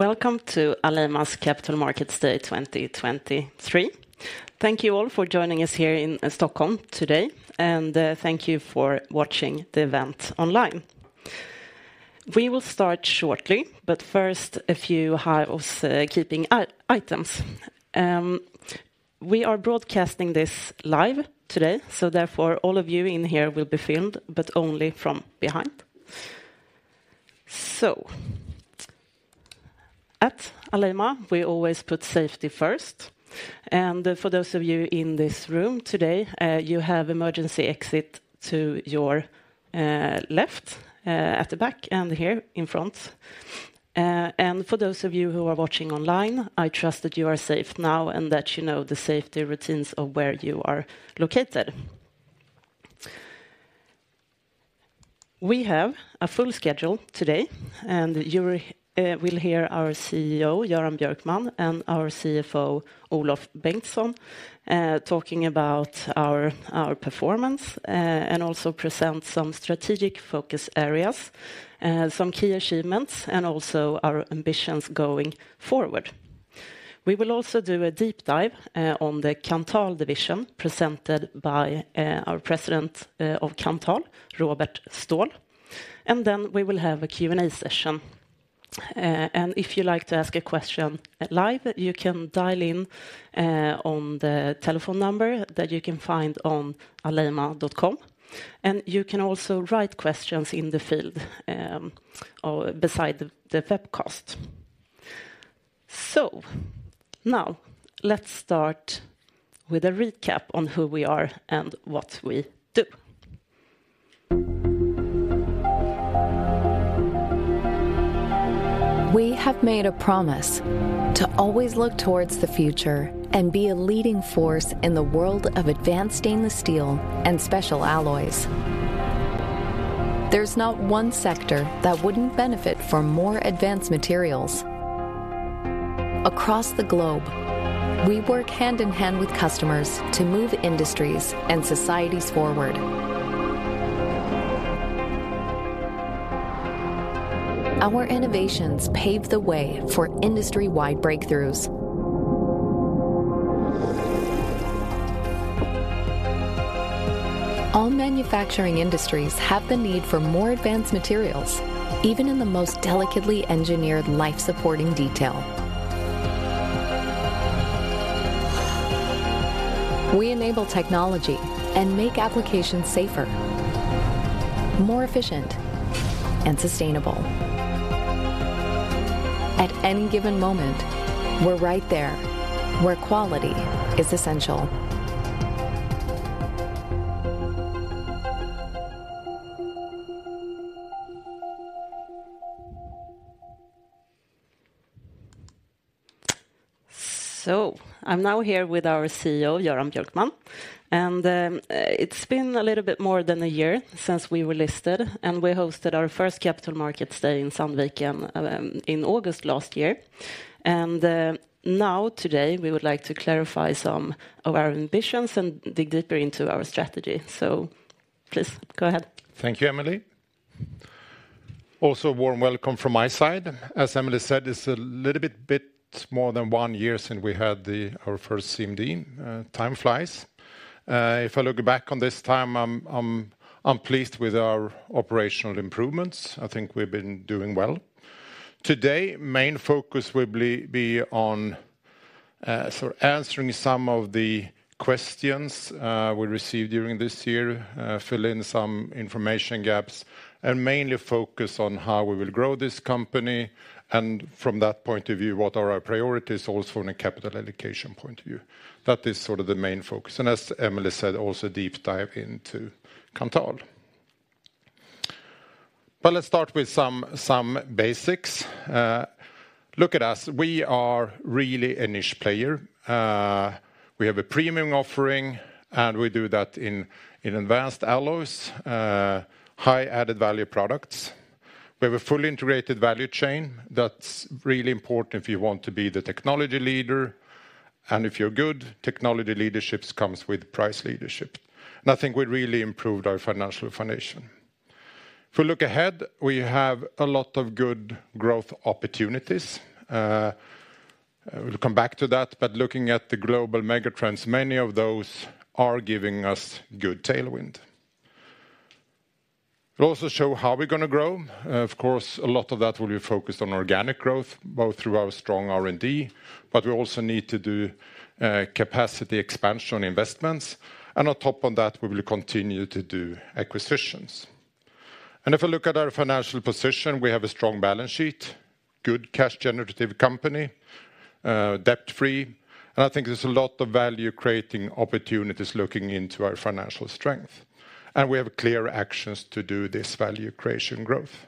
Welcome to Alleima's Capital Markets Day 2023. Thank you all for joining us here in Stockholm today, and thank you for watching the event online. We will start shortly, but first, a few housekeeping items. We are broadcasting this live today, so therefore, all of you in here will be filmed, but only from behind. So at Alleima, we always put safety first, and for those of you in this room today, you have emergency exit to your left, at the back and here in front. And for those of you who are watching online, I trust that you are safe now, and that you know the safety routines of where you are located. We have a full schedule today, and you will hear our CEO, Göran Björkman, and our CFO, Olof Bengtsson, talking about our performance, and also present some strategic focus areas, some key achievements, and also our ambitions going forward. We will also do a deep dive on the Kanthal division, presented by our President of Kanthal, Robert Stål, and then we will have a Q&A session. And if you like to ask a question live, you can dial in on the telephone number that you can find on alleima.com, and you can also write questions in the field beside the webcast. So now, let's start with a recap on who we are and what we do. We have made a promise to always look towards the future and be a leading force in the world of advanced stainless steel and special alloys. There's not one sector that wouldn't benefit from more advanced materials. Across the globe, we work hand in hand with customers to move industries and societies forward. Our innovations pave the way for industry-wide breakthroughs. All manufacturing industries have the need for more advanced materials, even in the most delicately engineered life-supporting detail. We enable technology and make applications safer, more efficient, and sustainable. At any given moment, we're right there, where quality is essential. So I'm now here with our CEO, Göran Björkman, and it's been a little bit more than a year since we were listed, and we hosted our first Capital Markets Day in Sandviken in August last year. Now, today, we would like to clarify some of our ambitions and dig deeper into our strategy. Please, go ahead. Thank you, Emelie. Also, a warm welcome from my side. As Emelie said, it's a little bit more than one year since we had our first CMD. Time flies. If I look back on this time, I'm pleased with our operational improvements. I think we've been doing well. Today, main focus will be on sort of answering some of the questions we received during this year, fill in some information gaps, and mainly focus on how we will grow this company, and from that point of view, what are our priorities also from a capital allocation point of view. That is sort of the main focus, and as Emelie said, also, deep dive into Kanthal. But let's start with some basics. Look at us. We are really a niche player. We have a premium offering, and we do that in advanced alloys, high added value products. We have a fully integrated value chain. That's really important if you want to be the technology leader, and if you're good, technology leadership comes with price leadership. And I think we really improved our financial foundation. If we look ahead, we have a lot of good growth opportunities. We'll come back to that, but looking at the global megatrends, many of those are giving us good tailwind. We'll also show how we're gonna grow. Of course, a lot of that will be focused on organic growth, both through our strong R&D, but we also need to do capacity expansion investments, and on top of that, we will continue to do acquisitions. If I look at our financial position, we have a strong balance sheet, good cash generative company, debt-free, and I think there's a lot of value-creating opportunities looking into our financial strength, and we have clear actions to do this value creation growth.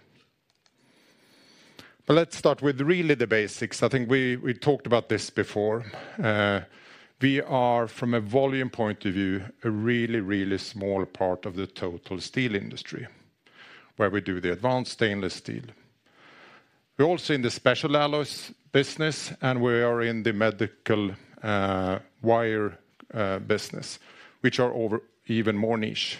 Let's start with really the basics. I think we talked about this before. We are, from a volume point of view, a really, really small part of the total steel industry, where we do the advanced stainless steel. We're also in the special alloys business, and we are in the medical wire business, which are over even more niche.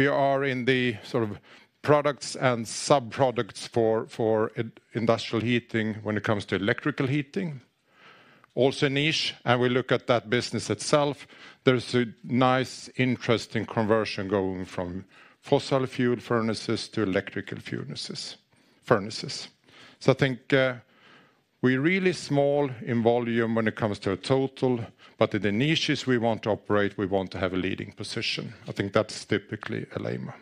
We are in the sort of products and subproducts for industrial heating when it comes to electrical heating. Also niche, and we look at that business itself, there's a nice interesting conversion going from fossil fuel furnaces to electrical furnaces. So I think, we're really small in volume when it comes to a total, but in the niches we want to operate, we want to have a leading position. I think that's typically Alleima.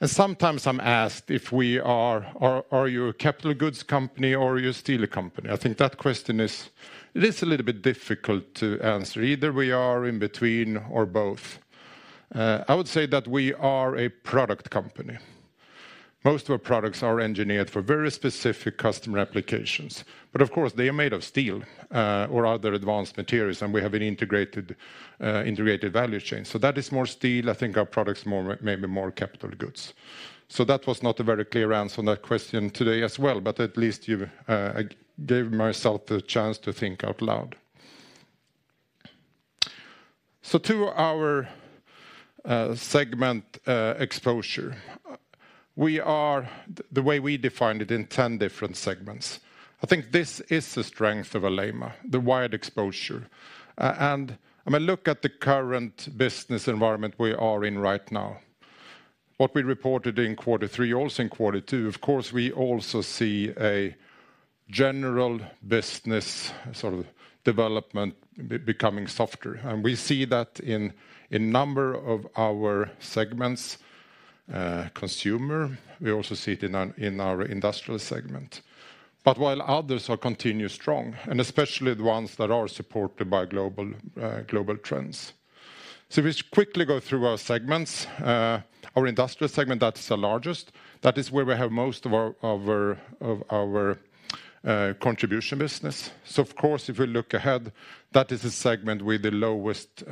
And sometimes I'm asked if we are, "Are you a capital goods company or are you a steel company?" I think that question is, it is a little bit difficult to answer. Either we are in between or both. I would say that we are a product company. Most of our products are engineered for very specific customer applications, but of course, they are made of steel, or other advanced materials, and we have an integrated, integrated value chain. So that is more steel. I think our products are more, maybe more capital goods. So that was not a very clear answer on that question today as well, but at least you've, I gave myself the chance to think out loud. So to our segment exposure, we are, the way we define it, in 10 different segments. I think this is the strength of Alleima, the wide exposure. And, I mean, look at the current business environment we are in right now. What we reported in Quarter 3, also in Quarter 2, of course, we also see a general business sort of development becoming softer, and we see that in a number of our segments, consumer. We also see it in our industrial segment. But while others are continued strong, and especially the ones that are supported by global trends. So we just quickly go through our segments. Our industrial segment, that is the largest. That is where we have most of our contribution business. So of course, if we look ahead, that is the segment with the lowest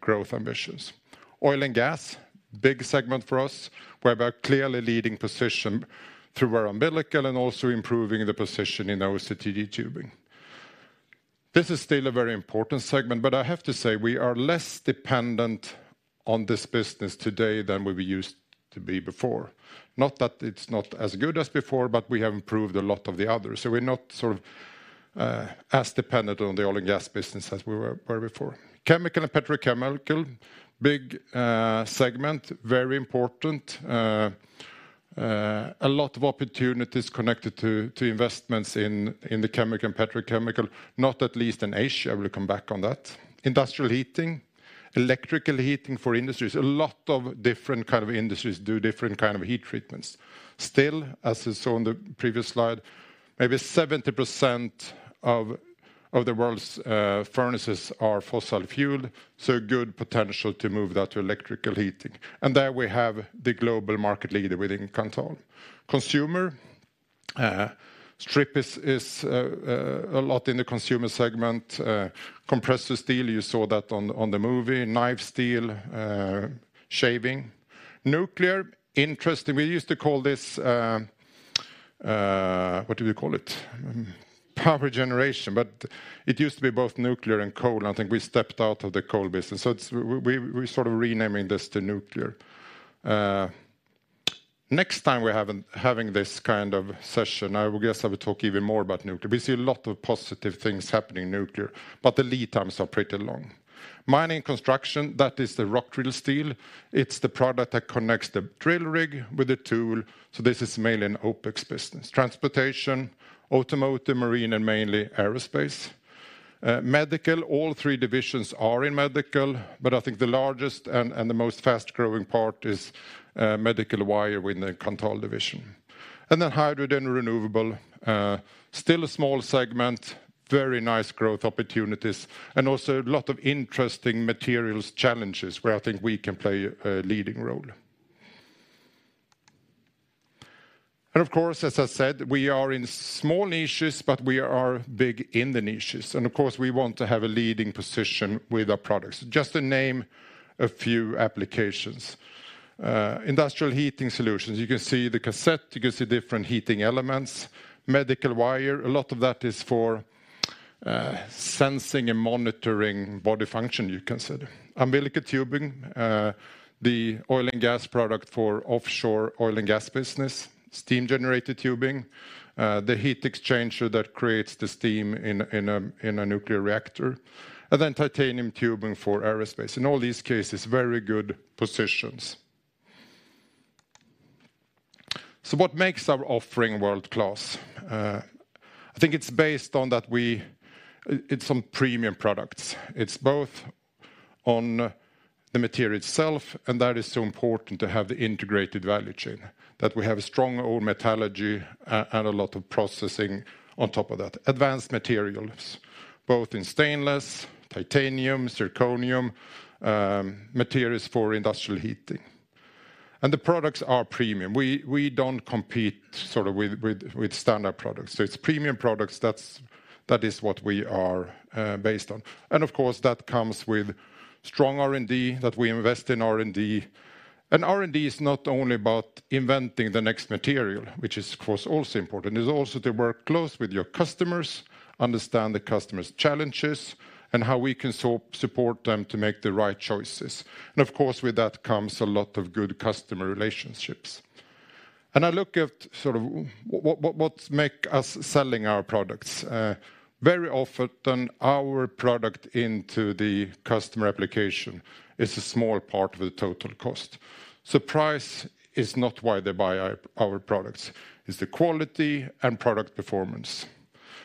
growth ambitions. Oil and gas, big segment for us, we have a clearly leading position through our umbilical and also improving the position in our OCTG tubing. This is still a very important segment, but I have to say, we are less dependent on this business today than we used to be before. Not that it's not as good as before, but we have improved a lot of the others, so we're not sort of as dependent on the oil and gas business as we were before. Chemical and petrochemical, big segment, very important. A lot of opportunities connected to investments in the chemical and petrochemical, not least in Asia. I will come back on that. Industrial heating, electrical heating for industries. A lot of different kind of industries do different kind of heat treatments. Still, as you saw on the previous slide, maybe 70% of the world's furnaces are fossil fuel, so good potential to move that to electrical heating. And there we have the global market leader within Kanthal. Consumer strip is a lot in the consumer segment. Compressor steel, you saw that on the movie. Knife steel, shaving. Nuclear, interesting. We used to call this, what do we call it? Power generation, but it used to be both nuclear and coal, and I think we stepped out of the coal business, so it's. We're sort of renaming this to nuclear. Next time we're having this kind of session, I guess I will talk even more about nuclear. We see a lot of positive things happening in nuclear, but the lead times are pretty long. Mining & Construction, that is the rock drill steel. It's the product that connects the drill rig with the tool, so this is mainly an OpEx business. Transportation, automotive, marine, and mainly aerospace. Medical, all three divisions are in medical, but I think the largest and the most fast-growing part is medical wire in the Kanthal division. And then hydrogen and renewable, still a small segment, very nice growth opportunities, and also a lot of interesting materials challenges, where I think we can play a leading role. Of course, as I said, we are in small niches, but we are big in the niches, and of course, we want to have a leading position with our products. Just to name a few applications. Industrial heating solutions, you can see the cassette, you can see different heating elements. Medical wire, a lot of that is for sensing and monitoring body function, you can say. Umbilical tubing, the oil and gas product for offshore oil and gas business. Steam generator tubing, the heat exchanger that creates the steam in a nuclear reactor. And then titanium tubing for aerospace. In all these cases, very good positions. So what makes our offering world-class? I think it's based on that we. It's on premium products. It's both on the material itself, and that is so important to have the integrated value chain, that we have a strong solid metallurgy and a lot of processing on top of that. Advanced materials, both in stainless, titanium, zirconium, materials for industrial heating. And the products are premium. We, we don't compete sort of with, with, with standard products. So it's premium products, that's, that is what we are based on. And of course, that comes with strong R&D, that we invest in R&D. And R&D is not only about inventing the next material, which is, of course, also important. It's also to work close with your customers, understand the customer's challenges, and how we can support them to make the right choices. And of course, with that comes a lot of good customer relationships. And I look at sort of what makes us selling our products, very often our product into the customer application is a small part of the total cost. So price is not why they buy our, our products; it's the quality and product performance.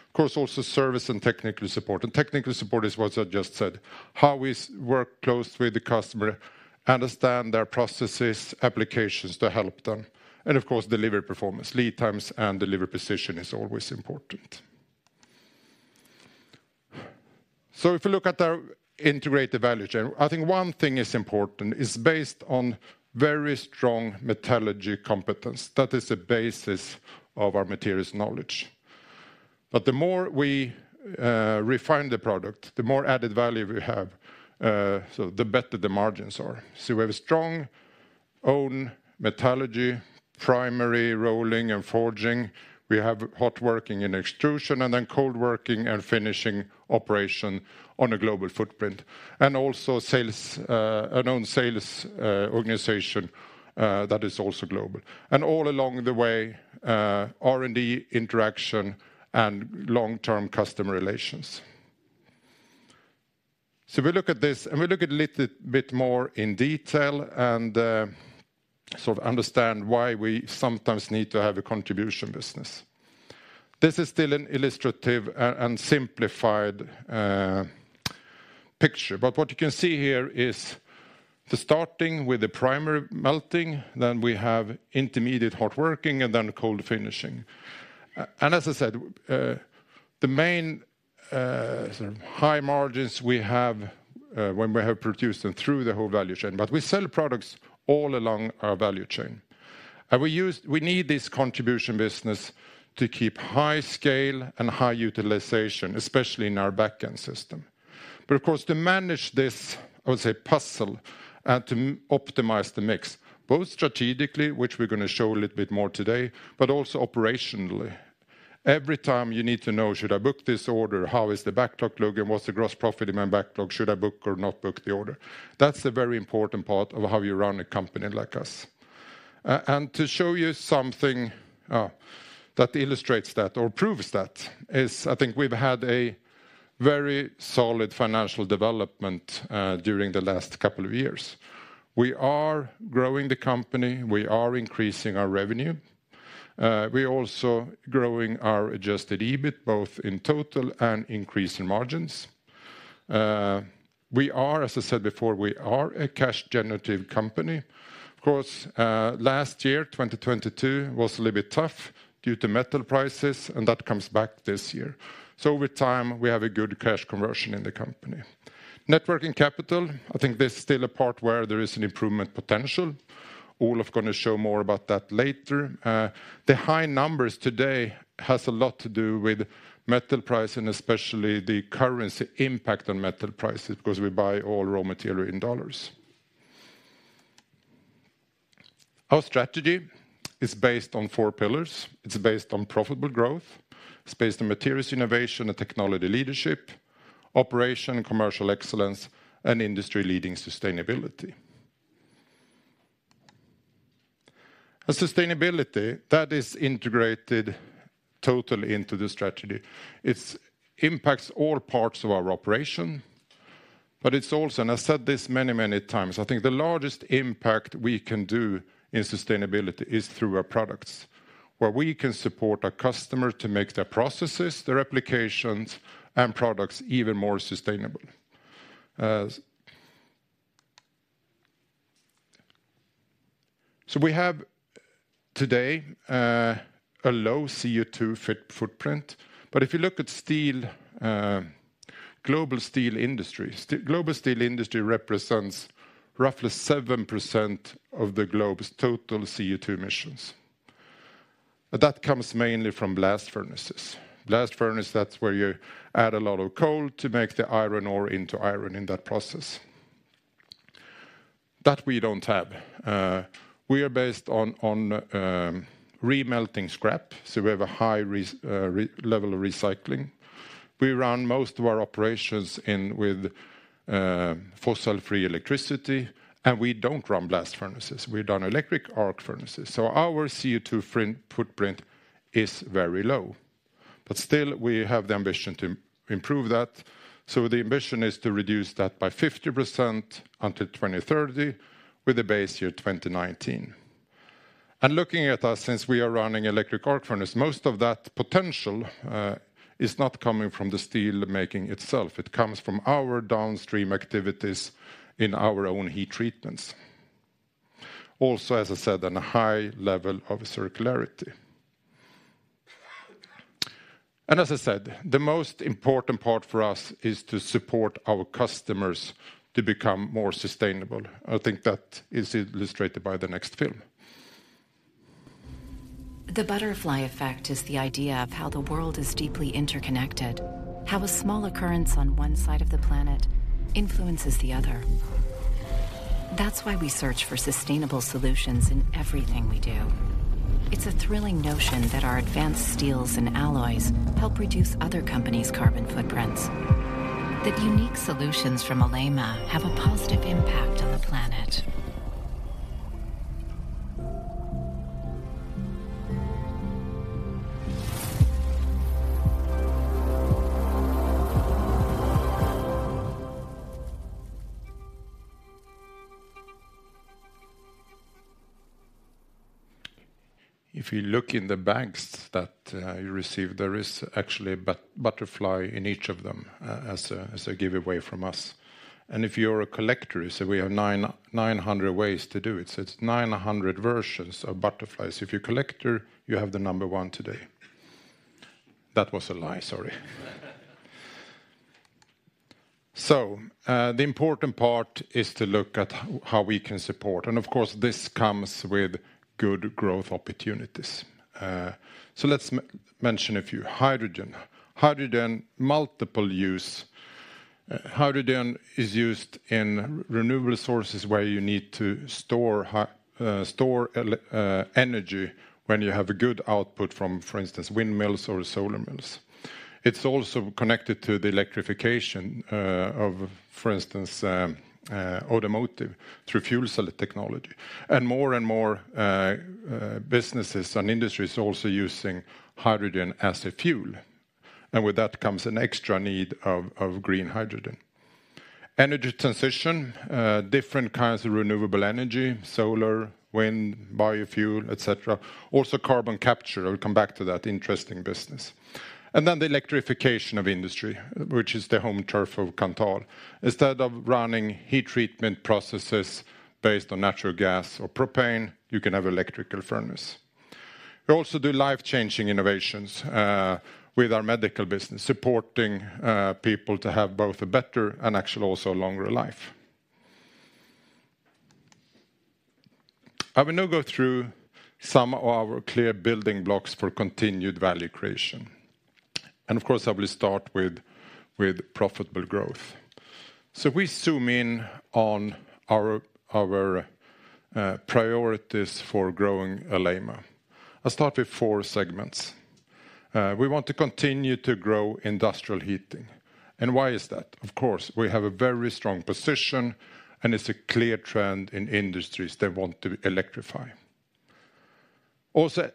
Of course, also service and technical support, and technical support is what I just said, how we work close with the customer, understand their processes, applications to help them, and of course, delivery performance. Lead times and delivery precision is always important. So if you look at our integrated value chain, I think one thing is important, based on very strong metallurgy competence. That is the basis of our materials knowledge. But the more we refine the product, the more added value we have, so the better the margins are. So we have a strong own metallurgy, primary rolling and forging. We have hot working in extrusion, and then cold working and finishing operation on a global footprint, and also sales, an own sales organization, that is also global. And all along the way, R&D interaction and long-term customer relations. So we look at this, and we look at it little bit more in detail and, sort of understand why we sometimes need to have a contribution business. This is still an illustrative and simplified picture, but what you can see here is the starting with the primary melting, then we have intermediate hot working, and then cold finishing. As I said, the main sort of high margins we have, when we have produced them through the whole value chain, but we sell products all along our value chain. We use, we need this contribution business to keep high scale and high utilization, especially in our back-end system. But of course, to manage this, I would say, puzzle, and to optimize the mix, both strategically, which we're going to show a little bit more today, but also operationally. Every time you need to know: Should I book this order? How is the backlog looking? What's the gross profit in my backlog? Should I book or not book the order? That's a very important part of how you run a company like us. And to show you something, that illustrates that or proves that, is I think we've had a very solid financial development, during the last couple of years. We are growing the company, we are increasing our revenue, we also growing our adjusted EBIT, both in total and increase in margins. We are, as I said before, we are a cash-generative company. Of course, last year, 2022, was a little bit tough due to metal prices, and that comes back this year. So over time, we have a good cash conversion in the company. Net working capital, I think this is still a part where there is an improvement potential. Olof going to show more about that later. The high numbers today has a lot to do with metal price and especially the currency impact on metal prices, because we buy all raw material in U.S. dollars. Our strategy is based on four pillars. It's based on profitable growth, it's based on materials innovation and technology leadership, operation and commercial excellence, and industry-leading sustainability. And sustainability, that is integrated totally into the strategy. It's impacts all parts of our operation, but it's also, and I said this many, many times, I think the largest impact we can do in sustainability is through our products, where we can support our customer to make their processes, their applications, and products even more sustainable. So we have today a low CO2 footprint, but if you look at steel global steel industry represents roughly 7% of the globe's total CO2 emissions, but that comes mainly from blast furnaces. Blast furnace, that's where you add a lot of coal to make the iron ore into iron in that process. That we don't have. We are based on re-melting scrap, so we have a high level of recycling. We run most of our operations with fossil-free electricity, and we don't run blast furnaces. We run electric arc furnaces, so our CO2 footprint is very low, but still, we have the ambition to improve that. So the ambition is to reduce that by 50% until 2030, with the base year 2019. Looking at us, since we are running electric arc furnace, most of that potential is not coming from the steel making itself. It comes from our downstream activities in our own heat treatments. Also, as I said, on a high level of circularity. As I said, the most important part for us is to support our customers to become more sustainable. I think that is illustrated by the next film. The butterfly effect is the idea of how the world is deeply interconnected, how a small occurrence on one side of the planet influences the other. That's why we search for sustainable solutions in everything we do. It's a thrilling notion that our advanced steels and alloys help reduce other companies' carbon footprints. That unique solutions from Alleima have a positive impact on the planet. If you look in the bags that you received, there is actually a butterfly in each of them, as a giveaway from us. And if you're a collector, we have 900 ways to do it, so it's 900 versions of butterflies. If you're a collector, you have the number one today. That was a lie, sorry. So, the important part is to look at how we can support, and of course, this comes with good growth opportunities. So let's mention a few. Hydrogen. Hydrogen, multiple use. Hydrogen is used in renewable sources, where you need to store energy when you have a good output from, for instance, windmills or solar mills. It's also connected to the electrification of, for instance, automotive through fuel cell technology. And more and more, businesses and industries are also using hydrogen as a fuel, and with that comes an extra need of green hydrogen. Energy transition, different kinds of renewable energy, solar, wind, biofuel, et cetera. Also, carbon capture, I will come back to that interesting business. And then the electrification of industry, which is the home turf of Kanthal. Instead of running heat treatment processes based on natural gas or propane, you can have electrical furnace. We also do life-changing innovations with our medical business, supporting people to have both a better and actually also a longer life. I will now go through some of our clear building blocks for continued value creation. And of course, I will start with profitable growth. So we zoom in on our priorities for growing Alleima. I'll start with four segments. We want to continue to grow industrial heating, and why is that? Of course, we have a very strong position, and it's a clear trend in industries they want to electrify. Also,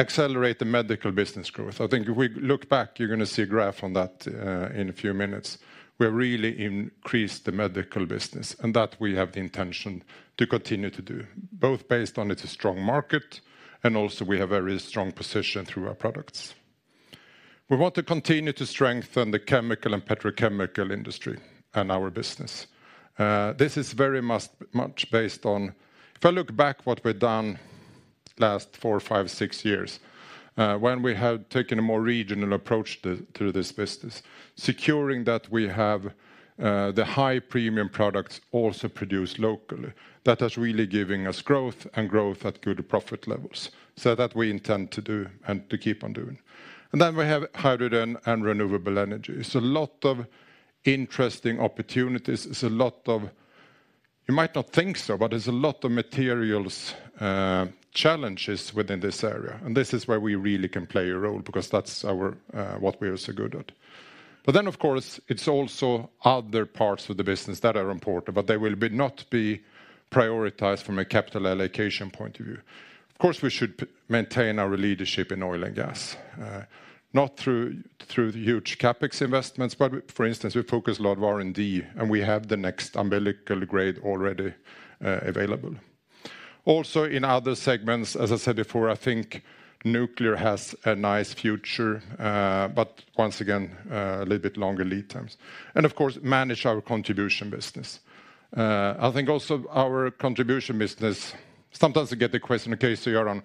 accelerate the medical business growth. I think if we look back, you're gonna see a graph on that in a few minutes. We've really increased the medical business, and that we have the intention to continue to do, both based on it's a strong market, and also we have a very strong position through our products. We want to continue to strengthen the chemical and petrochemical industry and our business. This is very much based on. If I look back what we've done last four, five, six years, when we have taken a more regional approach to this business, securing that we have the high-premium products also produced locally, that is really giving us growth and growth at good profit levels. So that we intend to do and to keep on doing. And then we have hydrogen and renewable energy. It's a lot of interesting opportunities. It's a lot of, you might not think so, but there's a lot of materials challenges within this area, and this is where we really can play a role because that's our what we are so good at. But then, of course, it's also other parts of the business that are important, but they will not be prioritized from a capital allocation point of view. Of course, we should maintain our leadership in oil and gas, not through the huge CapEx investments, but, for instance, we focus a lot of R&D, and we have the next umbilical grade already available. Also, in other segments, as I said before, I think nuclear has a nice future, but once again, a little bit longer lead times. And of course, manage our contribution business. I think also our contribution business, sometimes I get the question, "Okay, so you're on.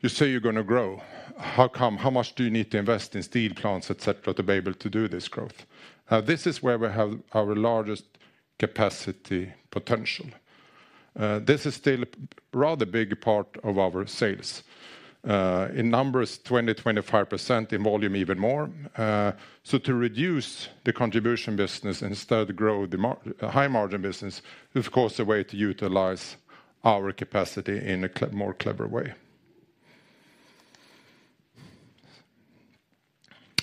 You say you're gonna grow. How come? How much do you need to invest in steel plants, et cetera, to be able to do this growth?" This is where we have our largest capacity potential. This is still a rather big part of our sales. In numbers, 20-25%; in volume, even more. So to reduce the contribution business and instead grow the high-margin business, is, of course, a way to utilize our capacity in a more clever way.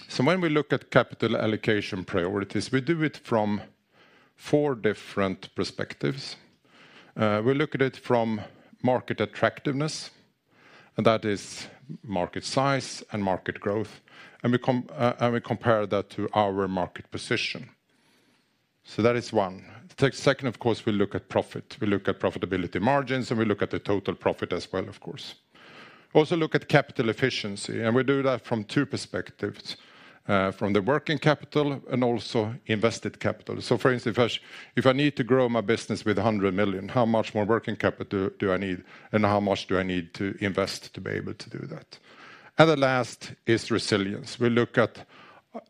So when we look at capital allocation priorities, we do it from four different perspectives. We look at it from market attractiveness, and that is market size and market growth, and we compare that to our market position. So that is one. The second, of course, we look at profit. We look at profitability margins, and we look at the total profit as well, of course. We also look at capital efficiency, and we do that from two perspectives, from the working capital and also invested capital. So for instance, if I, if I need to grow my business with 100 million, how much more working capital do I need, and how much do I need to invest to be able to do that? And the last is resilience. We look at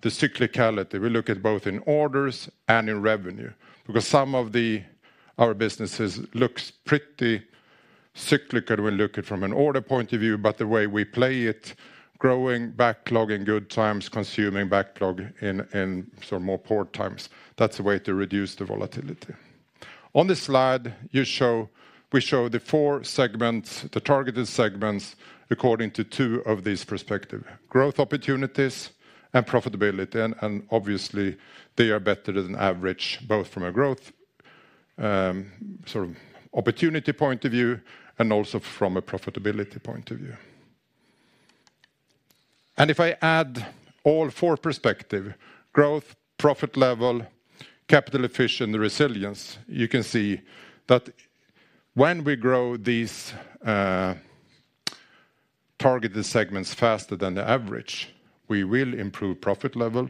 the cyclicality. We look at both in orders and in revenue, because some of the, our businesses looks pretty cyclical when look it from an order point of view, but the way we play it, growing backlog in good times, consuming backlog in, in sort of more poor times, that's the way to reduce the volatility. On this slide, you show, we show the four segments, the targeted segments, according to two of these perspective: growth opportunities and profitability. Obviously, they are better than average, both from a growth, sort of opportunity point of view, and also from a profitability point of view. And if I add all four perspectives: growth, profit level, capital efficiency, and resilience, you can see that when we grow these targeted segments faster than the average, we will improve profit level,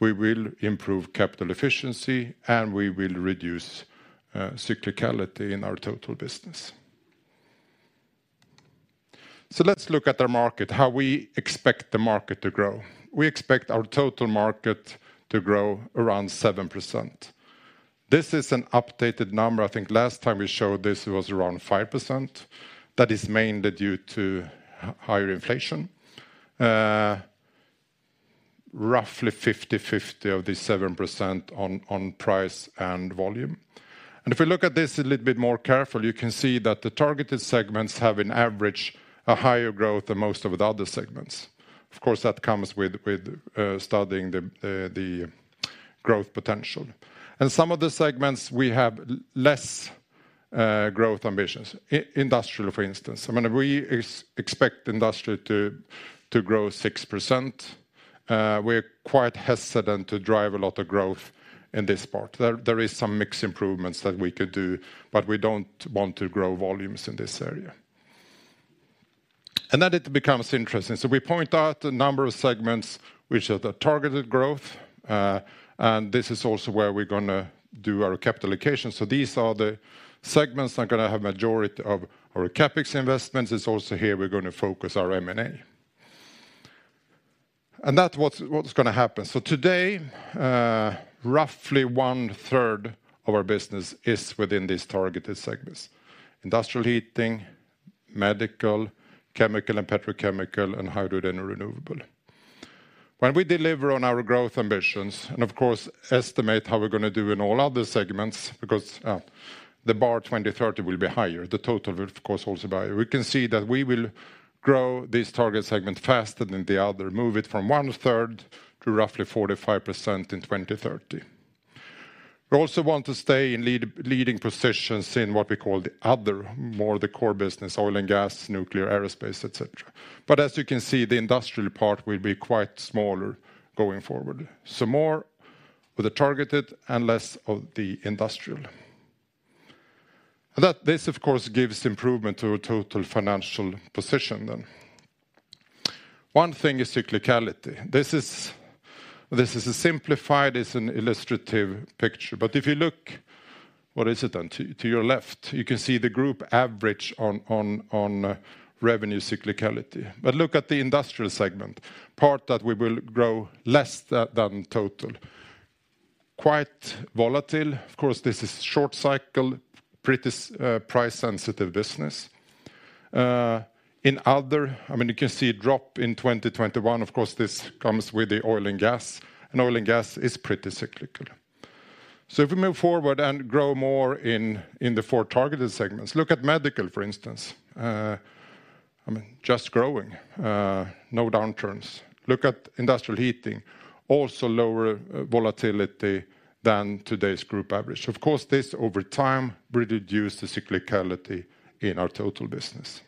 we will improve capital efficiency, and we will reduce cyclicality in our total business. So let's look at our market, how we expect the market to grow. We expect our total market to grow around 7%. This is an updated number. I think last time we showed this, it was around 5%. That is mainly due to higher inflation. Roughly 50/50 of the 7% on price and volume. If we look at this a little bit more careful, you can see that the targeted segments have, on average, a higher growth than most of the other segments. Of course, that comes with studying the growth potential. In some of the segments, we have less growth ambitions, industrial for instance. I mean, we expect industry to grow 6%. We're quite hesitant to drive a lot of growth in this part. There is some mix improvements that we could do, but we don't want to grow volumes in this area. Then it becomes interesting. We point out a number of segments which are the targeted growth, and this is also where we're gonna do our capital allocation. These are the segments that are gonna have majority of our CapEx investments. It's also here we're gonna focus our M&A. And that's what's gonna happen. So today, roughly one-third of our business is within these targeted segments: industrial heating, medical, chemical and petrochemical, and Hydrogen and renewable. When we deliver on our growth ambitions, and of course, estimate how we're gonna do in all other segments, because the bar 2030 will be higher, the total will, of course, also be higher. We can see that we will grow this target segment faster than the other, move it from one-third to roughly 45% in 2030. We also want to stay in leading positions in what we call the other, more the core business, oil and gas, nuclear, aerospace, et cetera. But as you can see, the industrial part will be quite smaller going forward. So more with the targeted and less of the industrial. This, of course, gives improvement to our total financial position then. One thing is cyclicality. This is, this is a simplified, it's an illustrative picture, but if you look, what is it, on to, to your left, you can see the group average on, on, revenue cyclicality. But look at the industrial segment, part that we will grow less than, than total. Quite volatile. Of course, this is short cycle, pretty price-sensitive business. I mean, you can see a drop in 2021. Of course, this comes with the oil and gas, and oil and gas is pretty cyclical. So if we move forward and grow more in, in the four targeted segments, look at medical, for instance. I mean, just growing, no downturns. Look at industrial heating, also lower, volatility than today's group average. Of course, this, over time, will reduce the cyclicality in our total business.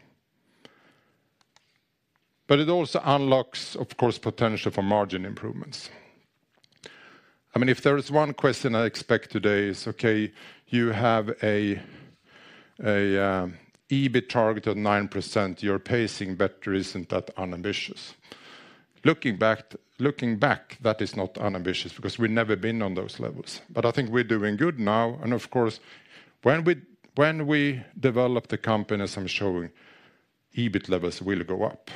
But it also unlocks, of course, potential for margin improvements. I mean, if there is one question I expect today is, okay, you have a, a, EBIT target of 9%, you're pacing, but isn't that unambitious? Looking back, looking back, that is not unambitious because we've never been on those levels. But I think we're doing good now, and of course, when we, when we develop the company, as I'm showing, EBIT levels will go up.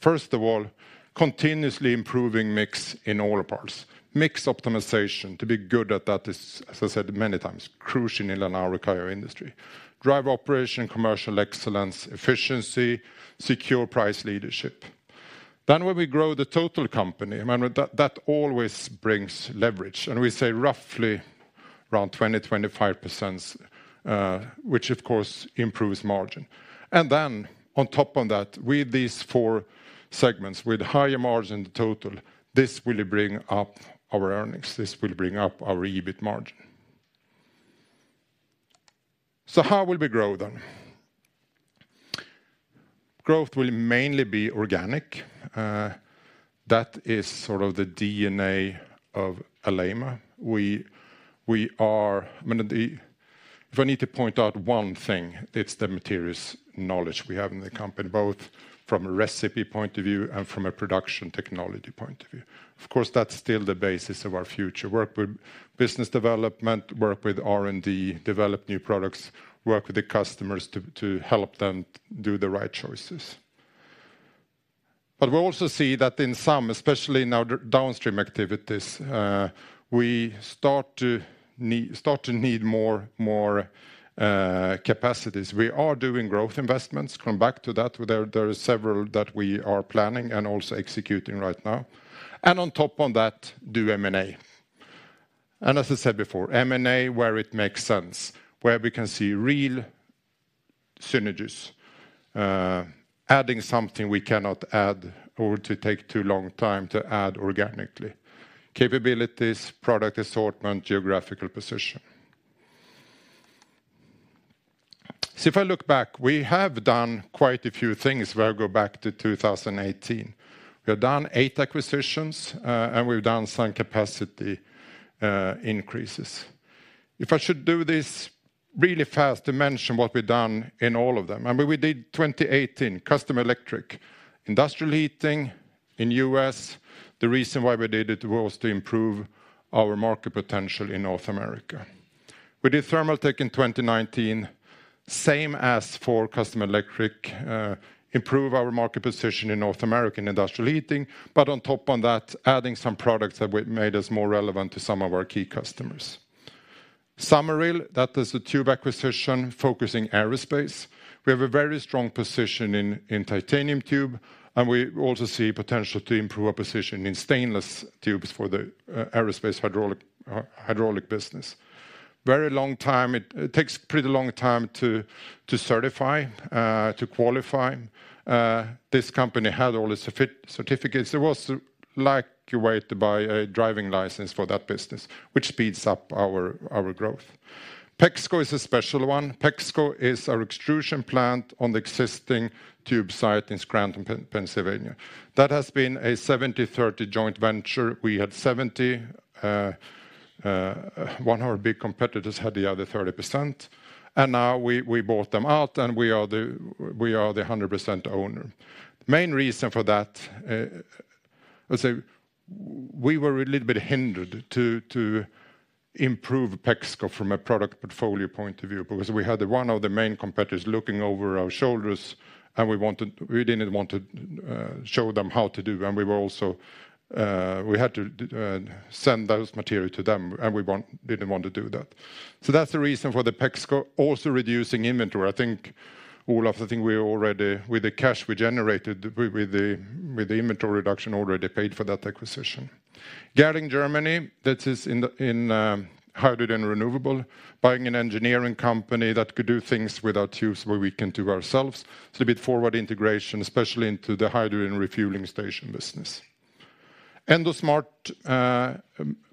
First of all, continuously improving mix in all parts. Mix optimization, to be good at that is, as I said many times, crucial in, in our entire industry. Drive operation, commercial excellence, efficiency, secure price leadership. Then when we grow the total company, I mean, that, that always brings leverage, and we say roughly around 20-25%, which of course improves margin. And then on top on that, with these four segments, with higher margin in total, this will bring up our earnings, this will bring up our EBIT margin. So how will we grow then? Growth will mainly be organic. That is sort of the DNA of Alleima. I mean, if I need to point out one thing, it's the materials knowledge we have in the company, both from a recipe point of view and from a production technology point of view. Of course, that's still the basis of our future work with business development, work with R&D, develop new products, work with the customers to help them do the right choices. But we also see that in some, especially in our downstream activities, we start to need more capacities. We are doing growth investments. Come back to that. There are several that we are planning and also executing right now. And on top on that, do M&A. And as I said before, M&A, where it makes sense, where we can see real synergies. Adding something we cannot add, or to take too long time to add organically. Capabilities, product assortment, geographical position. So if I look back, we have done quite a few things, if I go back to 2018. We have done 8 acquisitions, and we've done some capacity increases. If I should do this really fast to mention what we've done in all of them. I mean, we did 2018, Custom Electric, industrial heating in U.S. The reason why we did it was to improve our market potential in North America. We did Thermaltek in 2019, same as for Custom Electric, improve our market position in North American industrial heating, but on top of that, adding some products that we've made us more relevant to some of our key customers. Summerill, that is a Tube acquisition focusing aerospace. We have a very strong position in titanium tube, and we also see potential to improve our position in stainless tubes for the aerospace hydraulic business. It takes a very long time to certify, to qualify. This company had all its certificates. It was like you were to buy a driving license for that business, which speeds up our growth. Pexco is a special one. Pexco is our extrusion plant on the existing tube site in Scranton, Pennsylvania. That has been a 70-30 joint venture. We had 70, one of our big competitors had the other 30%, and now we, we bought them out, and we are the, we are the 100% owner. The main reason for that, I say we were a little bit hindered to, to improve Pexco from a product portfolio point of view, because we had one of the main competitors looking over our shoulders, and we wanted, we didn't want to, show them how to do, and we were also, we had to, send those material to them, and we didn't want to do that. So that's the reason for the Pexco also reducing inventory. I think all of the thing we already. With the cash we generated, with the inventory reduction, already paid for that acquisition. Gerling, Germany, that is in the hydrogen refueling, buying an engineering company that could do things without tubes, where we can do ourselves. It's a bit forward integration, especially into the hydrogen refueling station business. Endosmart,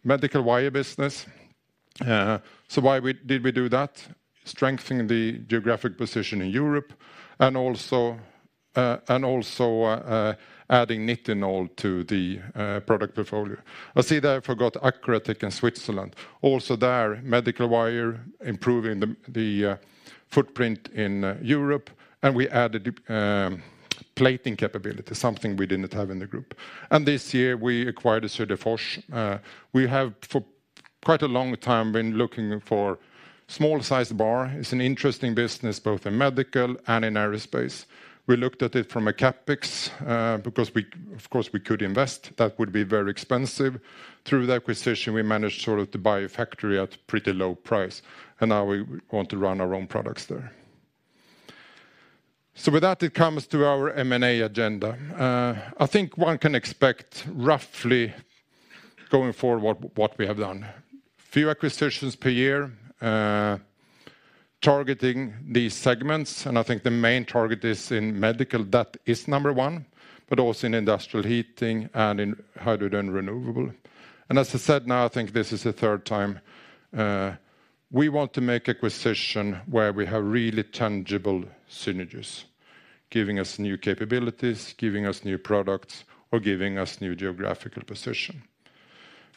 medical wire business. So why did we do that? Strengthening the geographic position in Europe and also adding nitinol to the product portfolio. I see that I forgot Accuratech in Switzerland. Also there, medical wire, improving the footprint in Europe, and we added plating capability, something we didn't have in the group. And this year we acquired the Söderfors. We have, for quite a long time, been looking for small-sized bar. It's an interesting business, both in medical and in aerospace. We looked at it from a CapEx, because, of course, we could invest, that would be very expensive. Through the acquisition, we managed sort of to buy a factory at pretty low price, and now we want to run our own products there. So with that, it comes to our M&A agenda. I think one can expect roughly, going forward, what we have done. Few acquisitions per year, targeting these segments, and I think the main target is in medical. That is number one, but also in industrial heating and in hydrogen renewable. And as I said, now, I think this is the third time, we want to make acquisition where we have really tangible synergies, giving us new capabilities, giving us new products, or giving us new geographical position.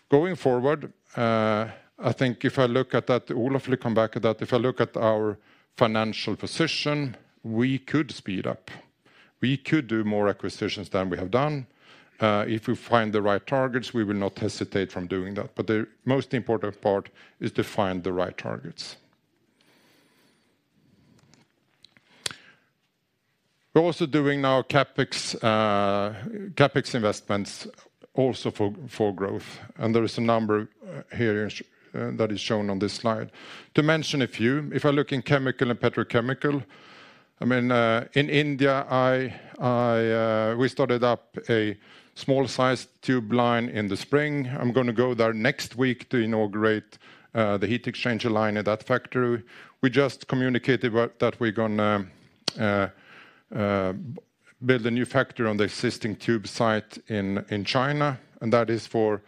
Going forward, I think if I look at that, Olof will come back at that. If I look at our financial position, we could speed up, we could do more acquisitions than we have done. If we find the right targets, we will not hesitate from doing that, but the most important part is to find the right targets. We're also doing now CapEx, CapEx investments also for growth, and there is a number here that is shown on this slide. To mention a few, if I look in chemical and petrochemical, I mean, in India, we started up a small-sized tube line in the spring. I'm gonna go there next week to inaugurate the heat exchanger line at that factory. We just communicated about that we're gonna build a new factory on the existing tube site in China, and that is for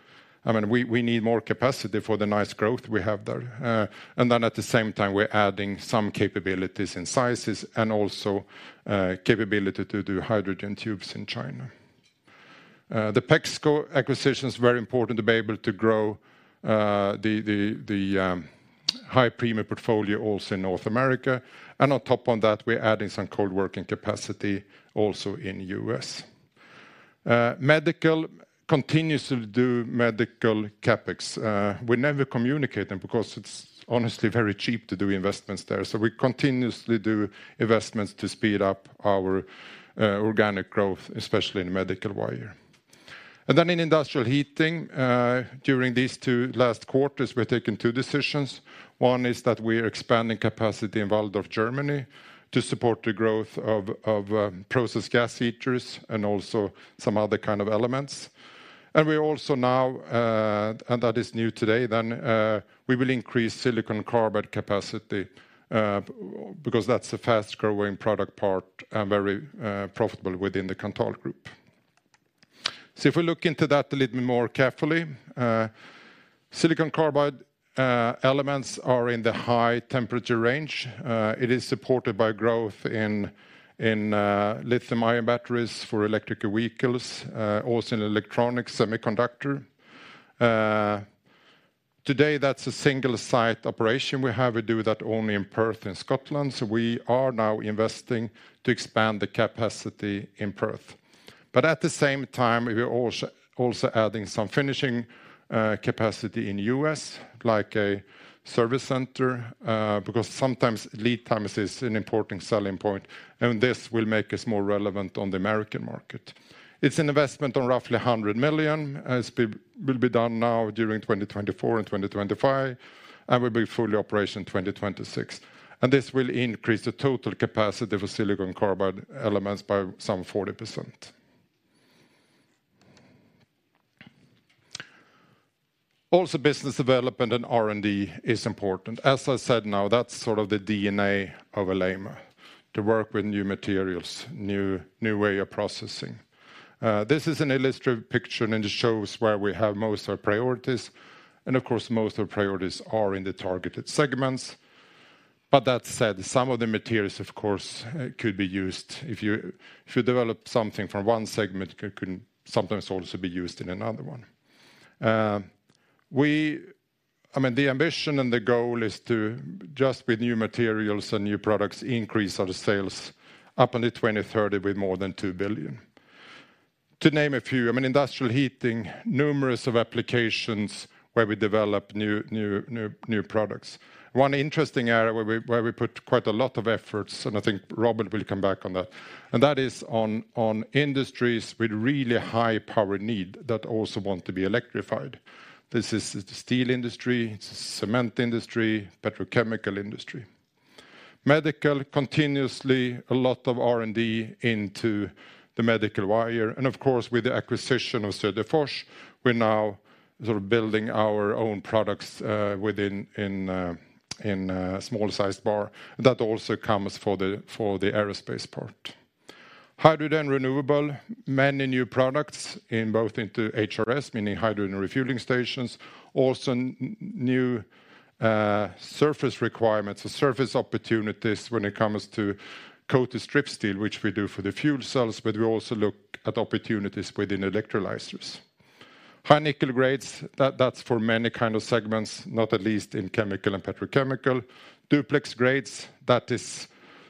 I mean, we need more capacity for the nice growth we have there. And then at the same time, we're adding some capabilities and sizes and also capability to do hydrogen tubes in China. The Pexco acquisition is very important to be able to grow the high premium portfolio also in North America, and on top on that, we're adding some cold working capacity also in US. Medical continuously do medical CapEx. We never communicate them because it's honestly very cheap to do investments there. So we continuously do investments to speed up our organic growth, especially in medical wire. In industrial heating, during these two last quarters, we've taken two decisions. One is that we are expanding capacity in Walldorf, Germany, to support the growth of process gas heaters and also some other kind of elements. And we also now, and that is new today, we will increase silicon carbide capacity because that's a fast-growing product part and very profitable within the Kanthal group. So if we look into that a little bit more carefully, silicon carbide elements are in the high temperature range. It is supported by growth in lithium-ion batteries for electric vehicles, also in electronic semiconductor. Today, that's a single-site operation. We have to do that only in Perth, in Scotland, so we are now investing to expand the capacity in Perth. But at the same time, we are also, also adding some finishing capacity in U.S., like a service center, because sometimes lead times is an important selling point, and this will make us more relevant on the American market. It's an investment on roughly 100 million, will be done now during 2024 and 2025, and will be fully operational in 2026. And this will increase the total capacity of a silicon carbide elements by some 40%. Also, business development and R&D is important. As I said, now, that's sort of the DNA of Alleima, to work with new materials, new, new way of processing. This is an illustrative picture, and it shows where we have most of our priorities, and of course, most of our priorities are in the targeted segments. But that said, some of the materials, of course, could be used. If you develop something from one segment, it can sometimes also be used in another one. I mean, the ambition and the goal is to just with new materials and new products, increase our sales up into 2030 with more than 2 billion. To name a few, I mean, industrial heating, numerous of applications where we develop new, new, new, new products. One interesting area where we put quite a lot of efforts, and I think Robert will come back on that, and that is on industries with really high power need that also want to be electrified. This is the steel industry, cement industry, petrochemical industry. Medical continuously a lot of R&D into the medical wire, and of course, with the acquisition of Söderfors, we're now sort of building our own products within small-sized bar that also comes for the aerospace part. Hydrogen and renewable, many new products in both into HRS, meaning hydrogen refueling stations. Also, new surface requirements or surface opportunities when it comes to coated strip steel, which we do for the fuel cells, but we also look at opportunities within electrolyzers. High nickel grades, that's for many kind of segments, not least in chemical and petrochemical. Duplex grades, that is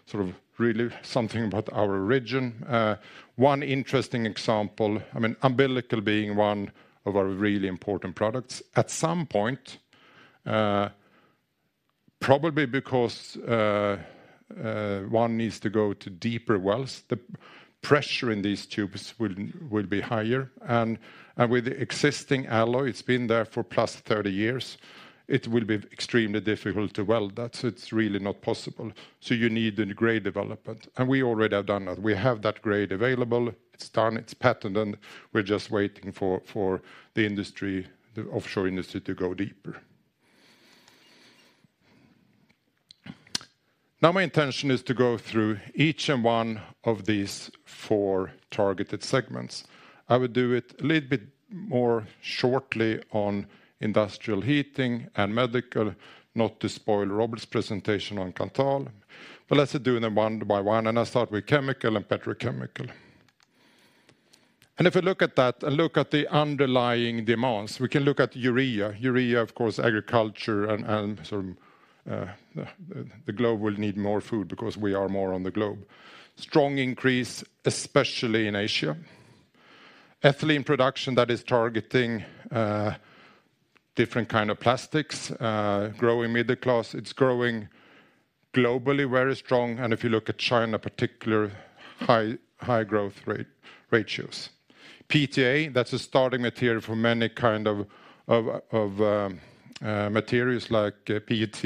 sort of really something about our region. One interesting example, I mean, umbilical being one of our really important products. At some point, probably because one needs to go to deeper wells, the pressure in these tubes will be higher, and with the existing alloy, it's been there for plus 30 years. It will be extremely difficult to weld that, so it's really not possible. So you need a grade development, and we already have done that. We have that grade available. It's done, it's patented, and we're just waiting for the industry, the offshore industry to go deeper. Now, my intention is to go through each and one of these four targeted segments. I will do it a little bit more shortly on industrial heating and medical, not to spoil Robert's presentation on Kanthal. But let's do them one by one, and I start with chemical and petrochemical. If we look at that and look at the underlying demands, we can look at urea. Urea, of course, agriculture and sort of the globe will need more food because we are more on the globe. Strong increase, especially in Asia. Ethylene production, that is targeting different kind of plastics, growing middle class. It's growing globally, very strong, and if you look at China, particular high, high growth rate, ratios. PTA, that's a starting material for many kind of materials like PET,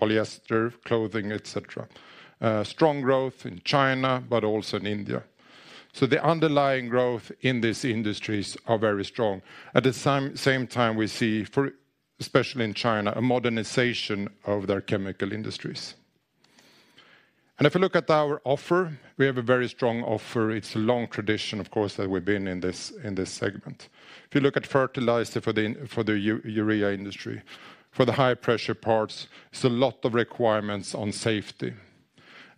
polyester, clothing, et cetera. Strong growth in China, but also in India. So the underlying growth in these industries are very strong. At the same time, we see, for especially in China, a modernization of their chemical industries. If you look at our offer, we have a very strong offer. It's a long tradition, of course, that we've been in this, in this segment. If you look at fertilizer for the, for the urea industry, for the high-pressure parts, it's a lot of requirements on safety.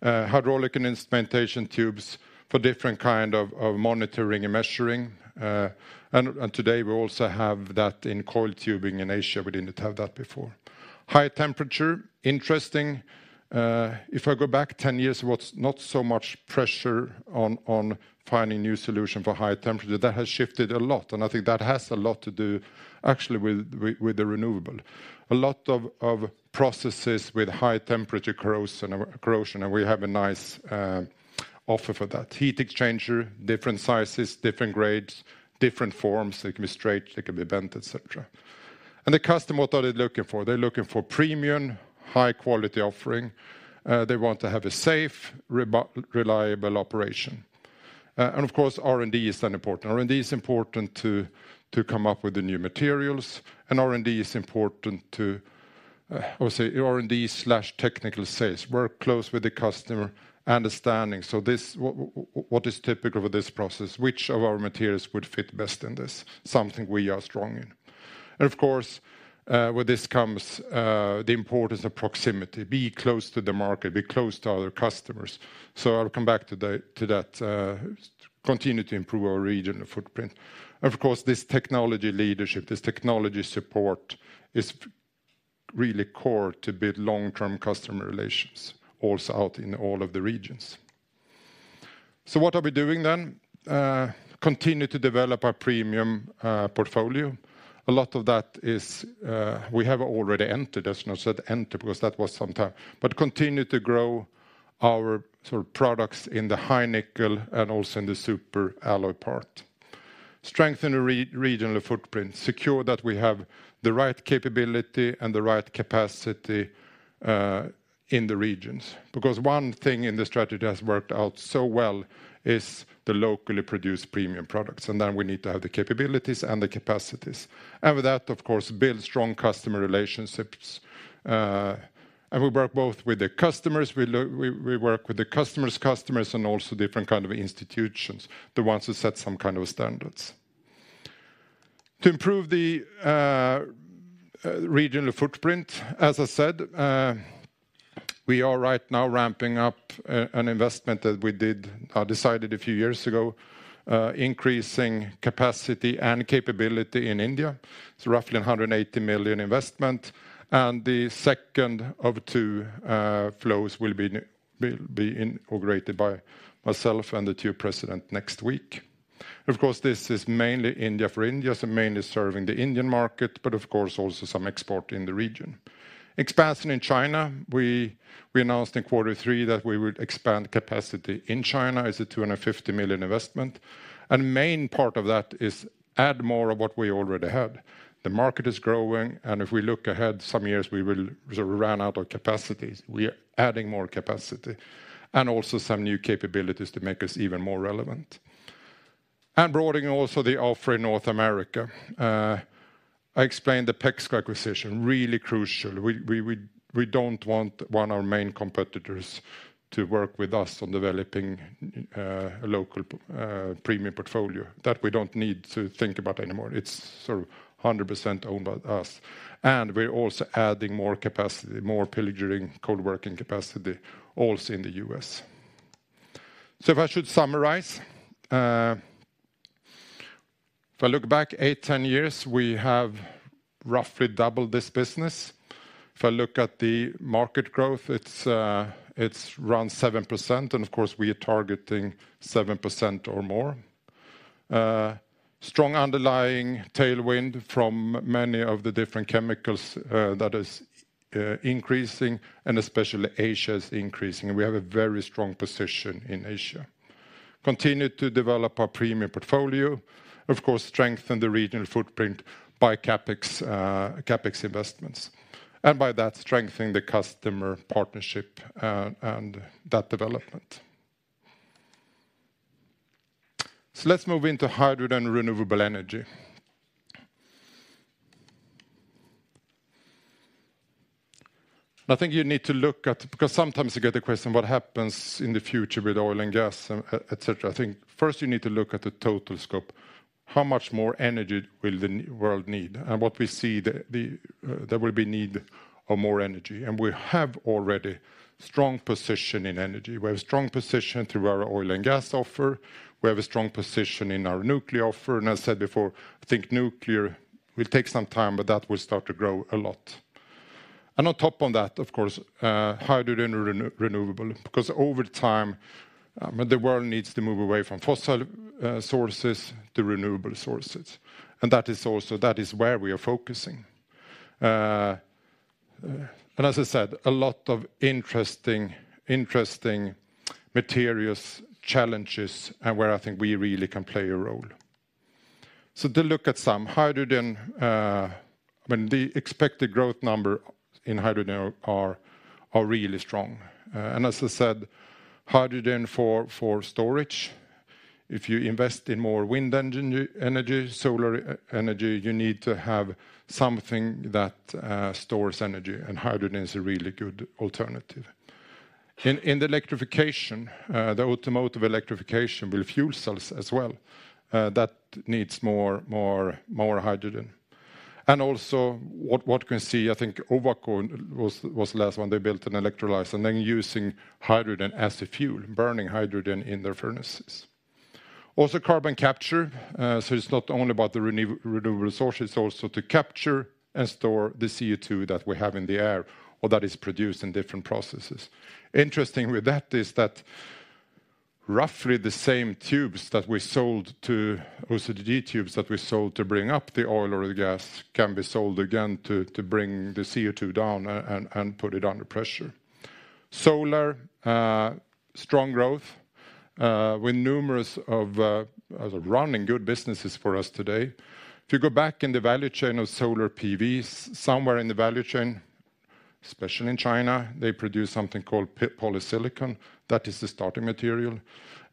Hydraulic and instrumentation tubes for different kind of, of monitoring and measuring. And today, we also have that in coiled tubing in Asia. We didn't have that before. High temperature, interesting. If I go back 10 years, there was not so much pressure on, on finding new solution for high temperature. That has shifted a lot, and I think that has a lot to do, actually, with, with the renewable. A lot of, of processes with high-temperature corrosion, corrosion, and we have a nice, offer for that. Heat exchanger, different sizes, different grades, different forms. They can be straight, they can be bent, et cetera. The customer, what are they looking for? They're looking for premium, high-quality offering. They want to have a safe, reliable operation. And of course, R&D is then important. R&D is important to come up with the new materials, and R&D is important. I would say R&D/technical sales. Work close with the customer, understanding, so this, what is typical with this process? Which of our materials would fit best in this? Something we are strong in. And of course, with this comes the importance of proximity. Be close to the market, be close to other customers. So I'll come back to that, continue to improve our regional footprint. Of course, this technology leadership, this technology support, is really core to build long-term customer relations, also out in all of the regions. So what are we doing then? Continue to develop our premium portfolio. A lot of that is, we have already entered, as I said entered, because that was some time. But continue to grow our sort of products in the high nickel and also in the superalloy part. Strengthen our regional footprint, secure that we have the right capability and the right capacity in the regions. Because one thing in the strategy has worked out so well is the locally produced premium products, and then we need to have the capabilities and the capacities. And with that, of course, build strong customer relationships. And we work both with the customers, we we work with the customer's customers and also different kind of institutions, the ones who set some kind of standards. To improve the regional footprint, as I said, we are right now ramping up an investment that we decided a few years ago, increasing capacity and capability in India. It's roughly 180 million investment, and the second of two flows will be inaugurated by myself and the two presidents next week. Of course, this is mainly India, for India, so mainly serving the Indian market, but of course also some export in the region. Expansion in China, we announced in quarter three that we would expand capacity in China as a 250 million investment, and main part of that is add more of what we already had. The market is growing, and if we look ahead some years, we will sort of ran out of capacity. We are adding more capacity and also some new capabilities to make us even more relevant. Broadening also the offer in North America. I explained the PEXCO acquisition, really crucial. We don't want one of our main competitors to work with us on developing a local premium portfolio. That we don't need to think about anymore. It's sort of 100% owned by us, and we're also adding more capacity, more plating, cold working capacity, also in the US. So if I should summarize, if I look back eight-10 years, we have roughly doubled this business. If I look at the market growth, it's around 7%, and of course, we are targeting 7% or more. Strong underlying tailwind from many of the different chemicals that is increasing, and especially Asia is increasing. We have a very strong position in Asia. Continue to develop our premium portfolio, of course, strengthen the regional footprint by CapEx, CapEx investments, and by that, strengthening the customer partnership, and that development. So let's move into hydrogen and renewable energy. I think you need to look at because sometimes you get the question, what happens in the future with oil and gas, and etc.? I think first, you need to look at the total scope. How much more energy will the world need? And what we see, there will be need of more energy, and we have already strong position in energy. We have strong position through our oil and gas offer. We have a strong position in our nuclear offer, and I said before, I think nuclear will take some time, but that will start to grow a lot. On top of that, of course, hydrogen and renewable, because over time, the world needs to move away from fossil sources to renewable sources. That is also where we are focusing. And as I said, a lot of interesting materials challenges, and where I think we really can play a role. So to look at some hydrogen, when the expected growth number in hydrogen are really strong. And as I said, hydrogen for storage, if you invest in more wind energy, solar energy, you need to have something that stores energy, and hydrogen is a really good alternative. In the electrification, the automotive electrification with fuel cells as well, that needs more hydrogen. Also, what you can see, I think Ovako was last when they built an electrolyzer, and then using hydrogen as a fuel, burning hydrogen in their furnaces. Also, carbon capture, so it's not only about the renewable resource, it's also to capture and store the CO2 that we have in the air, or that is produced in different processes. Interesting with that is that roughly the same tubes that we sold to, OCTG tubes that we sold to bring up the oil or the gas, can be sold again to bring the CO2 down and put it under pressure. Solar, strong growth with numerous of running good businesses for us today. If you go back in the value chain of solar PV, somewhere in the value chain, especially in China, they produce something called polysilicon. That is the starting material.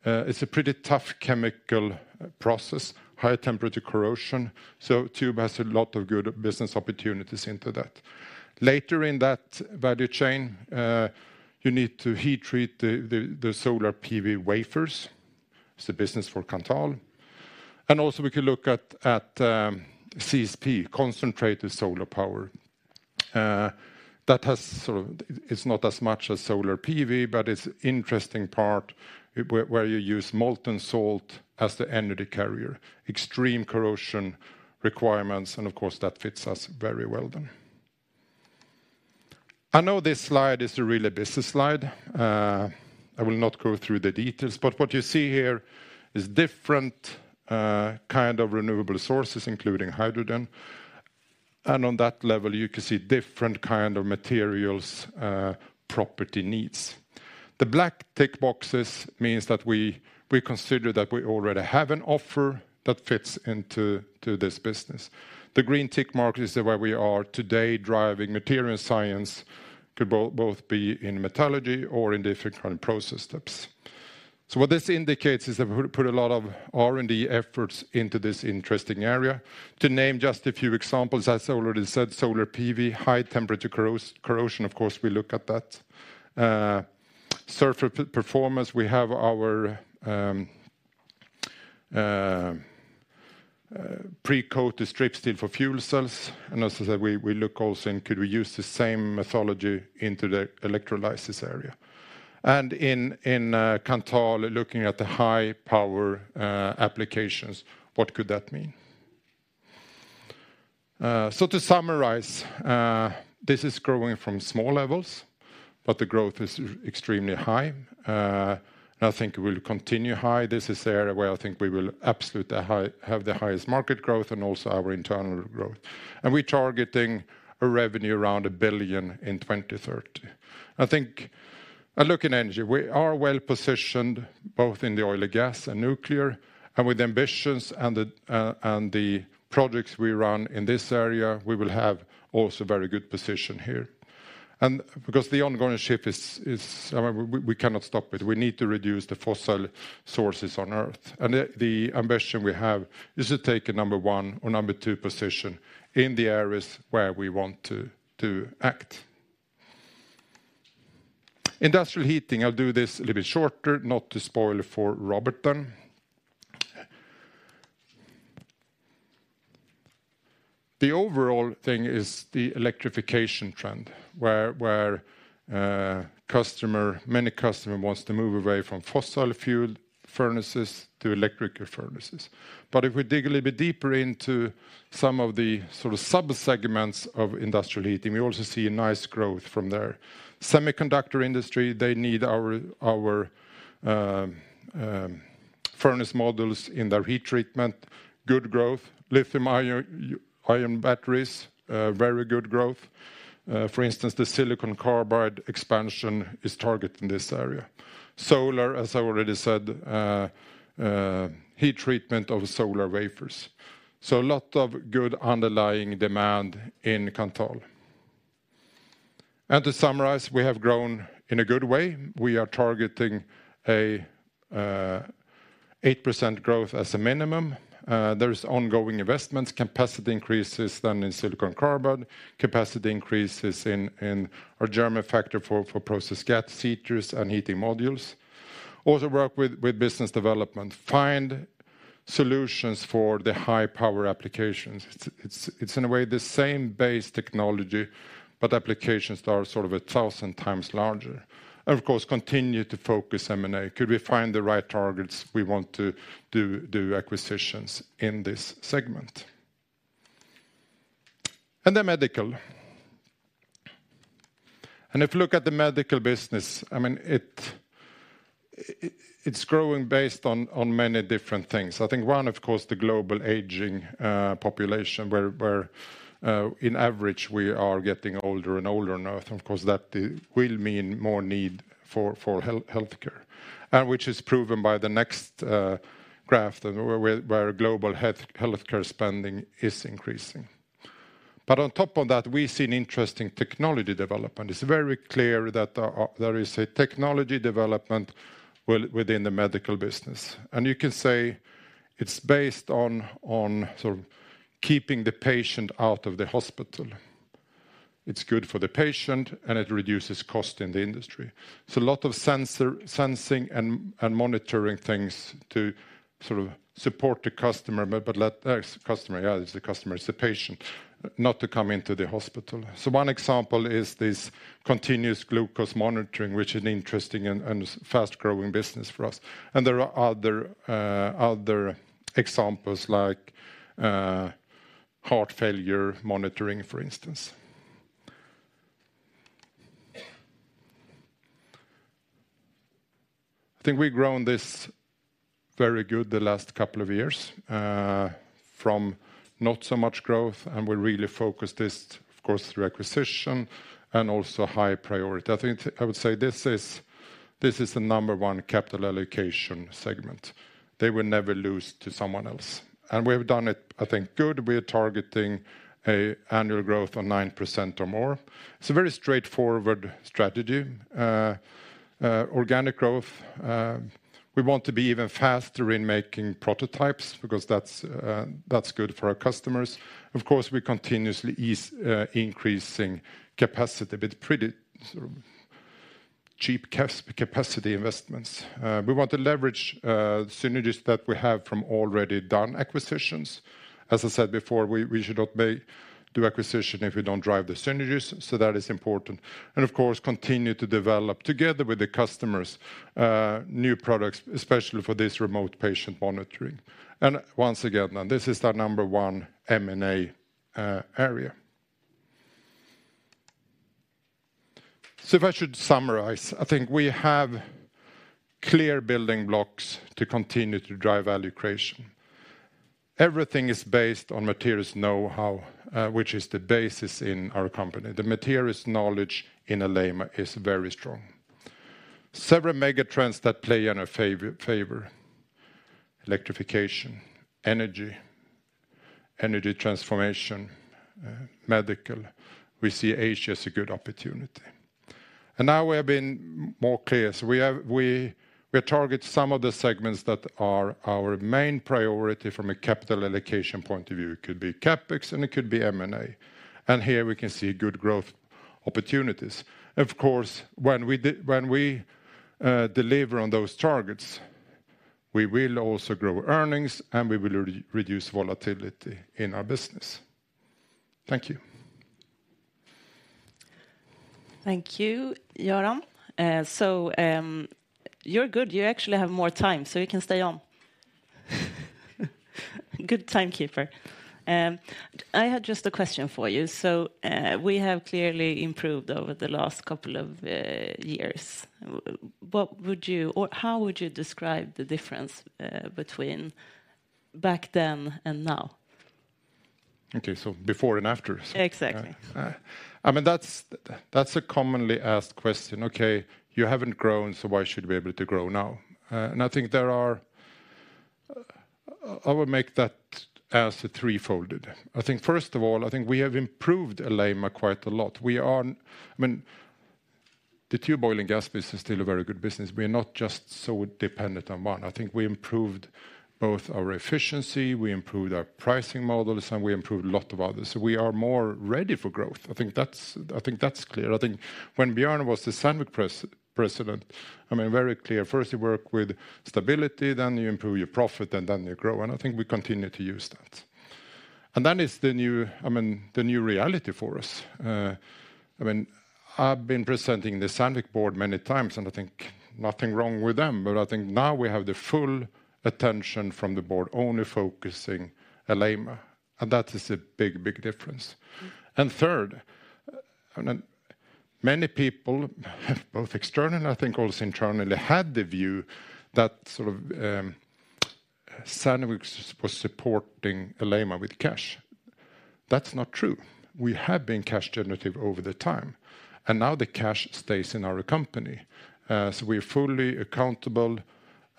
It's a pretty tough chemical process, high temperature corrosion, so Tube has a lot of good business opportunities into that. Later in that value chain, you need to heat treat the solar PV wafers. It's a business for Kanthal. And also we can look at CSP, concentrated solar power. That has sort of, it's not as much as solar PV, but it's interesting part where you use molten salt as the energy carrier. Extreme corrosion requirements, and of course, that fits us very well then. I know this slide is really a business slide. I will not go through the details, but what you see here is different kind of renewable sources, including hydrogen. And on that level, you can see different kind of materials property needs. The black tick boxes means that we consider that we already have an offer that fits into this business. The green tick mark is where we are today, driving material science, could both be in metallurgy or in different kind of process steps. So what this indicates is that we put a lot of R&D efforts into this interesting area. To name just a few examples, as I already said, solar PV, high temperature corrosion, of course, we look at that. Surface performance, we have our pre-coated strip steel for fuel cells. And also that we look also in could we use the same methodology into the electrolysis area? And in Kanthal, looking at the high power applications, what could that mean? So to summarize, this is growing from small levels, but the growth is extremely high, and I think it will continue high. This is the area where I think we will absolutely have the highest market growth and also our internal growth. And we're targeting a revenue around 1 billion in 2030. I think and look in energy, we are well-positioned, both in the oil and gas and nuclear, and with ambitions and the and the projects we run in this area, we will have also very good position here. And because the ongoing shift is, we cannot stop it. We need to reduce the fossil sources on Earth, and the ambition we have is to take a number one or number two position in the areas where we want to act. Industrial heating, I'll do this a little bit shorter, not to spoil it for Robert then. The overall thing is the electrification trend, where customer, many customer wants to move away from fossil fuel furnaces to electric furnaces. But if we dig a little bit deeper into some of the sort of subsegments of industrial heating, we also see a nice growth from there. Semiconductor industry, they need our furnace models in their heat treatment, good growth, lithium-ion batteries, very good growth. For instance, the silicon carbide expansion is targeting this area. Solar, as I already said, heat treatment of solar wafers. So a lot of good underlying demand in Kanthal. And to summarize, we have grown in a good way. We are targeting a 8% growth as a minimum. There is ongoing investments, capacity increases done in silicon carbide, capacity increases in our German factory for process gas heaters and heating modules. Also, work with business development, find solutions for the high power applications. It's in a way, the same base technology, but applications that are sort of a thousand times larger. And of course, continue to focus M&A. Could we find the right targets? We want to do acquisitions in this segment. And the medical. And if you look at the medical business, I mean, it's growing based on many different things. I think one, of course, the global aging population, where in average, we are getting older and older now, and of course, that will mean more need for healthcare, which is proven by the next graph that global healthcare spending is increasing. But on top of that, we see an interesting technology development. It's very clear that there is a technology development within the medical business, and you can say it's based on sort of keeping the patient out of the hospital. It's good for the patient, and it reduces cost in the industry. So a lot of sensing and monitoring things to sort of support the customer, but let the customer, yeah, it's the customer, it's the patient, not to come into the hospital. So one example is this continuous glucose monitoring, which is an interesting and fast-growing business for us. There are other examples, like heart failure monitoring, for instance. I think we've grown this very good the last couple of years from not so much growth, and we're really focused this, of course, through acquisition and also high priority. I think, I would say this is, this is the number one capital allocation segment. They will never lose to someone else. And we have done it, I think, good. We are targeting an annual growth of 9% or more. It's a very straightforward strategy. Organic growth, we want to be even faster in making prototypes because that's good for our customers. Of course, we continuously ease increasing capacity, but pretty sort of cheap capacity investments. We want to leverage synergies that we have from already done acquisitions. As I said before, we should not make do acquisition if we don't drive the synergies, so that is important. Of course, continue to develop together with the customers new products, especially for this remote patient monitoring. Once again, this is our number one M&A area. So if I should summarize, I think we have clear building blocks to continue to drive value creation. Everything is based on materials know-how, which is the basis in our company. The materials knowledge in Alleima is very strong. Several mega trends that play in our favor: electrification, energy transformation, medical. We see Asia as a good opportunity. Now we have been more clear. So we target some of the segments that are our main priority from a capital allocation point of view. It could be CapEx, and it could be M&A, and here we can see good growth opportunities. Of course, when we deliver on those targets, we will also grow earnings, and we will reduce volatility in our business. Thank you. Thank you, Göran. So, you're good. You actually have more time, so you can stay on. Good timekeeper. I had just a question for you. So, we have clearly improved over the last couple of years. What would you or how would you describe the difference between back then and now? Okay, so before and after? Exactly. I mean, that's a commonly asked question. "Okay, you haven't grown, so why should we be able to grow now?" And I think there are. I would make that as a three-fold. I think, first of all, I think we have improved Alleima quite a lot. We are, I mean, the tube oil and gas business is still a very good business. We are not just so dependent on one. I think we improved both our efficiency, we improved our pricing models, and we improved a lot of others, so we are more ready for growth. I think that's, I think that's clear. I think when Björn was the Sandvik president, I mean, very clear. First, you work with stability, then you improve your profit, and then you grow, and I think we continue to use that. And that is the new, I mean, the new reality for us. I mean, I've been presenting the Sandvik board many times, and I think nothing wrong with them, but I think now we have the full attention from the board, only focusing Alleima, and that is a big, big difference. And third, and then many people, both external, and I think also internally, had the view that sort of, Sandvik was supporting Alleima with cash. That's not true. We have been cash generative over the time, and now the cash stays in our company. So we're fully accountable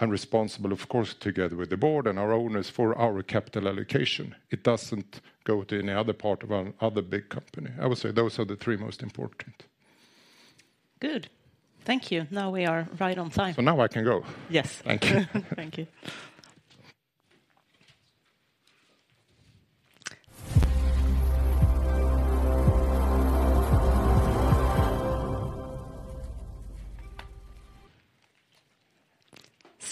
and responsible, of course, together with the board and our owners, for our capital allocation. It doesn't go to any other part of our other big company. I would say those are the three most important. Good. Thank you. Now, we are right on time. Now I can go? Yes. Thank you.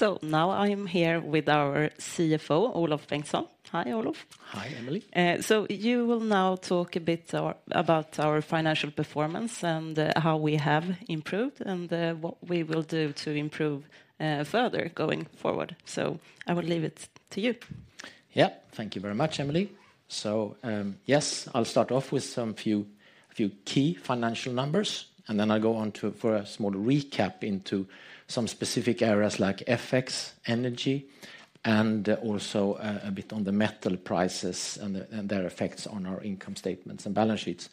Thank you. So now I am here with our CFO, Olof Bengtsson. Hi, Olof. Hi, Emelie. So you will now talk a bit about our financial performance and how we have improved and what we will do to improve further going forward. So I will leave it to you. Yeah. Thank you very much, Emelie. So, yes, I'll start off with a few key financial numbers, and then I'll go on to a small recap into some specific areas like FX, energy, and also a bit on the metal prices and their effects on our income statements and balance sheets.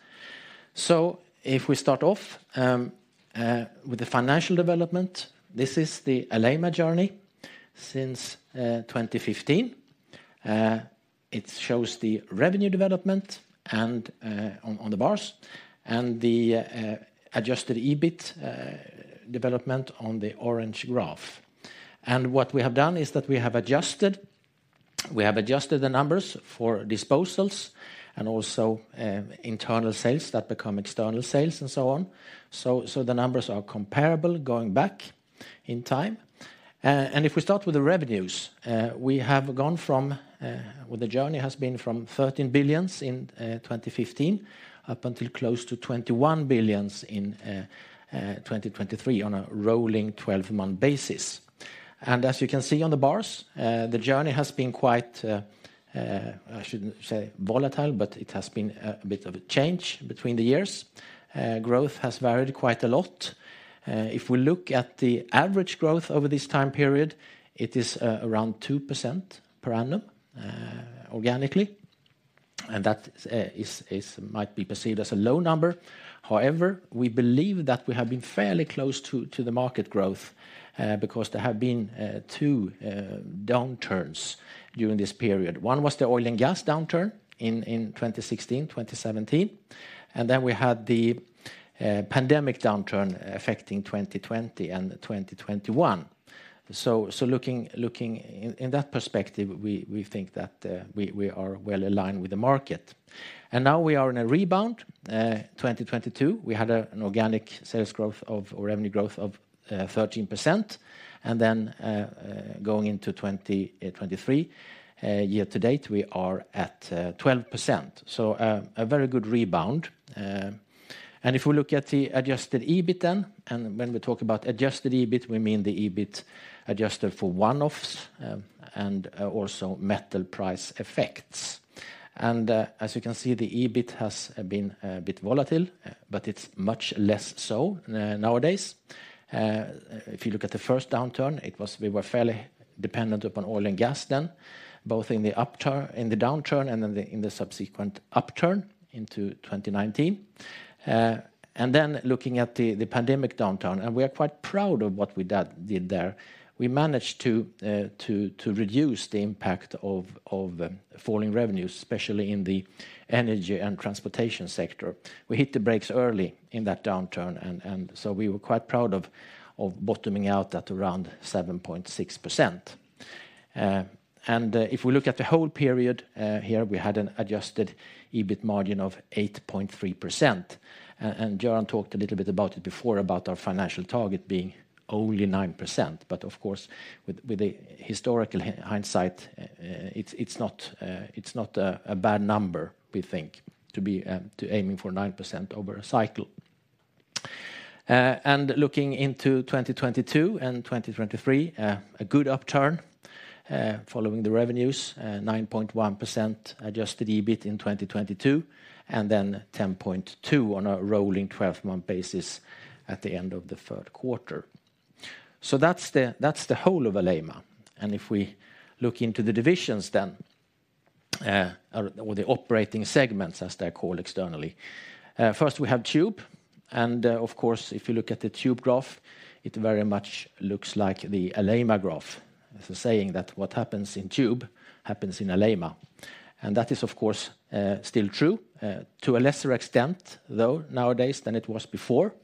So if we start off with the financial development, this is the Alleima journey since 2015. It shows the revenue development and on the bars and the adjusted EBIT development on the orange graph. And what we have done is that we have adjusted the numbers for disposals and also internal sales that become external sales, and so on. So the numbers are comparable going back in time. And if we start with the revenues, we have gone from, well, the journey has been from 13 billion in 2015, up until close to 21 billion in 2023 on a rolling twelve-month basis. As you can see on the bars, the journey has been quite, I shouldn't say volatile, but it has been a bit of a change between the years. Growth has varied quite a lot. If we look at the average growth over this time period, it is around 2% per annum organically. That is might be perceived as a low number. However, we believe that we have been fairly close to the market growth, because there have been two downturns during this period. One was the oil and gas downturn in 2016, 2017, and then we had the pandemic downturn affecting 2020 and 2021. So looking in that perspective, we think that we are well aligned with the market. And now we are in a rebound. 2022, we had an organic sales growth of or revenue growth of 13%, and then going into 2023 year to date, we are at 12%. So a very good rebound. And if we look at the adjusted EBIT then, and when we talk about adjusted EBIT, we mean the EBIT adjusted for one-offs and also metal price effects. As you can see, the EBIT has been bit volatile, but it's much less so nowadays. If you look at the first downturn, we were fairly dependent upon oil and gas then, both in the upturn, in the downturn and in the subsequent upturn into 2019. And then looking at the pandemic downturn, and we are quite proud of what we did there. We managed to reduce the impact of falling revenues, especially in the energy and transportation sector. We hit the brakes early in that downturn, and so we were quite proud of bottoming out at around 7.6%. If we look at the whole period here, we had an adjusted EBIT margin of 8.3%. And Göran talked a little bit about it before, about our financial target being only 9%, but of course, with the historical hindsight, it's not a bad number, we think, to be aiming for 9% over a cycle. And looking into 2022 and 2023, a good upturn following the revenues, 9.1% adjusted EBIT in 2022, and then 10.2 on a rolling twelve-month basis at the end of the third quarter. So that's the whole of Alleima. And if we look into the divisions then, or the operating segments, as they're called externally. First, we have Tube, and of course, if you look at the Tube graph, it very much looks like the Alleima graph. So saying that, what happens in Tube happens in Alleima. And that is, of course, still true to a lesser extent, though, nowadays than it was before.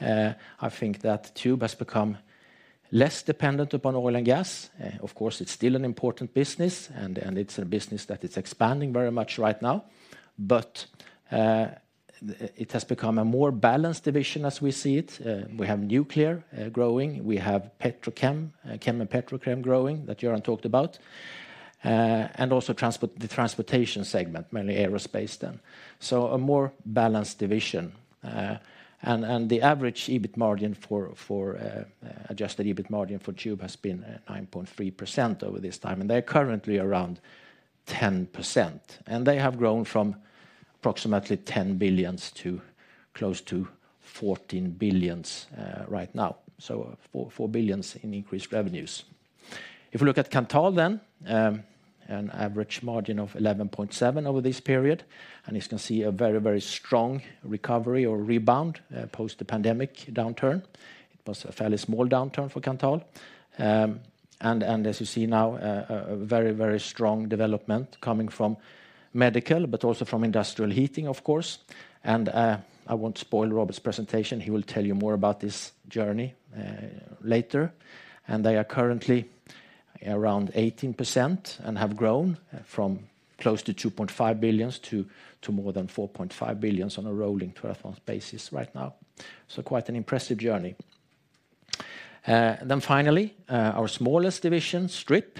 I think that Tube has become less dependent upon oil and gas. Of course, it's still an important business, and it's a business that is expanding very much right now. But it has become a more balanced division as we see it. We have nuclear growing, we have petrochem, chem and petrochem growing, that Göran talked about, and also transportation, the transportation segment, mainly aerospace then. So a more balanced division. And the average adjusted EBIT margin for Tube has been 9.3% over this time, and they are currently around 10%. And they have grown from approximately 10 billion to close to 14 billion right now, so 4 billion in increased revenues. If we look at Kanthal then, an average margin of 11.7% over this period, and you can see a very, very strong recovery or rebound post the pandemic downturn. It was a fairly small downturn for Kanthal. And as you see now, a very, very strong development coming from medical, but also from industrial heating, of course. And I won't spoil Robert's presentation. He will tell you more about this journey later. And they are currently around 18% and have grown from close to 2.5 billion to more than 4.5 billion on a rolling twelve-month basis right now. So quite an impressive journey. Then finally, our smallest division, Strip,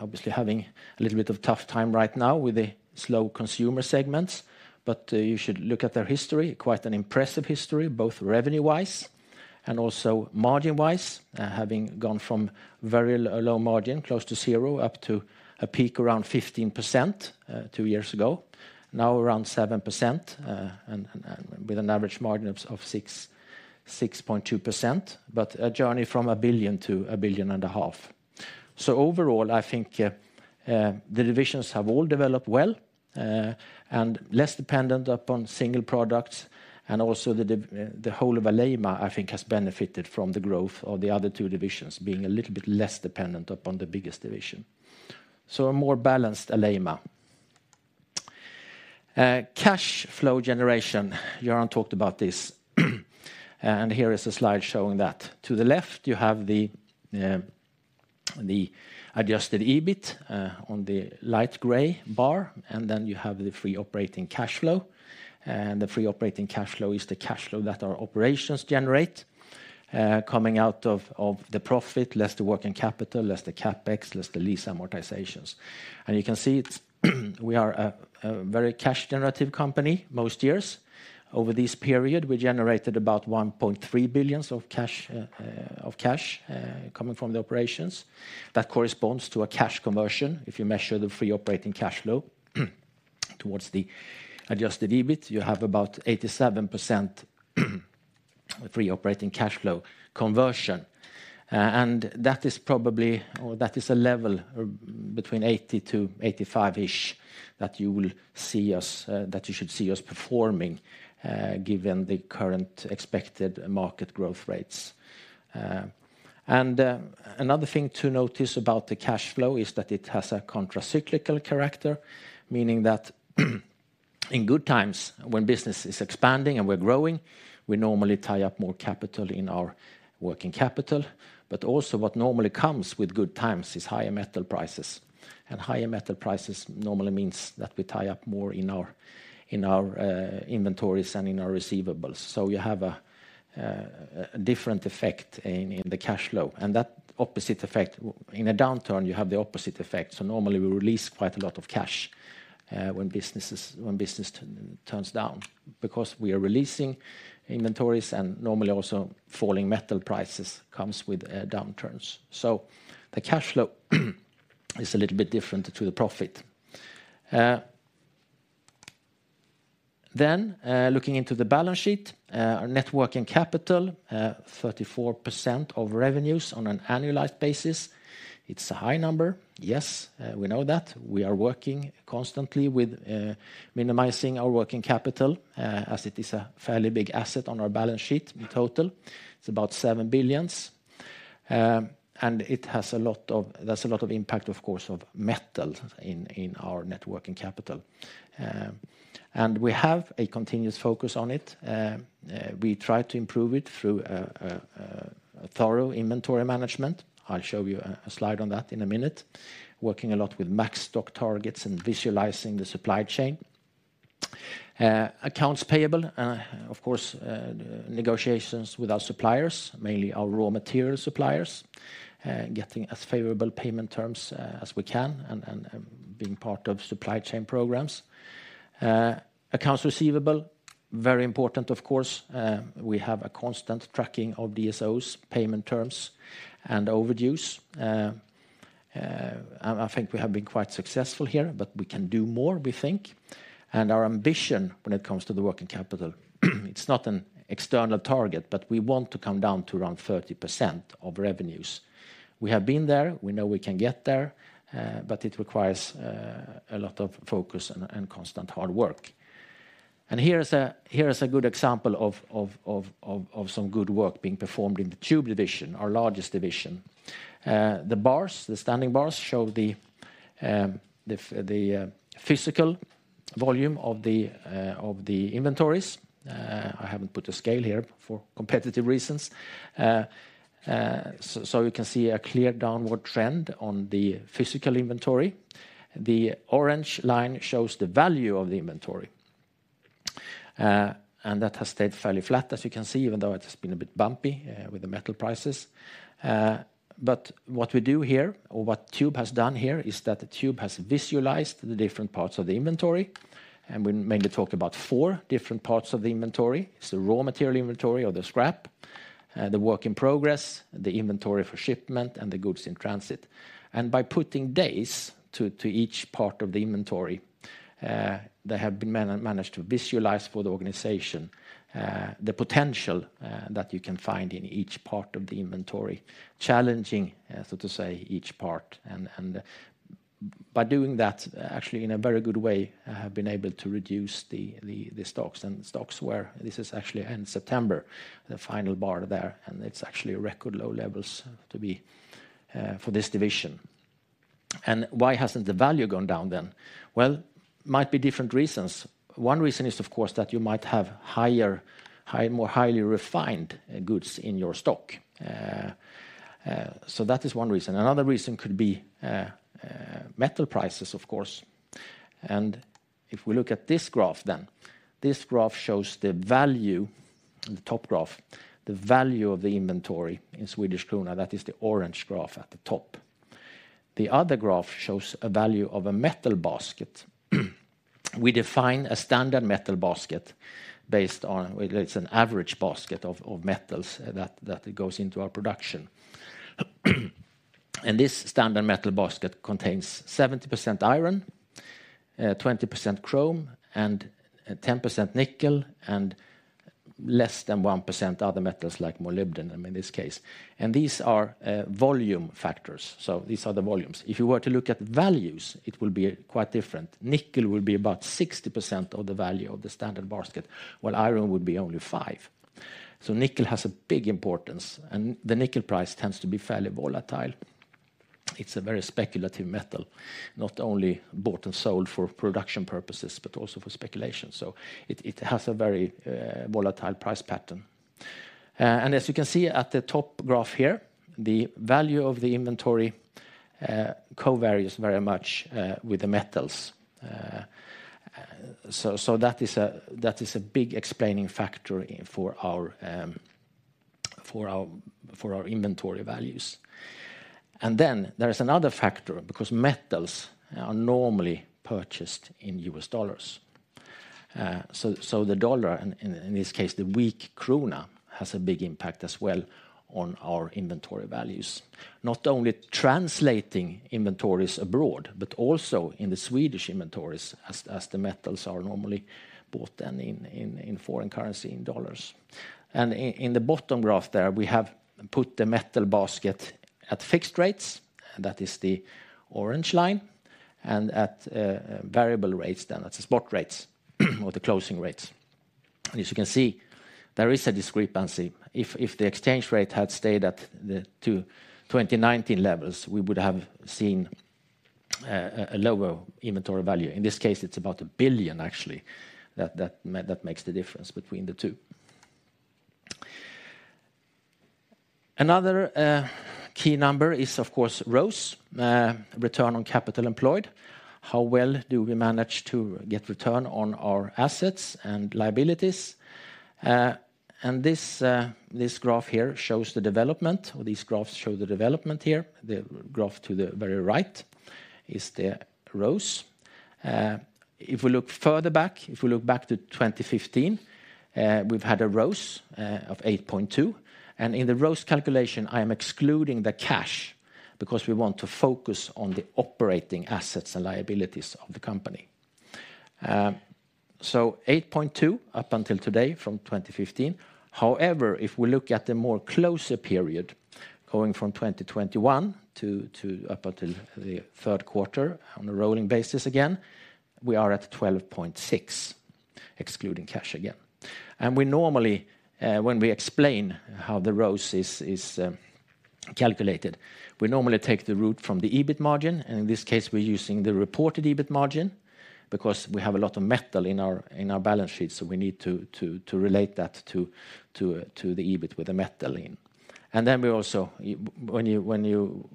obviously having a little bit of tough time right now with the slow consumer segments, but you should look at their history, quite an impressive history, both revenue-wise and also margin-wise, having gone from a low margin, close to zero, up to a peak around 15%, two years ago, now around 7%, and with an average margin of 6.2%, but a journey from 1 billion to 1.5 billion. So overall, I think, the divisions have all developed well, and less dependent upon single products, and also the whole of Alleima, I think, has benefited from the growth of the other two divisions, being a little bit less dependent upon the biggest division. So a more balanced Alleima. Cash flow generation, Göran talked about this, and here is a slide showing that. To the left, you have the adjusted EBIT on the light gray bar, and then you have the free operating cash flow. The free operating cash flow is the cash flow that our operations generate, coming out of the profit, less the working capital, less the CapEx, less the lease amortizations. You can see it's we are a very cash-generative company, most years. Over this period, we generated about 1.3 billion of cash coming from the operations. That corresponds to a cash conversion, if you measure the free operating cash flow towards the adjusted EBIT, you have about 87% free operating cash flow conversion. And that is probably, or that is a level between 80-85-ish that you will see us, that you should see us performing, given the current expected market growth rates. And another thing to notice about the cash flow is that it has a countercyclical character, meaning that in good times, when business is expanding and we're growing, we normally tie up more capital in our working capital. But also what normally comes with good times is higher metal prices, and higher metal prices normally means that we tie up more in our inventories and in our receivables. So you have a different effect in the cash flow, and that opposite effect. In a downturn, you have the opposite effect. So normally, we release quite a lot of cash when business turns down, because we are releasing inventories, and normally also, falling metal prices comes with downturns. So the cash flow is a little bit different to the profit. Then, looking into the balance sheet, our net working capital, 34% of revenues on an annualized basis. It's a high number. Yes, we know that. We are working constantly with minimizing our working capital, as it is a fairly big asset on our balance sheet. In total, it's about 7 billion, and there's a lot of impact, of course, of metal in our net working capital. And we have a continuous focus on it. We try to improve it through a thorough inventory management. I'll show you a slide on that in a minute. Working a lot with max stock targets and visualizing the supply chain. Accounts payable, of course, negotiations with our suppliers, mainly our raw material suppliers, getting as favorable payment terms as we can and being part of supply chain programs. Accounts receivable, very important, of course. We have a constant tracking of DSOs, payment terms, and overdues. And I think we have been quite successful here, but we can do more, we think. Our ambition when it comes to the working capital, it's not an external target, but we want to come down to around 30% of revenues. We have been there, we know we can get there, but it requires a lot of focus and constant hard work. Here is a good example of some good work being performed in the Tube division, our largest division. The bars, the standing bars, show the physical volume of the inventories. I haven't put a scale here for competitive reasons. So you can see a clear downward trend on the physical inventory. The orange line shows the value of the inventory, and that has stayed fairly flat, as you can see, even though it has been a bit bumpy with the metal prices. But what we do here or what Tube has done here is that the Tube has visualized the different parts of the inventory, and we mainly talk about four different parts of the inventory. It's the raw material inventory or the scrap, the work in progress, the inventory for shipment, and the goods in transit. And by putting days to each part of the inventory, they have managed to visualize for the organization, the potential that you can find in each part of the inventory. Challenging, so to say, each part, and by doing that, actually, in a very good way, have been able to reduce the stocks. And the stocks were. This is actually in September, the final bar there, and it's actually a record low levels to be for this division. And why hasn't the value gone down then? Well, might be different reasons. One reason is, of course, that you might have higher, more highly refined goods in your stock. So that is one reason. Another reason could be metal prices, of course. And if we look at this graph then, this graph shows the value, the top graph, the value of the inventory in Swedish krona, that is the orange graph at the top. The other graph shows a value of a metal basket. We define a standard metal basket based on. Well, it is an average basket of metals that goes into our production. And this standard metal basket contains 70% iron, 20% chrome, and 10% nickel, and less than 1% other metals, like molybdenum, in this case. And these are volume factors, so these are the volumes. If you were to look at values, it will be quite different. Nickel will be about 60% of the value of the standard basket, while iron would be only 5%. So nickel has a big importance, and the nickel price tends to be fairly volatile. It's a very speculative metal, not only bought and sold for production purposes, but also for speculation. So it has a very volatile price pattern. And as you can see at the top graph here, the value of the inventory covaries very much with the metals. So that is a big explaining factor for our inventory values. And then there is another factor, because metals are normally purchased in U.S. dollars. So the dollar, in this case, the weak krona, has a big impact as well on our inventory values. Not only translating inventories abroad, but also in the Swedish inventories, as the metals are normally bought then in foreign currency, in dollars. In the bottom graph there, we have and put the metal basket at fixed rates, and that is the orange line, and at variable rates, then that's the spot rates or the closing rates. As you can see, there is a discrepancy. If the exchange rate had stayed at the 2019 levels, we would have seen a lower inventory value. In this case, it's about 1 billion, actually, that makes the difference between the two. Another key number is, of course, ROCE, return on capital employed. How well do we manage to get return on our assets and liabilities? And this graph here shows the development, or these graphs show the development here. The graph to the very right is the ROCE. If we look further back, if we look back to 2015, we've had a ROCE of 8.2, and in the ROCE calculation, I am excluding the cash because we want to focus on the operating assets and liabilities of the company. So 8.2 up until today from 2015. However, if we look at the more closer period, going from 2021 to up until the third quarter on a rolling basis again, we are at 12.6, excluding cash again. We normally, when we explain how the ROCE is calculated, we normally take the route from the EBIT margin, and in this case, we're using the reported EBIT margin because we have a lot of metal in our balance sheet, so we need to relate that to the EBIT with the metal in. And then we also, when you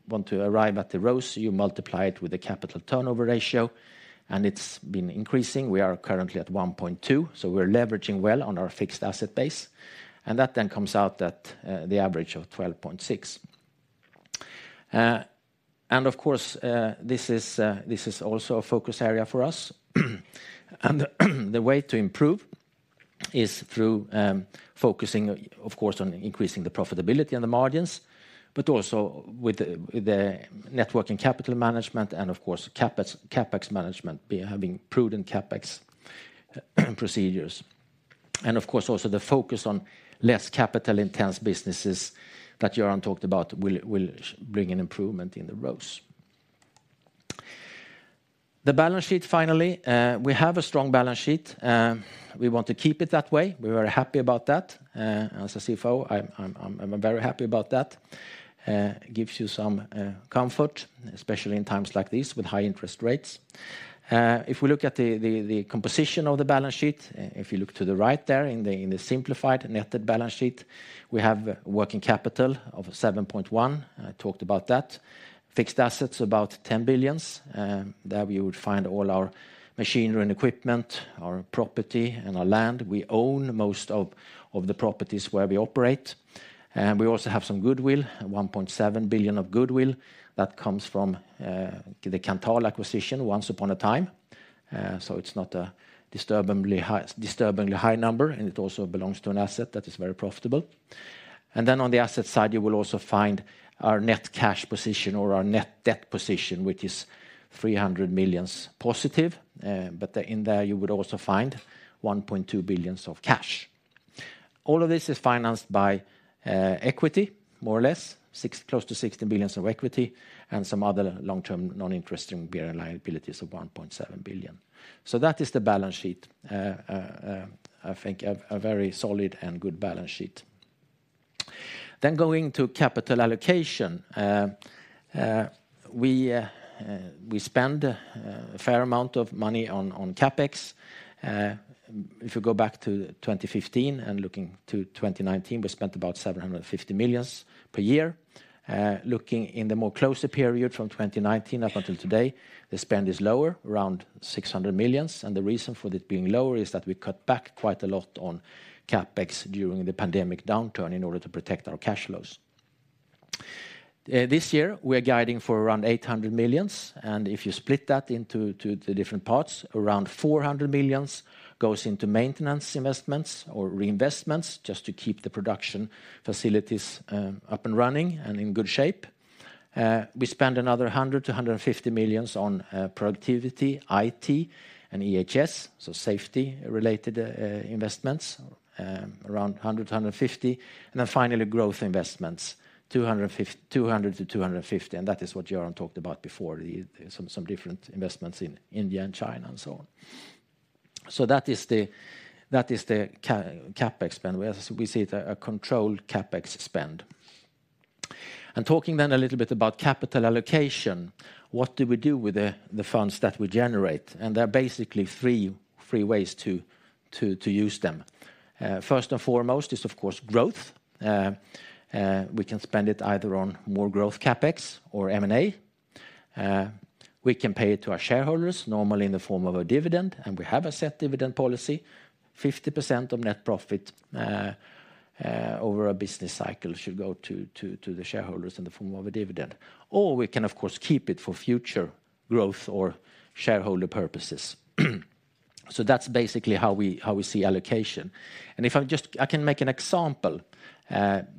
want to arrive at the ROCE, you multiply it with the capital turnover ratio, and it's been increasing. We are currently at 1.2, so we're leveraging well on our fixed asset base, and that then comes out at the average of 12.6. And of course, this is also a focus area for us. The way to improve is through focusing, of course, on increasing the profitability and the margins, but also with the net working capital management and, of course, CapEx management, having prudent CapEx procedures. And of course, also the focus on less capital-intense businesses that Göran talked about will bring an improvement in the ROCE. The balance sheet, finally. We have a strong balance sheet. We want to keep it that way. We are very happy about that. As a CFO, I'm very happy about that. It gives you some comfort, especially in times like this, with high interest rates. If we look at the composition of the balance sheet, if you look to the right there in the simplified netted balance sheet, we have working capital of 7.1 billion. I talked about that. Fixed assets, about 10 billion, and there we would find all our machinery and equipment, our property, and our land. We own most of the properties where we operate, and we also have some goodwill, 1.7 billion of goodwill that comes from the Kanthal acquisition once upon a time. So it's not a disturbingly high number, and it also belongs to an asset that is very profitable. And then on the asset side, you will also find our net cash position or our net debt position, which is 300 million positive. But, in there, you would also find 1.2 billion of cash. All of this is financed by equity, more or less, 6 close to 16 billion of equity and some other long-term, non-interest bearing liabilities of 1.7 billion. So that is the balance sheet. I think a very solid and good balance sheet. Going to capital allocation. We spend a fair amount of money on CapEx. If you go back to 2015 and looking to 2019, we spent about 750 million per year. Looking in the more closer period from 2019 up until today, the spend is lower, around 600 million, and the reason for it being lower is that we cut back quite a lot on CapEx during the pandemic downturn in order to protect our cash flows. This year, we are guiding for around 800 million, and if you split that into to the different parts, around 400 million goes into maintenance investments or reinvestments, just to keep the production facilities up and running and in good shape. We spend another 100 million-150 million on productivity, IT, and EHS, so safety-related investments, around 100 million-150 million. And then finally, growth investments, 200-250, and that is what Göran talked about before, some different investments in India and China and so on. So that is the CapEx spend. Well, as we see it, a controlled CapEx spend. And talking then a little bit about capital allocation, what do we do with the funds that we generate? And there are basically three ways to use them. First and foremost is, of course, growth. We can spend it either on more growth CapEx or M&A. We can pay it to our shareholders, normally in the form of a dividend, and we have a set dividend policy. 50% of net profit over a business cycle should go to the shareholders in the form of a dividend. Or we can, of course, keep it for future growth or shareholder purposes. So that's basically how we see allocation. And if I just, I can make an example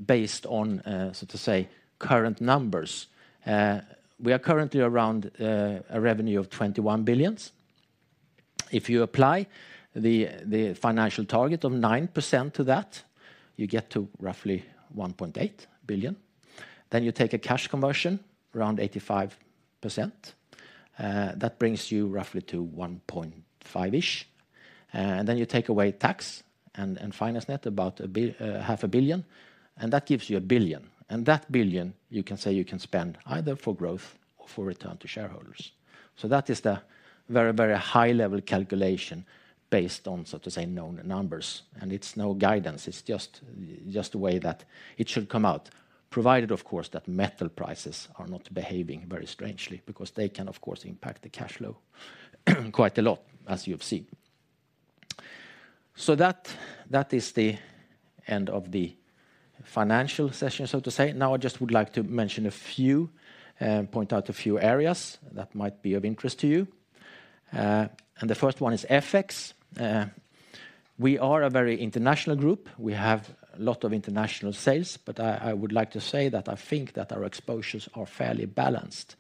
based on so to say, current numbers. We are currently around a revenue of 21 billion. If you apply the financial target of 9% to that, you get to roughly 1.8 billion. Then you take a cash conversion, around 85%, that brings you roughly to 1.5 billion-ish. And then you take away tax and finance net, about half a billion, and that gives you 1 billion. And that 1 billion, you can say you can spend either for growth or for return to shareholders. So that is the very, very high level calculation based on, so to say, known numbers, and it's no guidance, it's just, just a way that it should come out. Provided, of course, that metal prices are not behaving very strangely, because they can, of course, impact the cash flow, quite a lot, as you have seen. So that, that is the end of the financial session, so to say. Now, I just would like to mention a few, point out a few areas that might be of interest to you. And the first one is FX. We are a very international group. We have a lot of international sales, but I, I would like to say that I think that our exposures are fairly balanced.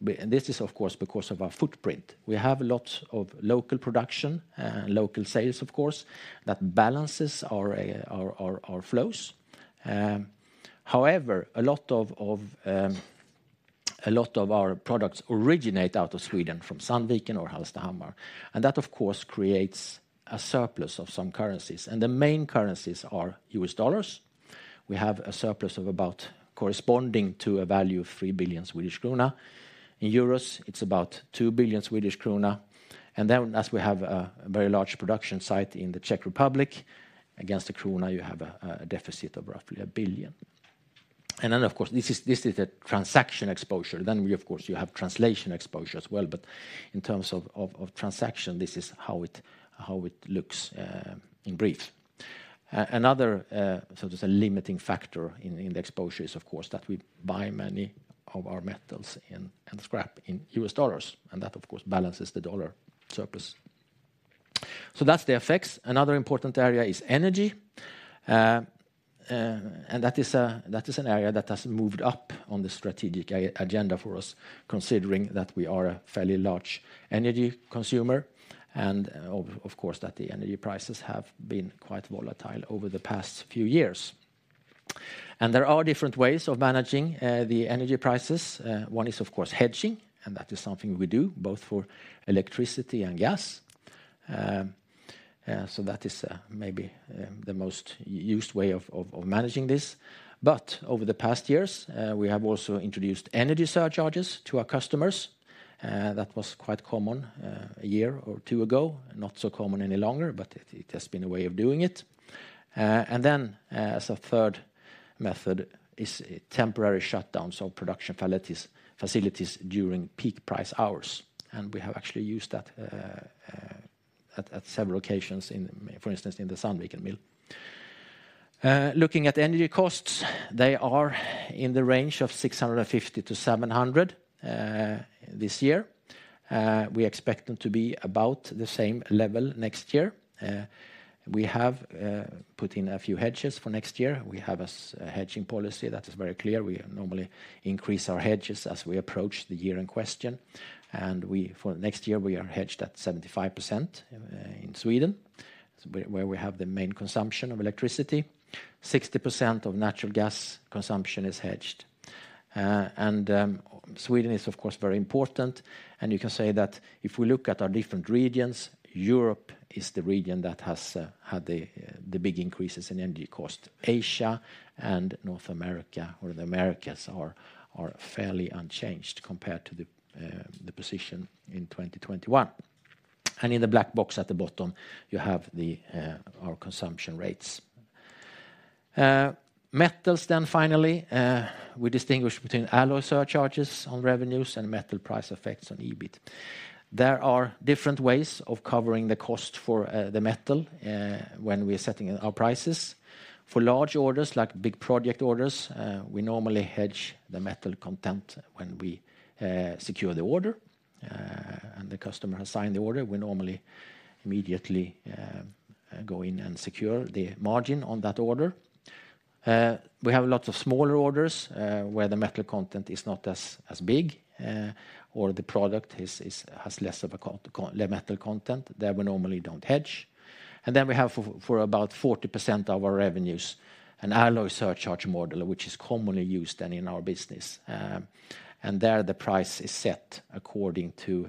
But this is, of course, because of our footprint. We have a lot of local production and local sales, of course, that balances our flows. However, a lot of our products originate out of Sweden, from Sandviken or Hallstahammar, and that, of course, creates a surplus of some currencies. The main currencies are U.S. dollars. We have a surplus of about corresponding to a value of 3 billion Swedish krona. In euros, it's about 2 billion Swedish krona, and then as we have a very large production site in the Czech Republic, against the krona, you have a deficit of roughly 1 billion. And then, of course, this is a transaction exposure. Then we, of course, you have translation exposure as well, but in terms of transaction, this is how it looks, in brief. Another, so there's a limiting factor in the exposure is, of course, that we buy many of our metals and scrap in US dollars, and that, of course, balances the dollar surplus. So that's the FX. Another important area is energy. And that is an area that has moved up on the strategic agenda for us, considering that we are a fairly large energy consumer and, of course, that the energy prices have been quite volatile over the past few years. There are different ways of managing the energy prices. One is, of course, hedging, and that is something we do both for electricity and gas. So that is maybe the most used way of managing this. But over the past years, we have also introduced energy surcharges to our customers. That was quite common a year or two ago, not so common any longer, but it has been a way of doing it. And then, as a third method, is temporary shutdowns of production facilities during peak price hours, and we have actually used that at several occasions in, for instance, in the Sandviken mill. Looking at energy costs, they are in the range of 650-700 this year. We expect them to be about the same level next year. We have put in a few hedges for next year. We have a hedging policy that is very clear. We normally increase our hedges as we approach the year in question, and we, for next year, we are hedged at 75% in Sweden, where we have the main consumption of electricity. 60% of natural gas consumption is hedged. Sweden is, of course, very important, and you can say that if we look at our different regions, Europe is the region that has had the big increases in energy cost. Asia and North America, or the Americas, are fairly unchanged compared to the position in 2021. And in the black box at the bottom, you have our consumption rates. Metals, then finally, we distinguish between alloy surcharges on revenues and metal price effects on EBIT. There are different ways of covering the cost for the metal when we are setting our prices. For large orders, like big project orders, we normally hedge the metal content when we secure the order. And the customer has signed the order, we normally immediately go in and secure the margin on that order. We have lots of smaller orders where the metal content is not as big or the product has less metal content, that we normally don't hedge. And then we have for about 40% of our revenues, an alloy surcharge model, which is commonly used than in our business. And there, the price is set according to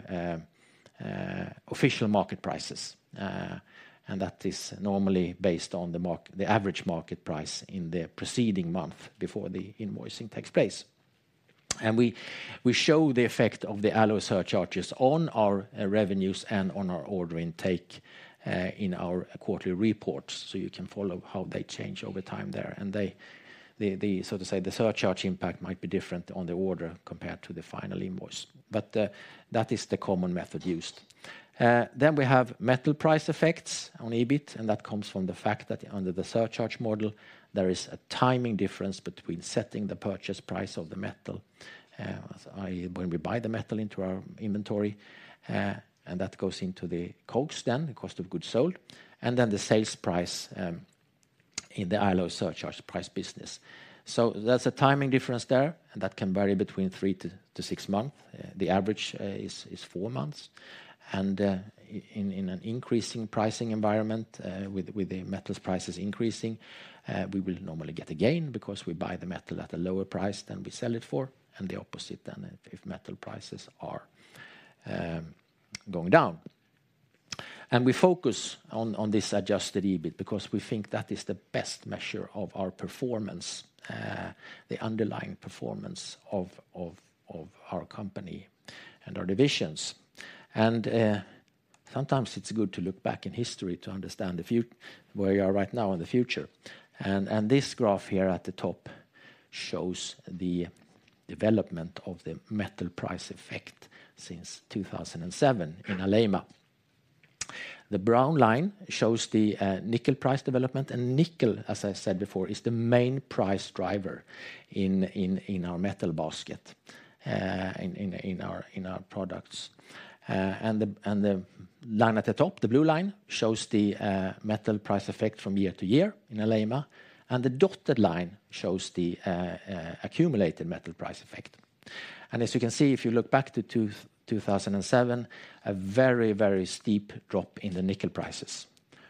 official market prices. And that is normally based on the average market price in the preceding month before the invoicing takes place. We show the effect of the alloy surcharges on our revenues and on our order intake in our quarterly reports, so you can follow how they change over time there. The so to say surcharge impact might be different on the order compared to the final invoice, but that is the common method used. Then we have metal price effects on EBIT, and that comes from the fact that under the surcharge model, there is a timing difference between setting the purchase price of the metal when we buy the metal into our inventory, and that goes into the COGS then, the cost of goods sold, and then the sales price in the alloy surcharge price business. So there's a timing difference there, and that can vary between 3-6 months. The average is 4 months. In an increasing pricing environment with the metals prices increasing, we will normally get a gain because we buy the metal at a lower price than we sell it for, and the opposite then if metal prices are going down. We focus on this adjusted EBIT because we think that is the best measure of our performance, the underlying performance of our company and our divisions. Sometimes it's good to look back in history to understand where we are right now and the future. This graph here at the top shows the development of the metal price effect since 2007 in Alleima. The brown line shows the nickel price development, and nickel, as I said before, is the main price driver in our metal basket, in our products. And the line at the top, the blue line, shows the metal price effect from year to year in Alleima, and the dotted line shows the accumulated metal price effect. As you can see, if you look back to 2007, a very, very steep drop in the nickel prices,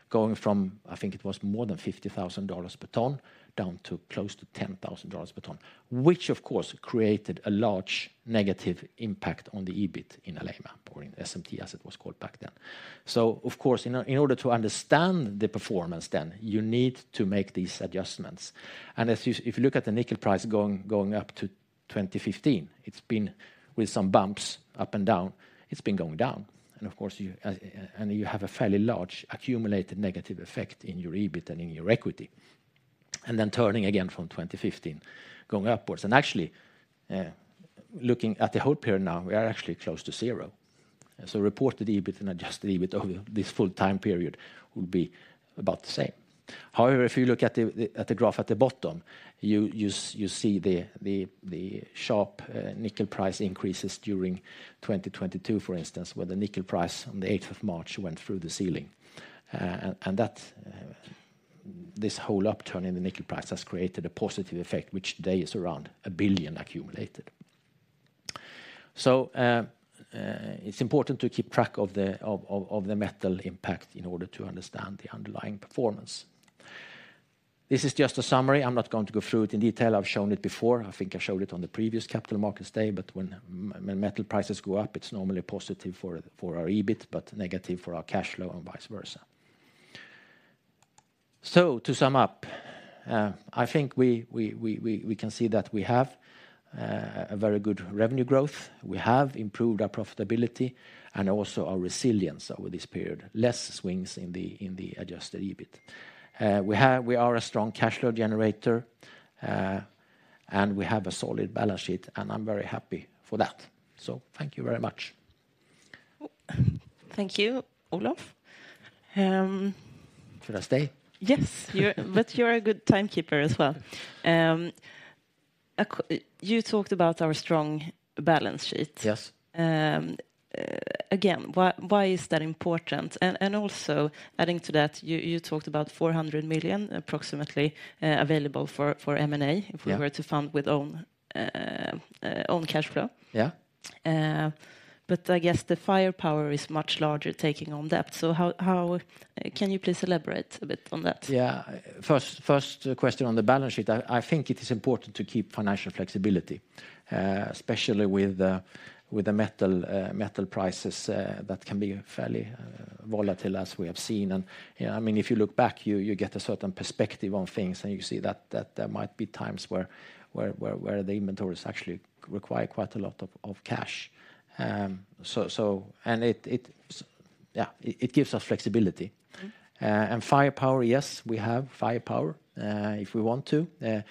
going from, I think it was more than $50,000 per ton, down to close to $10,000 per ton, which of course created a large negative impact on the EBIT in Alleima or in SMT, as it was called back then. So of course, in order to understand the performance then, you need to make these adjustments. And if you look at the nickel price going up to 2015, it's been, with some bumps up and down, it's been going down. And of course, you have a fairly large accumulated negative effect in your EBIT and in your equity. And then turning again from 2015, going upwards. Actually, looking at the whole period now, we are actually close to zero. So reported EBIT and adjusted EBIT over this full-time period would be about the same. However, if you look at the graph at the bottom, you see the sharp nickel price increases during 2022, for instance, where the nickel price on the 8th of March went through the ceiling. And that this whole upturn in the nickel price has created a positive effect, which today is around 1 billion accumulated. So it's important to keep track of the metal impact in order to understand the underlying performance. This is just a summary. I'm not going to go through it in detail. I've shown it before. I think I showed it on the previous Capital Markets Day, but when metal prices go up, it's normally positive for our EBIT, but negative for our cash flow, and vice versa. So to sum up, I think we can see that we have a very good revenue growth. We have improved our profitability and also our resilience over this period. Less swings in the adjusted EBIT. We are a strong cash flow generator, and we have a solid balance sheet, and I'm very happy for that. So thank you very much. Thank you, Olof. Should I stay? Yes. You're but you're a good timekeeper as well. You talked about our strong balance sheet. Yes. Again, why is that important? And also adding to that, you talked about approximately 400 million available for M&A if we were to fund with own cash flow. Yeah. But I guess the firepower is much larger, taking on debt. So, how can you please elaborate a bit on that? Yeah. First question on the balance sheet, I think it is important to keep financial flexibility, especially with the metal prices that can be fairly volatile, as we have seen. And, you know, I mean, if you look back, you get a certain perspective on things, and you see that there might be times where the inventories actually require quite a lot of cash. So, and yeah, it gives us flexibility. Firepower, yes, we have firepower if we want to.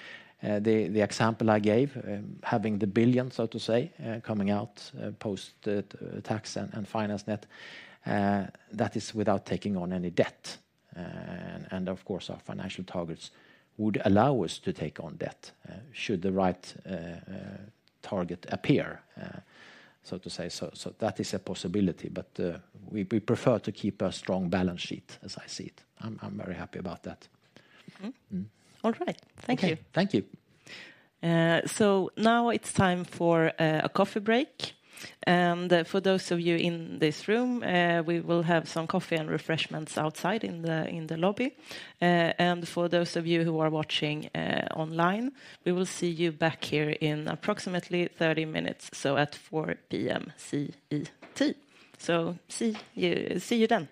The example I gave, having the 1 billion, so to say, coming out post the tax and finance net, that is without taking on any debt. And of course, our financial targets would allow us to take on debt should the right target appear, so to say. So that is a possibility, but we prefer to keep a strong balance sheet as I see it. I'm very happy about that. Mm-hmm. All right. Thank you. Okay. Thank you. So now it's time for a coffee break. And for those of you in this room, we will have some coffee and refreshments outside in the lobby. And for those of you who are watching online, we will see you back here in approximately 30 minutes, so at 4 P.M. CET. So see you then.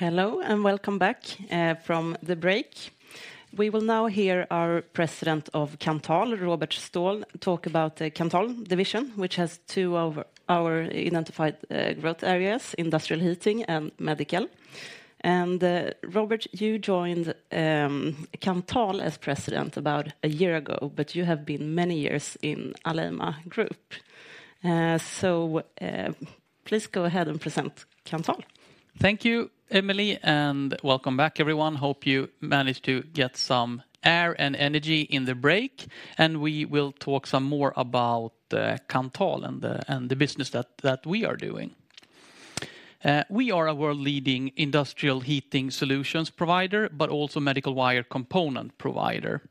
Hello, and welcome back from the break. We will now hear our President of Kanthal, Robert Stål, talk about the Kanthal division, which has two of our identified growth areas, industrial heating and medical. And, Robert, you joined Kanthal as president about a year ago, but you have been many years in Alleima Group. So, please go ahead and present Kanthal. Thank you, Emelie, and welcome back, everyone. Hope you managed to get some air and energy in the break, and we will talk some more about Kanthal and the business that we are doing. We are a world-leading industrial heating solutions provider, but also medical wire component provider.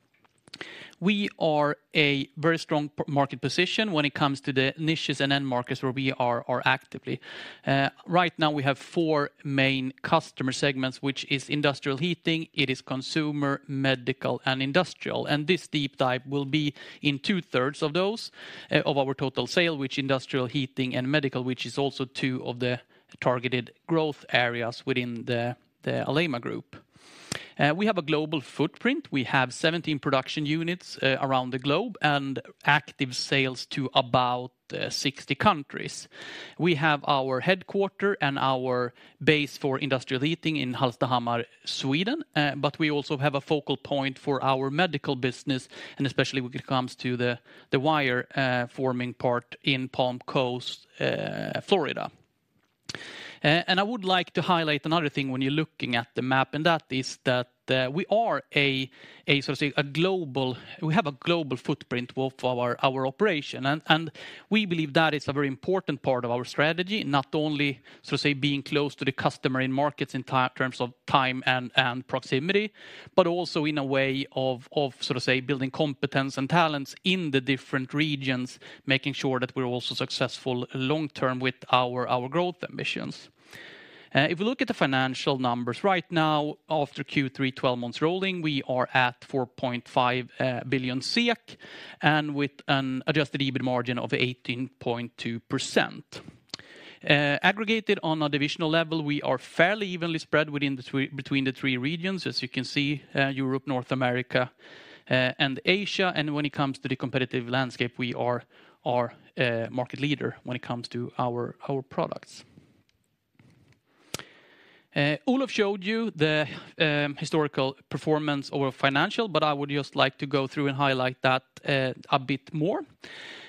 We are a very strong market position when it comes to the niches and end markets where we are actively. Right now, we have four main customer segments, which is industrial heating, it is consumer, medical, and industrial. And this deep dive will be in two-thirds of those, of our total sale, which industrial heating and medical, which is also two of the targeted growth areas within the Alleima Group. We have a global footprint. We have 17 production units around the globe, and active sales to about 60 countries. We have our headquarters and our base for industrial heating in Hallstahammar, Sweden, but we also have a focal point for our medical business, and especially when it comes to the wire forming part in Palm Coast, Florida. I would like to highlight another thing when you're looking at the map, and that is that we are a sort of, say, global we have a global footprint of our operation, and we believe that is a very important part of our strategy, not only so, say, being close to the customer in markets in terms of time and proximity, but also in a way of sort of, say, building competence and talents in the different regions, making sure that we're also successful long term with our growth ambitions. If we look at the financial numbers right now, after Q3, 12 months rolling, we are at 4.5 billion, and with an adjusted EBIT margin of 18.2%. Aggregated on a divisional level, we are fairly evenly spread between the three regions, as you can see, Europe, North America, and Asia. When it comes to the competitive landscape, we are a market leader when it comes to our products. Olof showed you the historical performance of our financial, but I would just like to go through and highlight that a bit more.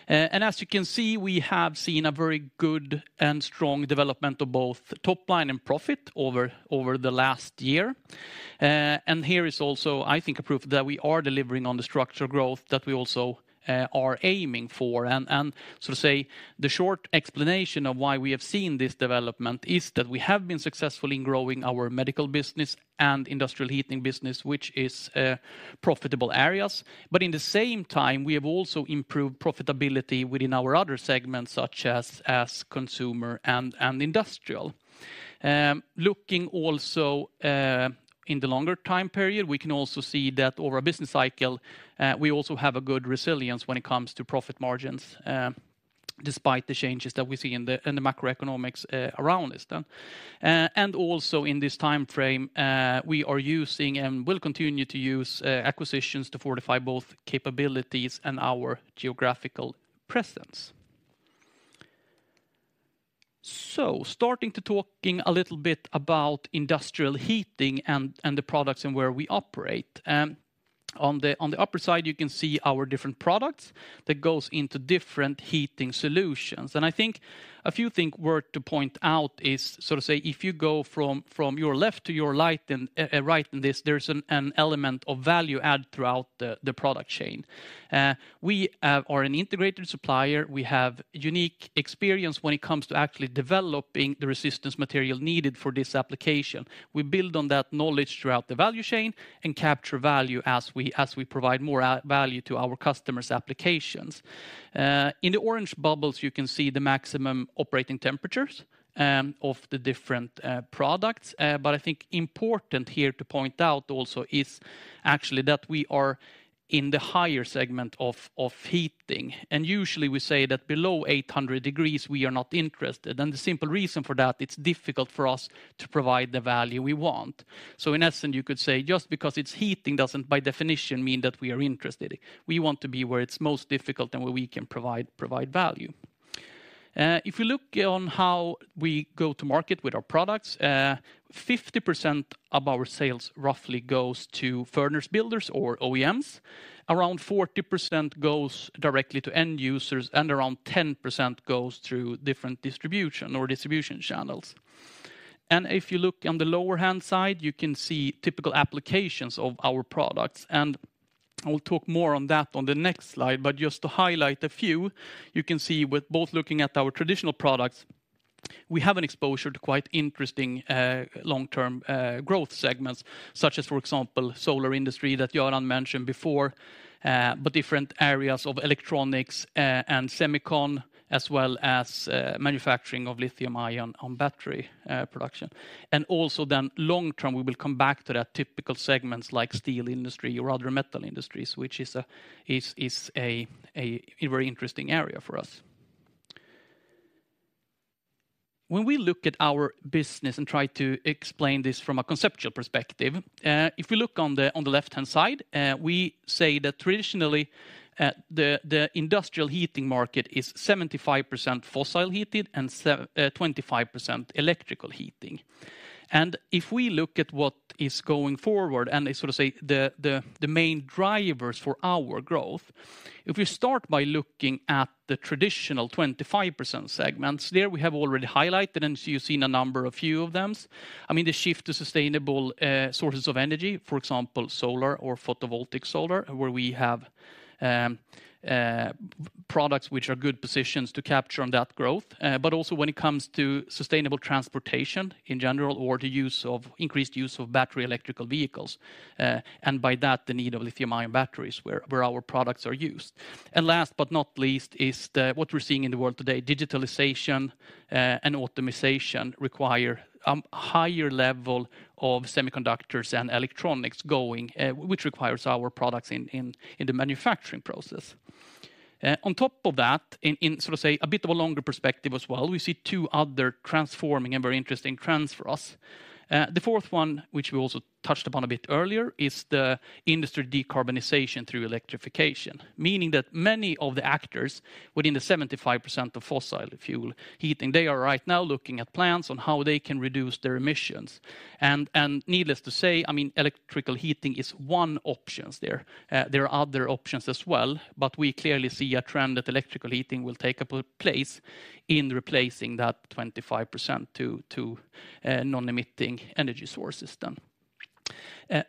And as you can see, we have seen a very good and strong development of both top line and profit over the last year. And here is also, I think, a proof that we are delivering on the structural growth that we also are aiming for. So to say, the short explanation of why we have seen this development is that we have been successful in growing our medical business and industrial heating business, which is profitable areas. But in the same time, we have also improved profitability within our other segments, such as consumer and industrial. Looking also in the longer time period, we can also see that over a business cycle, we also have a good resilience when it comes to profit margins, despite the changes that we see in the macroeconomics around us, then. And also in this time frame, we are using and will continue to use acquisitions to fortify both capabilities and our geographical presence. So starting to talking a little bit about industrial heating and the products and where we operate. On the upper side, you can see our different products that goes into different heating solutions. And I think a few thing worth to point out is, so to say, if you go from your left to your right in this, there's an element of value add throughout the product chain. We are an integrated supplier. We have unique experience when it comes to actually developing the resistance material needed for this application. We build on that knowledge throughout the value chain and capture value as we provide more value to our customers' applications. In the orange bubbles, you can see the maximum operating temperatures of the different products. But I think important here to point out also is actually that we are in the higher segment of heating, and usually we say that below 800 degrees, we are not interested. And the simple reason for that, it's difficult for us to provide the value we want. So in essence, you could say just because it's heating, doesn't by definition mean that we are interested. We want to be where it's most difficult and where we can provide value. If you look on how we go to market with our products, 50% of our sales roughly goes to furnace builders or OEMs. Around 40% goes directly to end users, and around 10% goes through different distribution or distribution channels. If you look on the lower-hand side, you can see typical applications of our products, and I will talk more on that on the next slide. But just to highlight a few, you can see with both looking at our traditional products, we have an exposure to quite interesting, long-term growth segments, such as, for example, solar industry that Göran mentioned before, but different areas of electronics, and semicon, as well as, manufacturing of lithium-ion battery production. Also, long term, we will come back to that typical segments like steel industry or other metal industries, which is a very interesting area for us. When we look at our business and try to explain this from a conceptual perspective, if we look on the, on the left-hand side, we say that traditionally, the, the industrial heating market is 75% fossil heated and 25% electrical heating. And if we look at what is going forward, and I sort of say the, the, the main drivers for our growth, if we start by looking at the traditional 25% segments, there we have already highlighted, and you've seen a number of few of them. I mean, the shift to sustainable sources of energy, for example, solar or photovoltaic solar, where we have products which are good positions to capture on that growth, but also when it comes to sustainable transportation in general, or the use of increased use of battery electrical vehicles, and by that, the need of lithium-ion batteries, where our products are used. And last but not least, what we're seeing in the world today, digitalization and optimization require a higher level of semiconductors and electronics going, which requires our products in the manufacturing process. On top of that, in sort of, say, a bit of a longer perspective as well, we see two other transforming and very interesting trends for us. The fourth one, which we also touched upon a bit earlier, is the industry decarbonization through electrification, meaning that many of the actors within the 75% of fossil fuel heating, they are right now looking at plans on how they can reduce their emissions. And needless to say, I mean, electrical heating is one options there. There are other options as well, but we clearly see a trend that electrical heating will take up a place in replacing that 25% to non-emitting energy sources then.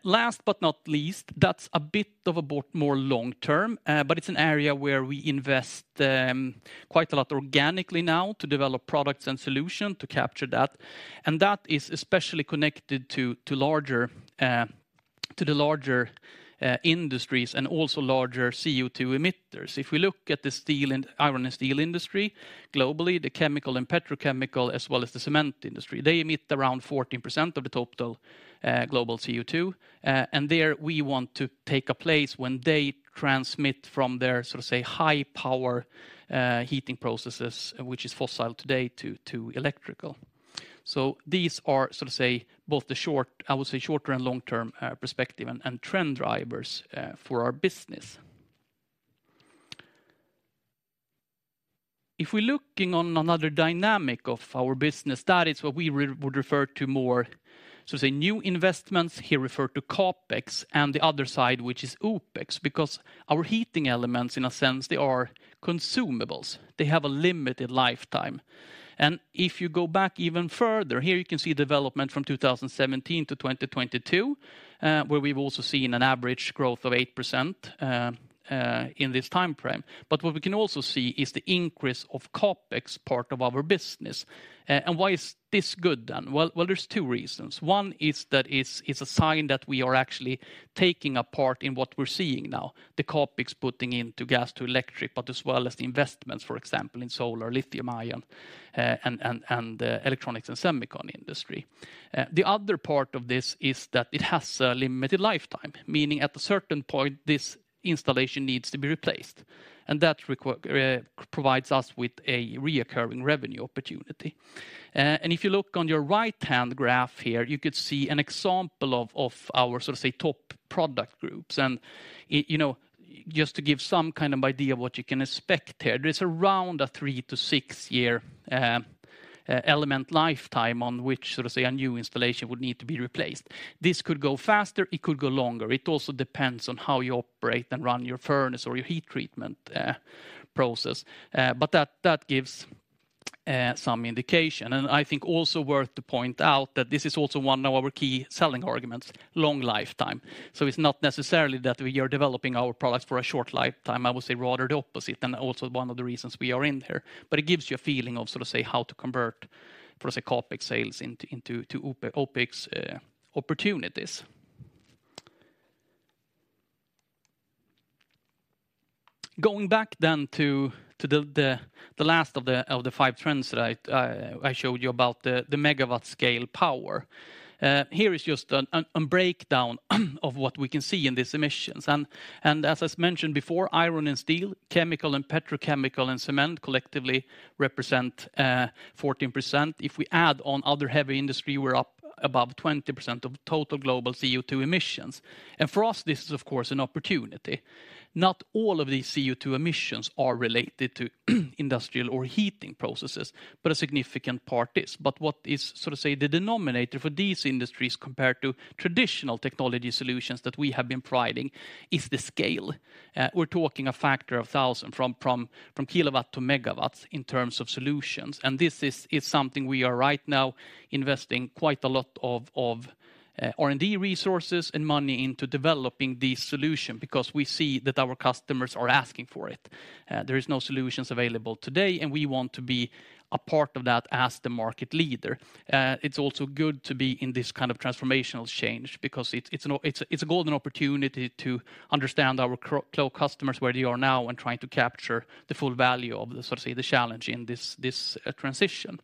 Last but not least, that's a bit of a more long term, but it's an area where we invest quite a lot organically now to develop products and solution to capture that, and that is especially connected to the larger industries and also larger CO2 emitters. If we look at the steel and iron and steel industry, globally, the chemical and petrochemical, as well as the cement industry, they emit around 14% of the total, global CO2. And there, we want to take a place when they transmit from their, sort of say, high power, heating processes, which is fossil today, to, to electrical. So these are, so to say, both the short, I would say, short-term and long-term, perspective and, and trend drivers, for our business. If we're looking on another dynamic of our business, that is what we would refer to more, so say, new investments, here refer to CapEx, and the other side, which is OpEx. Because our heating elements, in a sense, they are consumables. They have a limited lifetime. If you go back even further, here you can see development from 2017 to 2022, where we've also seen an average growth of 8%, in this timeframe. But what we can also see is the increase of CapEx part of our business. And why is this good then? Well, there's two reasons. One is that it's a sign that we are actually taking a part in what we're seeing now, the CapEx putting into gas to electric, but as well as the investments, for example, in solar, lithium-ion, and electronics and semicon industry. The other part of this is that it has a limited lifetime, meaning at a certain point, this installation needs to be replaced, and that requires us with a recurring revenue opportunity. And if you look on your right-hand graph here, you could see an example of, of our, sort of say, top product groups. You know, just to give some kind of idea of what you can expect here, there's around a three-six year element lifetime on which, sort of say, a new installation would need to be replaced. This could go faster, it could go longer. It also depends on how you operate and run your furnace or your heat treatment process. But that, that gives some indication. And I think also worth to point out that this is also one of our key selling arguments, long lifetime. So it's not necessarily that we are developing our products for a short lifetime, I would say rather the opposite, and also one of the reasons we are in here. But it gives you a feeling of, sort of say, how to convert, for say, CapEx sales into OpEx opportunities. Going back then to the last of the 5 trends that I showed you about the megawatt scale power. Here is just a breakdown of what we can see in these emissions. And as I mentioned before, iron and steel, chemical and petrochemical and cement collectively represent 14%. If we add on other heavy industry, we're up above 20% of total global CO2 emissions. And for us, this is of course an opportunity. Not all of these CO2 emissions are related to industrial or heating processes, but a significant part is. But what is, so to say, the denominator for these industries compared to traditional technology solutions that we have been providing is the scale. We're talking a factor of 1,000 from kilowatt to megawatts in terms of solutions, and this is something we are right now investing quite a lot of R&D resources and money into developing this solution because we see that our customers are asking for it. There is no solutions available today, and we want to be a part of that as the market leader. It's also good to be in this kind of transformational change because it's a golden opportunity to understand our customers, where they are now, and trying to capture the full value of the, so to say, the challenge in this transition.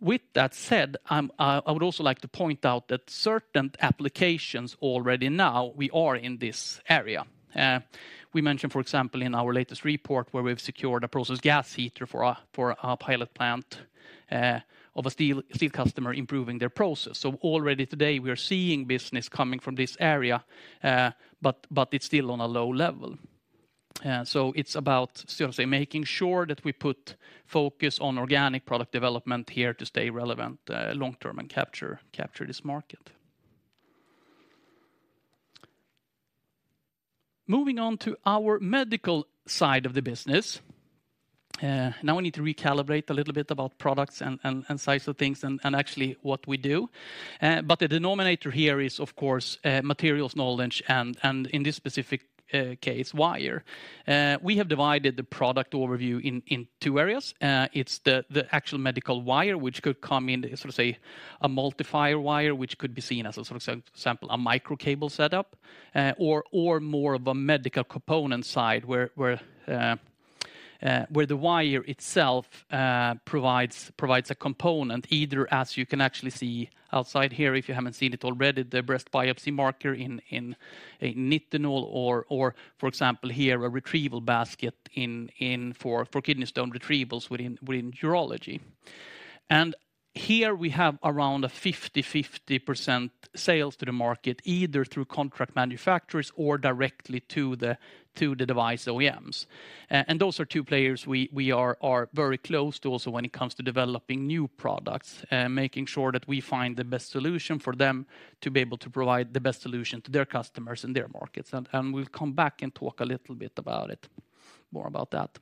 With that said, I would also like to point out that certain applications already now, we are in this area. We mentioned, for example, in our latest report, where we've secured a process gas heater for a pilot plant of a steel customer improving their process. So already today, we are seeing business coming from this area, but it's still on a low level. So it's about, so to say, making sure that we put focus on organic product development here to stay relevant long term and capture this market. Moving on to our medical side of the business, now we need to recalibrate a little bit about products and size of things and actually what we do. But the denominator here is, of course, materials knowledge and in this specific case, wire. We have divided the product overview in two areas. It's the actual medical wire, which could come in, sort of say, a multifilar wire, which could be seen as a, sort of say, example, a micro cable setup, or more of a medical component side, where the wire itself provides a component, either as you can actually see outside here, if you haven't seen it already, the breast biopsy marker in a Nitinol or, for example, here, a retrieval basket in for kidney stone retrievals within urology. And here we have around a 50/50% sales to the market, either through contract manufacturers or directly to the device OEMs. And those are two players we are very close to also when it comes to developing new products, making sure that we find the best solution for them to be able to provide the best solution to their customers and their markets. And we'll come back and talk a little bit about it, more about that.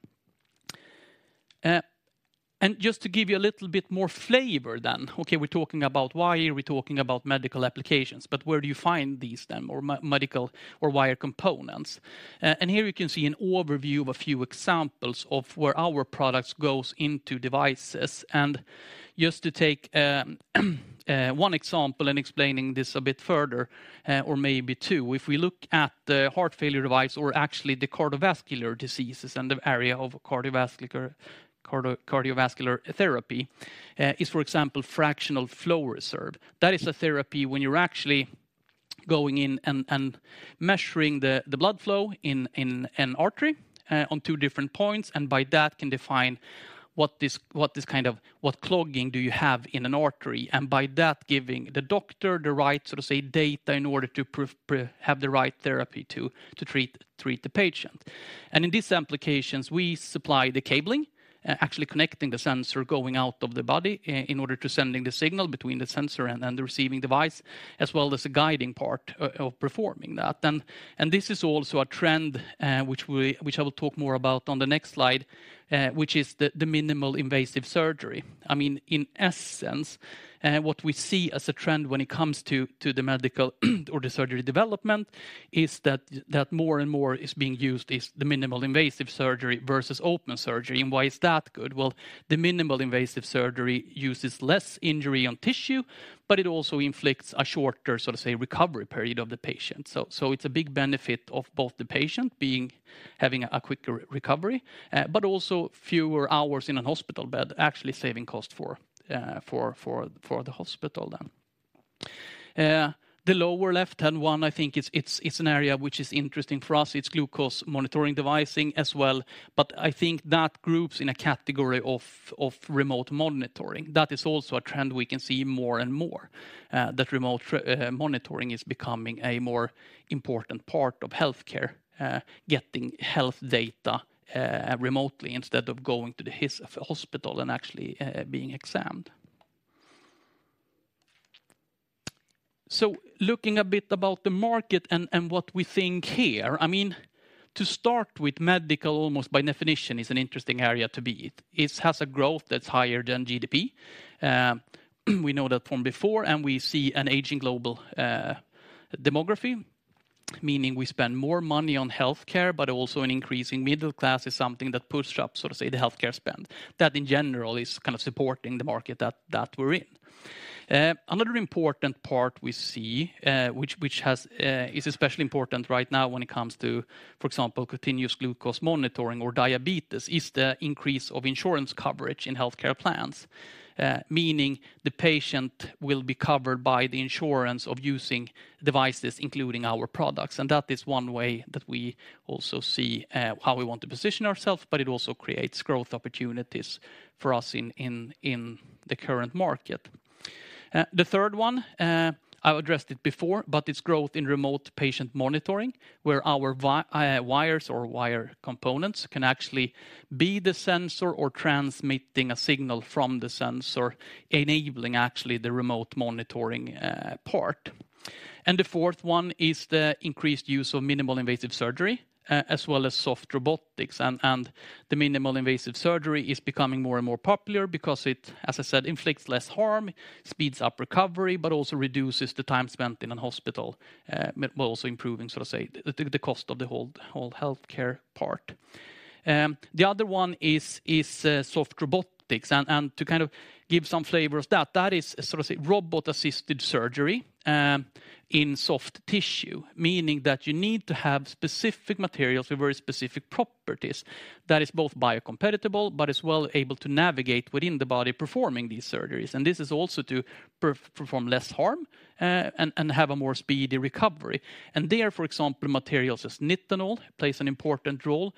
And just to give you a little bit more flavor then, okay, we're talking about wire, we're talking about medical applications, but where do you find these then, or medical or wire components? And here you can see an overview of a few examples of where our products goes into devices. And just to take one example in explaining this a bit further, or maybe two, if we look at the heart failure device or actually the cardiovascular diseases and the area of cardiovascular therapy, is, for example, fractional flow reserve. That is a therapy when you're actually going in and measuring the blood flow in an artery on two different points, and by that can define what kind of clogging do you have in an artery? And by that, giving the doctor the right, so to say, data in order to have the right therapy to treat the patient. And in these applications, we supply the cabling, actually connecting the sensor going out of the body in order to sending the signal between the sensor and the receiving device, as well as the guiding part of performing that. And this is also a trend, which I will talk more about on the next slide, which is the minimal invasive surgery. I mean, in essence, what we see as a trend when it comes to the medical or the surgery development, is that more and more is being used is the minimal invasive surgery versus open surgery. And why is that good? Well, the minimal invasive surgery uses less injury on tissue, but it also inflicts a shorter, so to say, recovery period of the patient. So it's a big benefit of both the patient being having a quicker recovery, but also fewer hours in a hospital bed, actually saving cost for the hospital then. The lower left-hand one, I think it's an area which is interesting for us. It's glucose monitoring devices as well, but I think that groups in a category of remote monitoring. That is also a trend we can see more and more, that remote monitoring is becoming a more important part of healthcare, getting health data remotely instead of going to the hospital and actually being examined. So looking a bit about the market and what we think here, I mean, to start with, medical, almost by definition, is an interesting area to be in. It has a growth that's higher than GDP. We know that from before, and we see an aging global demography, meaning we spend more money on healthcare, but also an increase in middle class is something that pushed up, so to say, the healthcare spend. That, in general, is kind of supporting the market that we're in. Another important part we see, which is especially important right now when it comes to, for example, continuous glucose monitoring or diabetes, is the increase of insurance coverage in healthcare plans, meaning the patient will be covered by the insurance of using devices, including our products. And that is one way that we also see how we want to position ourselves, but it also creates growth opportunities for us in the current market. The third one, I've addressed it before, but it's growth in remote patient monitoring, where our wires or wire components can actually be the sensor or transmitting a signal from the sensor, enabling actually the remote monitoring part. And the fourth one is the increased use of minimally invasive surgery, as well as soft robotics. And, and the minimally invasive surgery is becoming more and more popular because it, as I said, inflicts less harm, speeds up recovery, but also reduces the time spent in a hospital, while also improving, so to say, the cost of the whole healthcare part. The other one is soft robotics, and to kind of give some flavor of that, that is sort of say, robot-assisted surgery in soft tissue, meaning that you need to have specific materials with very specific properties that is both biocompatible, but as well able to navigate within the body performing these surgeries. And this is also to perform less harm and have a more speedy recovery. And there, for example, materials as Nitinol plays an important role,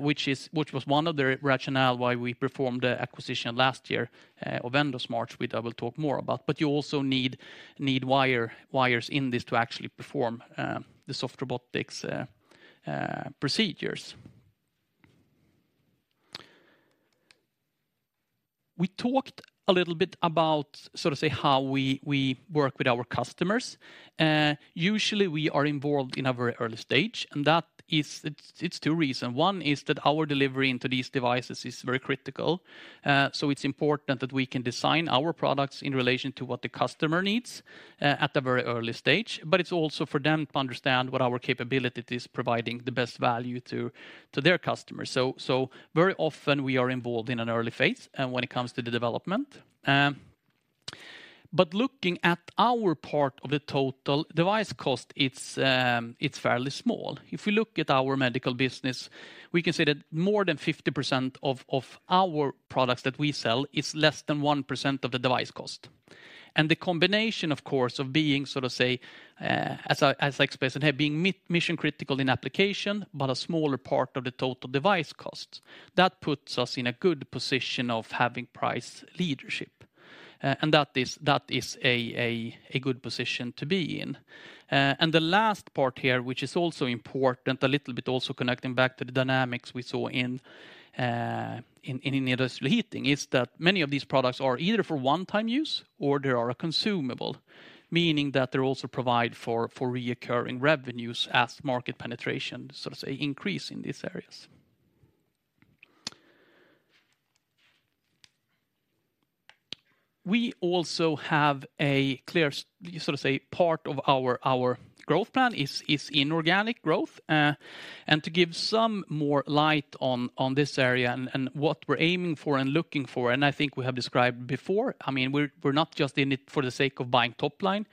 which was one of the rationale why we performed the acquisition last year of Endosmart, which I will talk more about. But you also need wire, wires in this to actually perform the soft robotics procedures. We talked a little bit about, so to say, how we work with our customers. Usually, we are involved in a very early stage, and that is. It's two reasons. One is that our delivery into these devices is very critical, so it's important that we can design our products in relation to what the customer needs at a very early stage, but it's also for them to understand what our capability is, providing the best value to their customers. So very often, we are involved in an early phase when it comes to the development. But looking at our part of the total device cost, it's fairly small. If we look at our medical business, we can say that more than 50% of our products that we sell is less than 1% of the device cost. And the combination, of course, of being, so to say, as I expressed, being mission critical in application, but a smaller part of the total device cost, that puts us in a good position of having price leadership, and that is a good position to be in. And the last part here, which is also important, a little bit also connecting back to the dynamics we saw in industrial heating, is that many of these products are either for one-time use or they are a consumable. Meaning that they also provide for recurring revenues as market penetration, so to say, increases in these areas. We also have a clear, so to say, part of our growth plan is inorganic growth. And to give some more light on this area and what we're aiming for and looking for, and I think we have described before, I mean, we're not just in it for the sake of buying top line.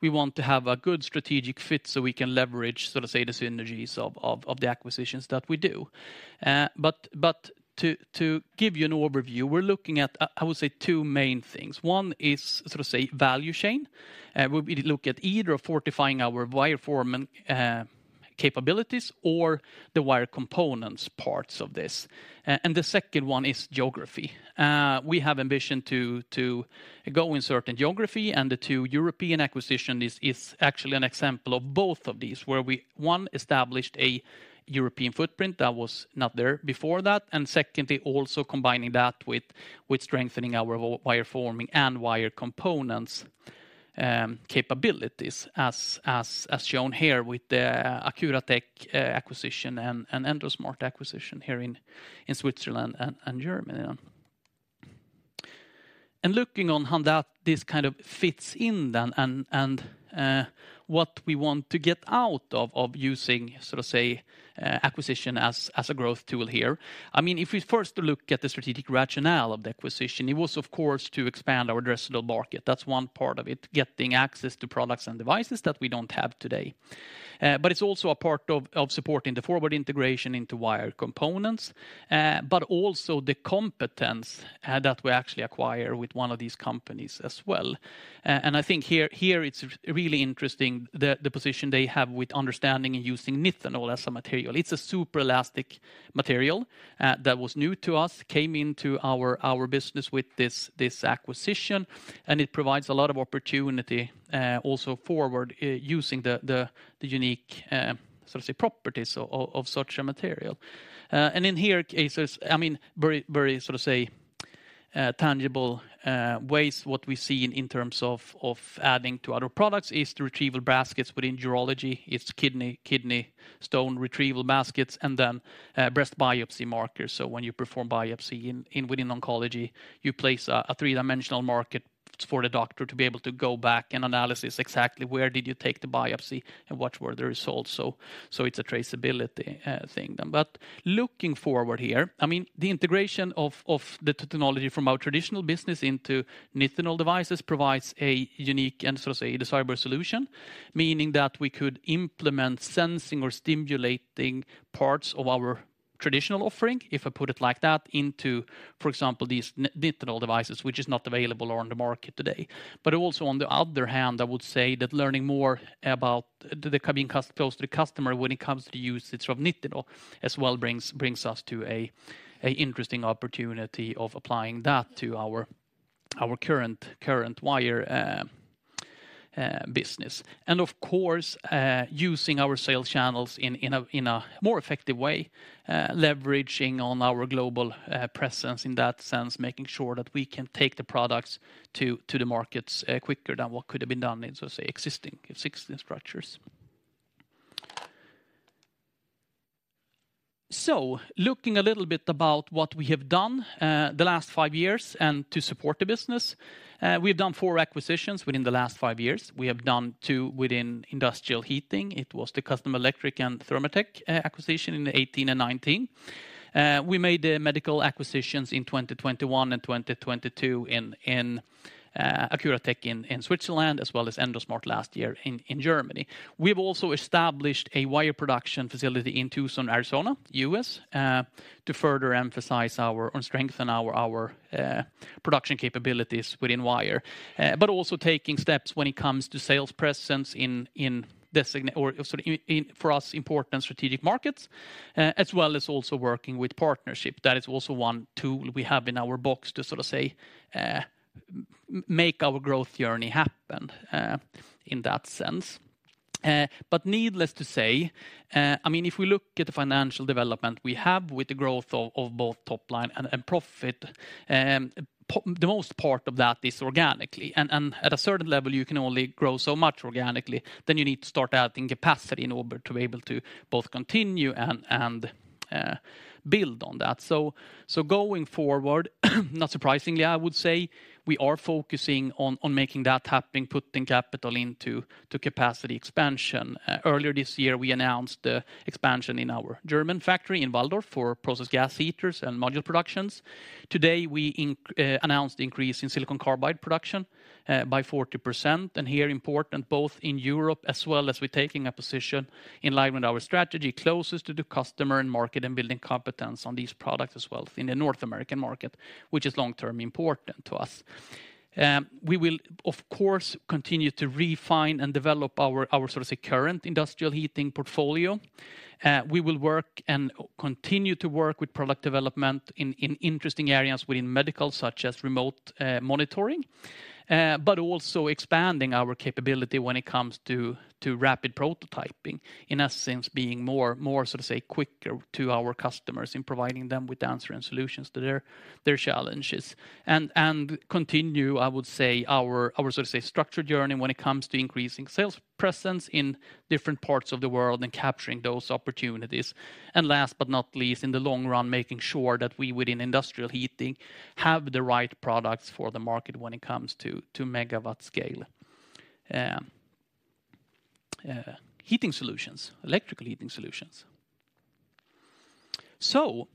We want to have a good strategic fit so we can leverage, so to say, the synergies of the acquisitions that we do. But to give you an overview, we're looking at, I would say, two main things. One is, so to say, value chain. We'll be looking at either fortifying our wire form and capabilities or the wire components parts of this. And the second one is geography. We have ambition to go in certain geography, and the two European acquisition is actually an example of both of these, where we, one, established a European footprint that was not there before that, and secondly, also combining that with strengthening our wire forming and wire components capabilities, as shown here with the Accuratech acquisition and Endosmart acquisition here in Switzerland and Germany. Looking on how that this kind of fits in then, and what we want to get out of using, sort of say, acquisition as a growth tool here. I mean, if we first look at the strategic rationale of the acquisition, it was, of course, to expand our addressable market. That's one part of it, getting access to products and devices that we don't have today. But it's also a part of supporting the forward integration into wire components, but also the competence that we actually acquire with one of these companies as well. And I think here, it's really interesting, the position they have with understanding and using Nitinol as a material. It's a super elastic material that was new to us, came into our business with this acquisition, and it provides a lot of opportunity also forward, using the unique, so to say, properties of such a material. And in these cases, I mean, very, very, so to say, tangible ways, what we see in terms of adding to other products is the retrieval baskets within urology. It's kidney stone retrieval baskets, and then breast biopsy markers. So when you perform biopsy within oncology, you place a three-dimensional marker for the doctor to be able to go back and analyze exactly where did you take the biopsy and what were the results. So it's a traceability thing then. But looking forward here, I mean, the integration of the technology from our traditional business into Nitinol devices provides a unique and, so to say, desirable solution, meaning that we could implement sensing or stimulating parts of our traditional offering, if I put it like that, into, for example, these Nitinol devices, which is not available on the market today. But also on the other hand, I would say that learning more about close to the customer when it comes to usage of Nitinol, as well, brings us to an interesting opportunity of applying that to our current wire business. And of course, using our sales channels in a more effective way, leveraging on our global presence in that sense, making sure that we can take the products to the markets quicker than what could have been done in, so to say, existing structures. So looking a little bit about what we have done the last five years and to support the business, we've done four acquisitions within the last five years. We have done two within industrial heating. It was the Custom Electric and Thermaltek acquisition in 2018 and 2019. We made the medical acquisitions in 2021 and 2022 in Accuratech in Switzerland, as well as Endosmart last year in Germany. We've also established a wire production facility in Tucson, Arizona, U.S., to further emphasize our, or strengthen our production capabilities within wire. But also taking steps when it comes to sales presence in design or, so in, for us, important strategic markets, as well as also working with partnership. That is also one tool we have in our box to sort of say, make our growth journey happen, in that sense. But needless to say, I mean, if we look at the financial development we have with the growth of both top line and profit, for the most part of that is organically, and at a certain level, you can only grow so much organically, then you need to start adding capacity in order to be able to both continue and build on that. So going forward, not surprisingly, I would say, we are focusing on making that happen, putting capital into capacity expansion. Earlier this year, we announced the expansion in our German factory in Walldorf for process gas heaters and module production. Today, we announced the increase in silicon carbide production by 40%, and here important both in Europe as well as we're taking a position in line with our strategy, closest to the customer and market, and building competence on these products as well in the North American market, which is long-term important to us. We will, of course, continue to refine and develop our, our sort of say, current industrial heating portfolio. We will work and continue to work with product development in, in interesting areas within medical, such as remote monitoring, but also expanding our capability when it comes to, to rapid prototyping. In essence, being more, more, so to say, quicker to our customers in providing them with the answer and solutions to their, their challenges. Continue, I would say, our sort of, say, structured journey when it comes to increasing sales presence in different parts of the world and capturing those opportunities. And last but not least, in the long run, making sure that we, within industrial heating, have the right products for the market when it comes to megawatt scale heating solutions, electrical heating solutions. So,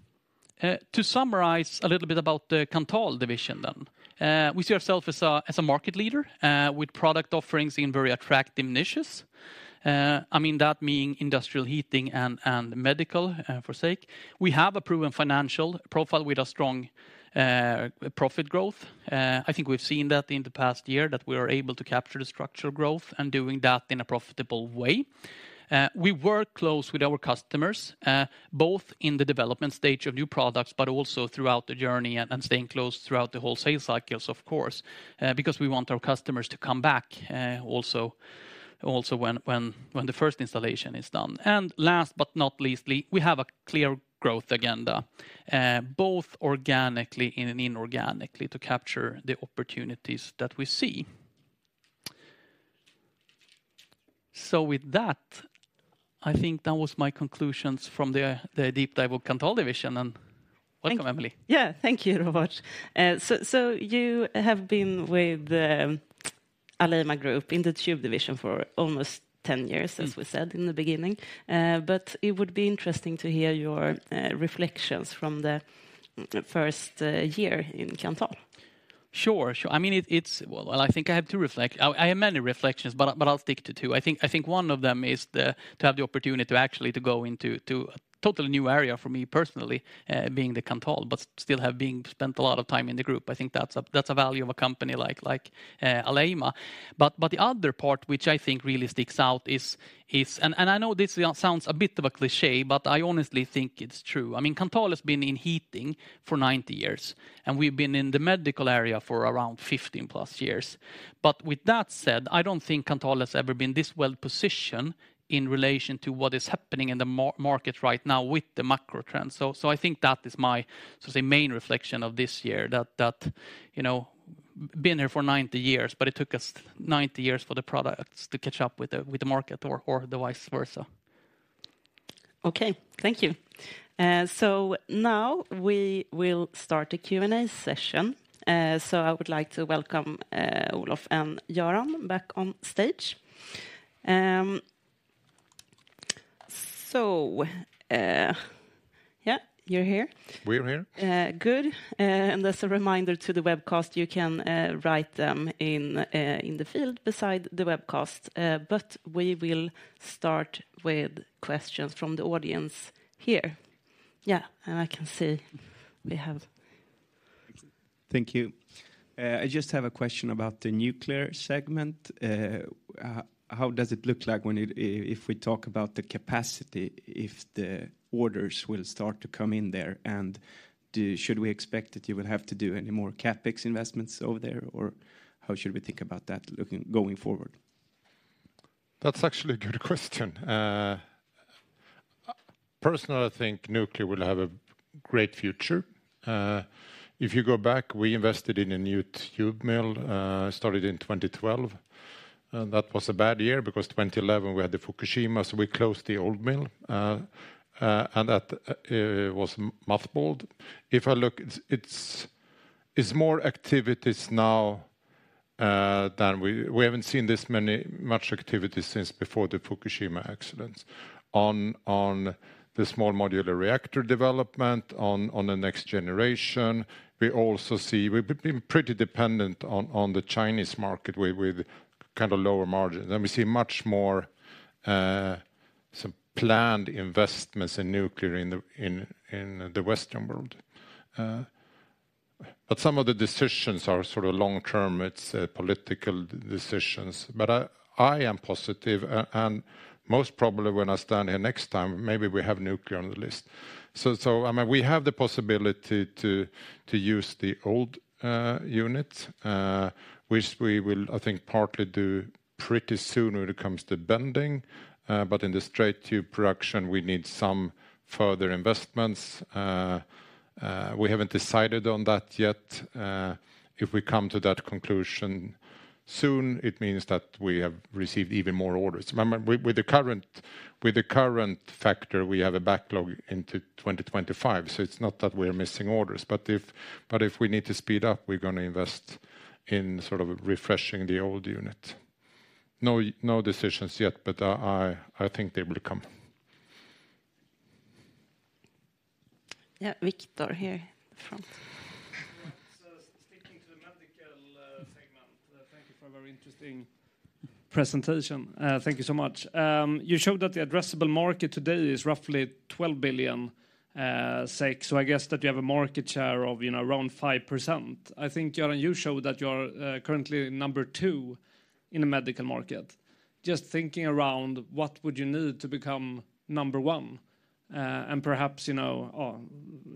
to summarize a little bit about the Kanthal division then. We see ourselves as a market leader with product offerings in very attractive niches. I mean, that meaning industrial heating and medical, for short. We have a proven financial profile with a strong profit growth. I think we've seen that in the past year, that we are able to capture the structural growth and doing that in a profitable way. We work close with our customers, both in the development stage of new products, but also throughout the journey and staying close throughout the whole sales cycles, of course. Because we want our customers to come back, also when the first installation is done. And last but not leastly, we have a clear growth agenda, both organically and inorganically, to capture the opportunities that we see. So with that, I think that was my conclusions from the deep dive of Kanthal division, and welcome, Emelie. Yeah. Thank you, Robert. So, you have been with the Alleima Group in the Tube division for almost ten years as we said in the beginning. But it would be interesting to hear your reflections from the first year in Kanthal. Sure, sure. I mean, it's well, well, I think I have two reflections. I have many reflections, but I'll stick to two. I think one of them is to have the opportunity to actually go into a totally new area for me personally, being the Kanthal, but still have been spent a lot of time in the group. I think that's a value of a company like Alleima. But the other part, which I think really sticks out, is. And I know this sounds a bit of a cliché, but I honestly think it's true. I mean, Kanthal has been in heating for 90 years, and we've been in the medical area for around 15+ years. But with that said, I don't think Kanthal has ever been this well-positioned in relation to what is happening in the market right now with the macro trends. So I think that is my, so say, main reflection of this year, that you know, been there for 90 years, but it took us 90 years for the products to catch up with the market or vice versa. Okay, thank you. So now we will start the Q&A session. So I would like to welcome Olof and Göran back on stage. Yeah, you're here? We're here. Good. And as a reminder to the webcast, you can write them in the field beside the webcast, but we will start with questions from the audience here. Yeah, and I can see we have. Thank you. I just have a question about the nuclear segment. How does it look like when it, if we talk about the capacity, if the orders will start to come in there, and should we expect that you will have to do any more CapEx investments over there, or how should we think about that looking, going forward? That's actually a good question. Personally, I think nuclear will have a great future. If you go back, we invested in a new tube mill, started in 2012, and that was a bad year because 2011, we had the Fukushima, so we closed the old mill. And that was mothballed. If I look, it's more activities now than we. We haven't seen this many, much activity since before the Fukushima accidents. On the small modular reactor development, on the next generation, we also see- we've been pretty dependent on the Chinese market with kind of lower margins, then we see much more some planned investments in nuclear in the Western world. But some of the decisions are sort of long term. It's political decisions. But I am positive, and most probably when I stand here next time, maybe we have nuclear on the list. So, I mean, we have the possibility to use the old unit, which we will, I think, partly do pretty soon when it comes to bending. But in the straight tube production, we need some further investments. We haven't decided on that yet. If we come to that conclusion soon, it means that we have received even more orders. Remember, with the current factor, we have a backlog into 2025, so it's not that we're missing orders, but if we need to speed up, we're gonna invest in sort of refreshing the old unit. No decisions yet, but I think they will come. Yeah, Viktor, here in front. So sticking to the medical segment, thank you for a very interesting presentation. Thank you so much. You showed that the addressable market today is roughly 12 billion. So I guess that you have a market share of, you know, around 5%. I think, Göran, you showed that you are currently number two in the medical market. Just thinking around, what would you need to become number one, and perhaps, you know, or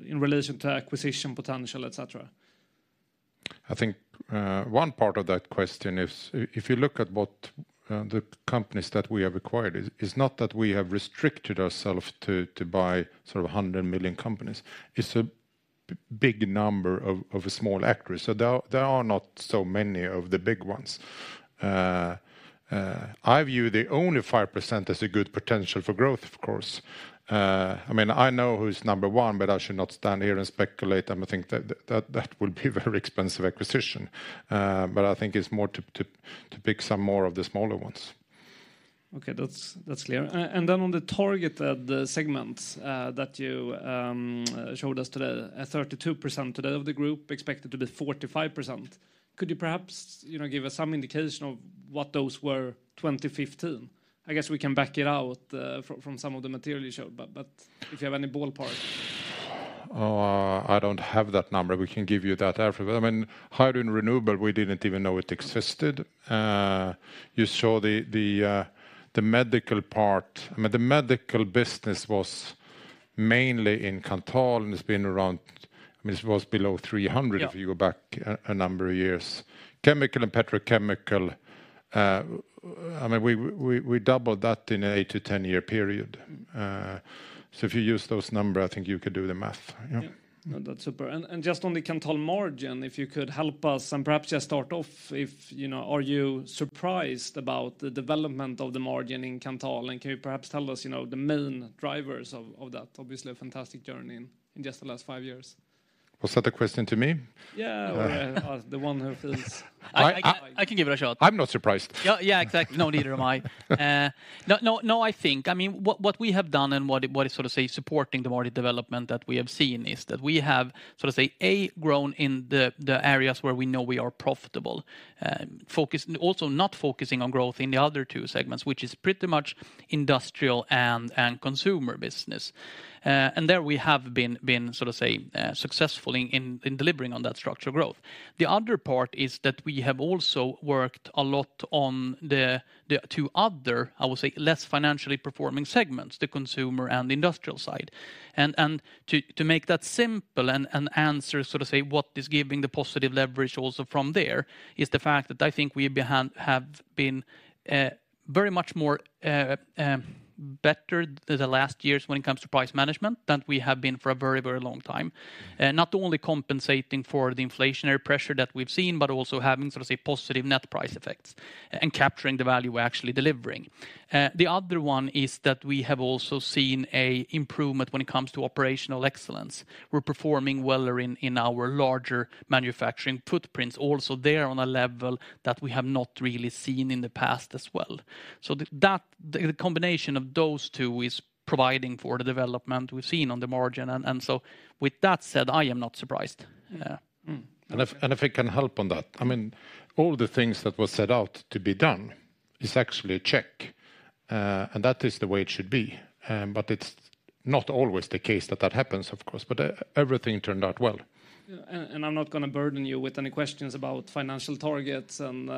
in relation to acquisition potential, et cetera? I think one part of that question is if you look at what the companies that we have acquired is not that we have restricted ourselves to buy sort of 100 million companies. It's a big number of small actors, so there are not so many of the big ones. I view the only 5% as a good potential for growth, of course. I mean, I know who's number one, but I should not stand here and speculate, and I think that would be very expensive acquisition. But I think it's more to pick some more of the smaller ones. Okay, that's, that's clear. And then on the targeted segments that you showed us today, at 32% today of the group, expected to be 45%. Could you perhaps, you know, give us some indication of what those were 2015? I guess we can back it out from some of the material you showed, but if you have any ballpark. I don't have that number. We can give you that after. But I mean, hydro and renewable, we didn't even know it existed. You saw the medical part, I mean, the medical business was mainly in Kanthal, and it's been around I mean, it was below 300 if you go back a number of years. Chemical and petrochemical, I mean, we doubled that in a eight-10 year period. So if you use those number, I think you could do the math. Yeah. Yeah. No, that's super. And just on the Kanthal margin, if you could help us, and perhaps just start off, you know, are you surprised about the development of the margin in Kanthal? And can you perhaps tell us, you know, the main drivers of that obviously fantastic journey in just the last five years? Was that a question to me? Yeah, the one who feels. I can give it a shot. I'm not surprised. Yeah, yeah, exactly. No, neither am I. No, no, no, I think I mean, what we have done and what is sort of say supporting the margin development that we have seen is that we have sort of say A grown in the areas where we know we are profitable. Also not focusing on growth in the other two segments, which is pretty much industrial and consumer business. And there we have been successful in delivering on that structural growth. The other part is that we have also worked a lot on the two other, I would say, less financially performing segments, the consumer and industrial side. To make that simple and answer, sort of say, what is giving the positive leverage also from there, is the fact that I think we behind have been very much more better the last years when it comes to price management than we have been for a very, very long time. Not only compensating for the inflationary pressure that we've seen, but also having, sort of say, positive net price effects, and capturing the value we're actually delivering. The other one is that we have also seen an improvement when it comes to operational excellence. We're performing better in our larger manufacturing footprints, also there on a level that we have not really seen in the past as well. So, that combination of those two is providing for the development we've seen on the margin. And so with that said, I am not surprised, yeah. If I can help on that, I mean, all the things that were set out to be done is actually a check, and that is the way it should be. But it's not always the case that that happens, of course, but everything turned out well. Yeah. And I'm not gonna burden you with any questions about financial targets and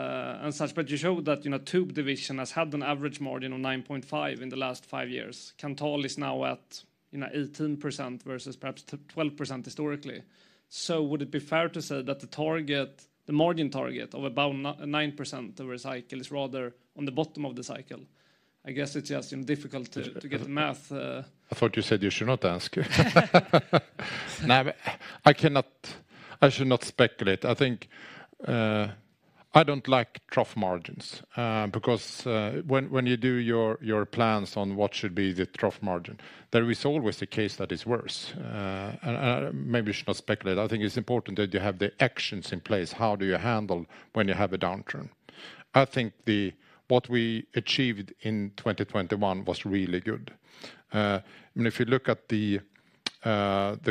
such. But you showed that, you know, tube division has had an average margin of 9.5% in the last five years. Kanthal is now at, you know, 18% versus perhaps twelve percent historically. So would it be fair to say that the target, the margin target of about nine percent over a cycle is rather on the bottom of the cycle? I guess it's just, you know, difficult to get the math. I thought you said you should not ask. No, I cannot. I should not speculate. I think, I don't like trough margins, because when you do your plans on what should be the trough margin, there is always a case that is worse. And maybe we should not speculate. I think it's important that you have the actions in place. How do you handle when you have a downturn? I think what we achieved in 2021 was really good. And if you look at the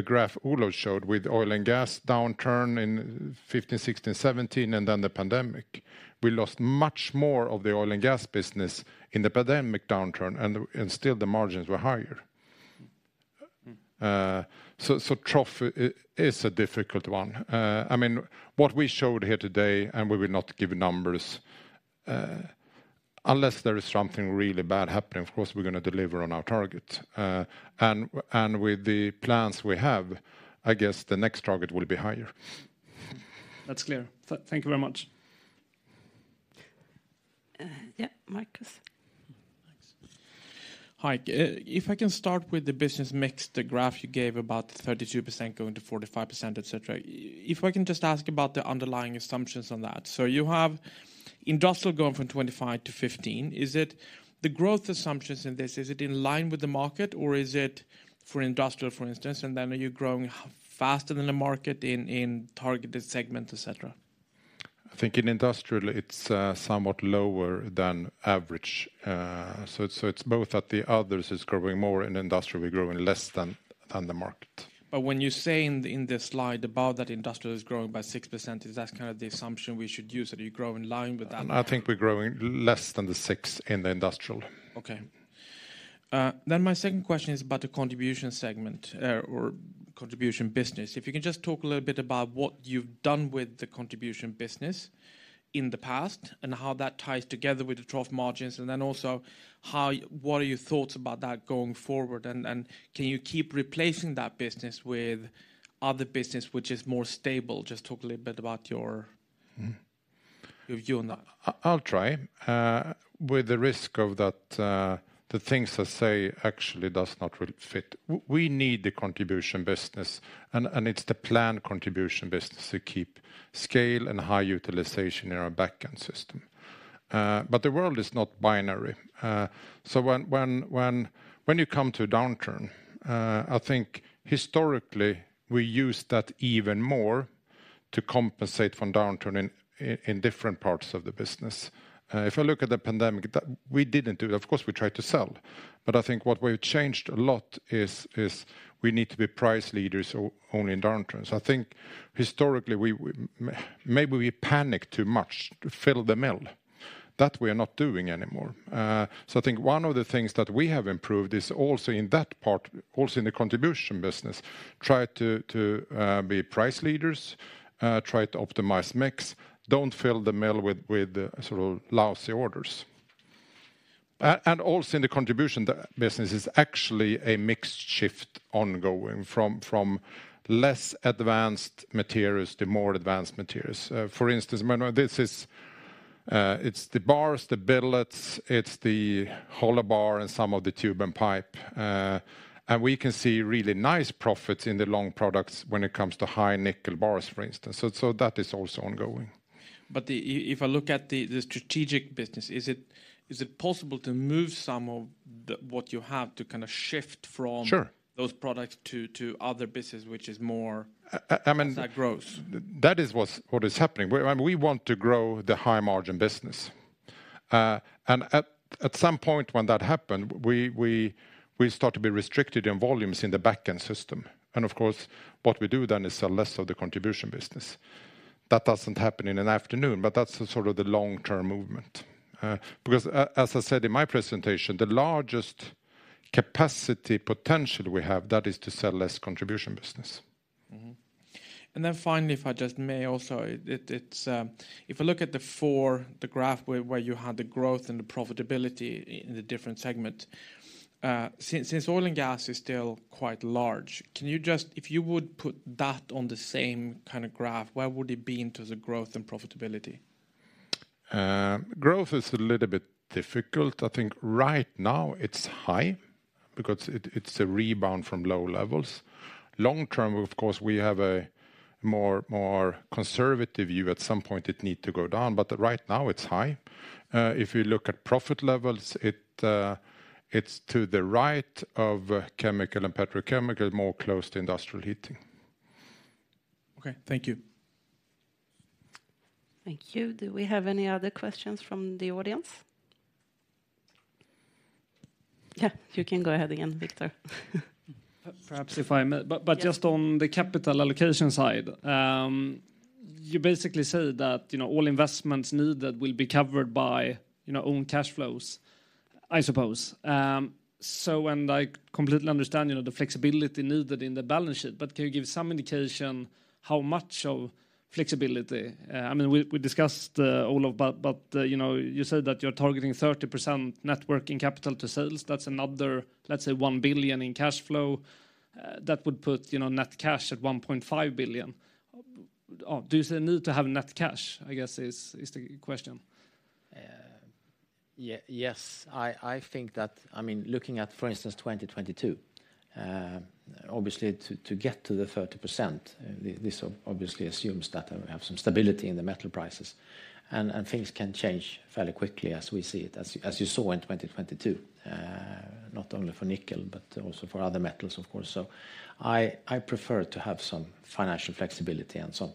graph Olof showed with oil and gas downturn in 2015, 2016, 2017, and then the pandemic, we lost much more of the oil and gas business in the pandemic downturn, and still the margins were higher. So, trough is a difficult one. I mean, what we showed here today, and we will not give numbers unless there is something really bad happening, of course, we're gonna deliver on our target. And with the plans we have, I guess the next target will be higher. That's clear. Thank you very much. Yeah, Marcus. Thanks. Hi. If I can start with the business mix, the graph you gave about 32% going to 45%, et cetera. If I can just ask about the underlying assumptions on that. So you have industrial going from 25 to 15. Is it the growth assumptions in this, is it in line with the market, or is it for industrial, for instance, and then are you growing faster than the market in, in targeted segments, et cetera? I think in industrial, it's somewhat lower than average. So it's both that the others is growing more, in industrial, we're growing less than the market. But when you say in the slide about that industrial is growing by 6%, is that kind of the assumption we should use, that you're growing in line with that? I think we're growing less than the six in the industrial. Okay. Then my second question is about the contribution segment, or contribution business. If you can just talk a little bit about what you've done with the contribution business in the past, and how that ties together with the trough margins, and then also, what are your thoughts about that going forward? And can you keep replacing that business with other business, which is more stable? Just talk a little bit about your view on that. I'll try with the risk of that, the things I say actually does not really fit. We need the contribution business, and it's the planned contribution business to keep scale and high utilization in our backend system. But the world is not binary. So when you come to a downturn, I think historically, we use that even more to compensate from downturn in different parts of the business. If I look at the pandemic, that we didn't do, of course, we tried to sell, but I think what we've changed a lot is we need to be price leaders only in downturns. I think historically, we maybe panic too much to fill the mill. That we are not doing anymore. So I think one of the things that we have improved is also in that part, also in the commodity business, try to, to, be price leaders, try to optimize mix, don't fill the mill with the sort of lousy orders. And also in the commodity, the business is actually a mix shift ongoing from less advanced materials to more advanced materials. For instance, when this is, it's the bars, the billets, it's the hollow bar and some of the tube and pipe. And we can see really nice profits in the long products when it comes to high nickel bars, for instance. So that is also ongoing. But if I look at the strategic business, is it possible to move some of the, what you have to kind of shift from those products to other business, which is more that grows? That is what's happening. And we want to grow the high-margin business. And at some point when that happened, we start to be restricted in volumes in the backend system. And of course, what we do then is sell less of the contribution business. That doesn't happen in an afternoon, but that's the sort of the long-term movement. Because as I said in my presentation, the largest capacity potential we have, that is to sell less contribution business. Mm-hmm. Then finally, if I just may also, it's, if I look at the four, the graph where you had the growth and the profitability in the different segment, since oil and gas is still quite large, can you just, If you would put that on the same kind of graph, where would it be into the growth and profitability? Growth is a little bit difficult. I think right now it's high because it, it's a rebound from low levels. Long term, of course, we have a more, more conservative view. At some point, it need to go down, but right now it's high. If you look at profit levels, it, it's to the right of, chemical and petrochemical, more close to industrial heating. Okay, thank you. Thank you. Do we have any other questions from the audience? Yeah, you can go ahead again, Viktor. Perhaps if I may but just on the capital allocation side, you basically say that, you know, all investments needed will be covered by, you know, own cash flows, I suppose. I completely understand, you know, the flexibility needed in the balance sheet, but can you give some indication how much of flexibility? I mean, we, we discussed all of that, but, you know, you said that you're targeting 30% net working capital to sales. That's another, let's say, 1 billion in cash flow. That would put, you know, net cash at 1.5 billion. Do you say need to have net cash, I guess, is the question? Yes, I think that, I mean, looking at, for instance, 2022, obviously to get to the 30%, this obviously assumes that we have some stability in the metal prices, and things can change fairly quickly as we see it, as you saw in 2022, not only for nickel but also for other metals, of course. So I prefer to have some financial flexibility and so,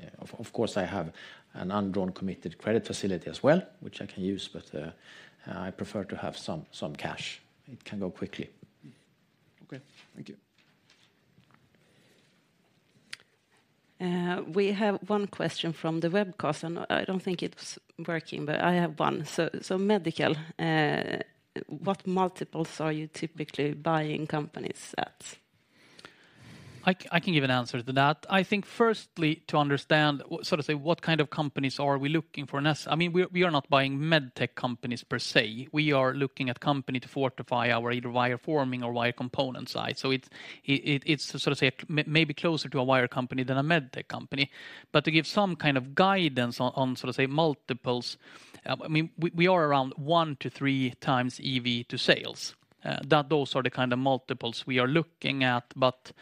yeah. Of course, I have an undrawn committed credit facility as well, which I can use, but I prefer to have some cash. It can go quickly. Okay. Thank you. We have one question from the webcast, and I don't think it's working, but I have one. So, so medical, what multiples are you typically buying companies at? I can give an answer to that. I think firstly, to understand so to say, what kind of companies are we looking for in this? I mean, we, we are not buying med tech companies per se. We are looking at company to fortify our either wire forming or wire component side. So it's, it's sort of say, maybe closer to a wire company than a med tech company. But to give some kind of guidance on, on, sort of say, multiples, I mean, we, we are around 1-3x EV to sales. That, those are the kind of multiples we are looking at, but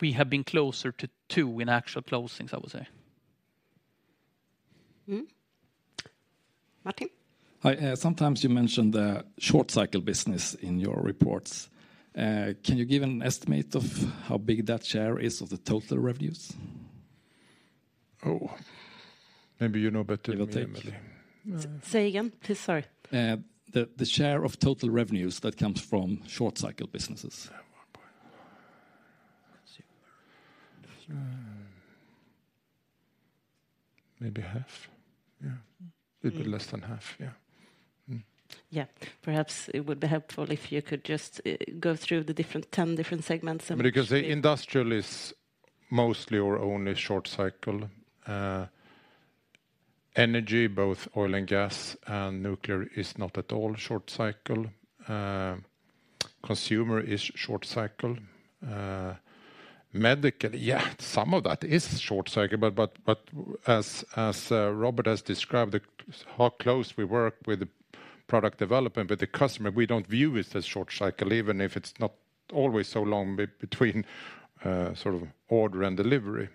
we have been closer to 2 in actual closings, I would say. Mm-hmm. Martin? Hi, sometimes you mention the short cycle business in your reports. Can you give an estimate of how big that share is of the total revenues? Oh, maybe you know better than me, Emelie. Say again, please, sorry. The share of total revenues that comes from short cycle businesses. Maybe half, yeah. Little less than half, yeah. Mm. Yeah. Perhaps it would be helpful if you could just go through the different 10 different segments and. Because the industrial is mostly or only short cycle. Energy, both oil and gas, and nuclear is not at all short cycle. Consumer is short cycle. Medical, yeah, some of that is short cycle, but, but, but as, as, Robert has described, the, how close we work with the product development, with the customer, we don't view it as short cycle, even if it's not always so long between, sort of order and delivery.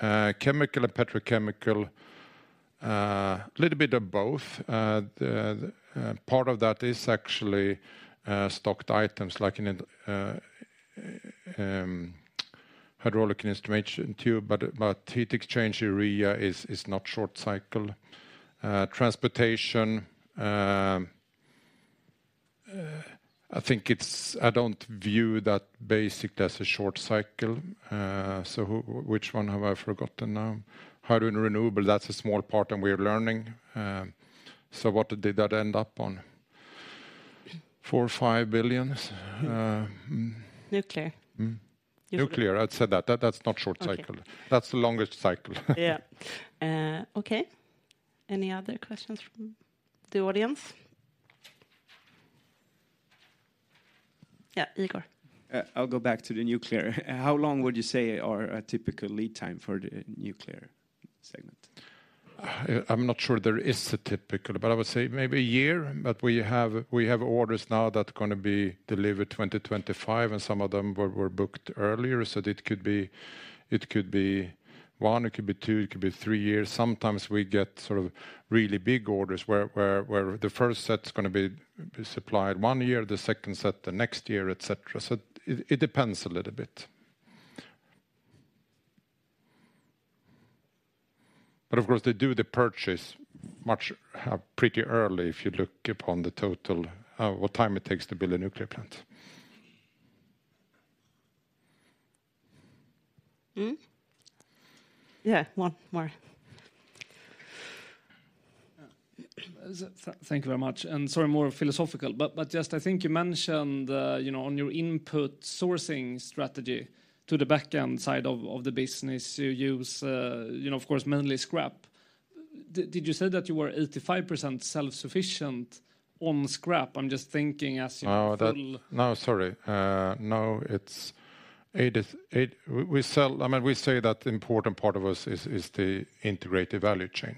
Chemical and petrochemical. A little bit of both. The part of that is actually stocked items, like in hydraulic instrumentation, too, but, but heat exchange area is, is not short cycle. Transportation, I think it's I don't view that basic as a short cycle. So who, which one have I forgotten now? Hydrogen and renewable, that's a small part, and we are learning. So what did that end up on? 4 billion or 5 billion. Nuclear. Nuclear, I'd said that. That, that's not short cycle. Okay. That's the longest cycle. Yeah. Okay. Any other questions from the audience? Yeah, Igor. I'll go back to the nuclear. How long would you say are a typical lead time for the nuclear segment? I'm not sure there is a typical, but I would say maybe a year. But we have orders now that are gonna be delivered 2025, and some of them were booked earlier. So it could be one, it could be two, it could be three years. Sometimes we get sort of really big orders where the first set's gonna be supplied one year, the second set the next year, et cetera. So it depends a little bit. But of course, they do the purchase much pretty early, if you look upon the total what time it takes to build a nuclear plant. Mm. Yeah, one more. Yeah. Thank you very much, and sorry, more philosophical. But just I think you mentioned, you know, on your input sourcing strategy to the back-end side of the business, you use, you know, of course, mainly scrap. Did you say that you were 85% self-sufficient on scrap? I'm just thinking as you full. No, sorry. We sell I mean, we say that important part of us is the integrated value chain,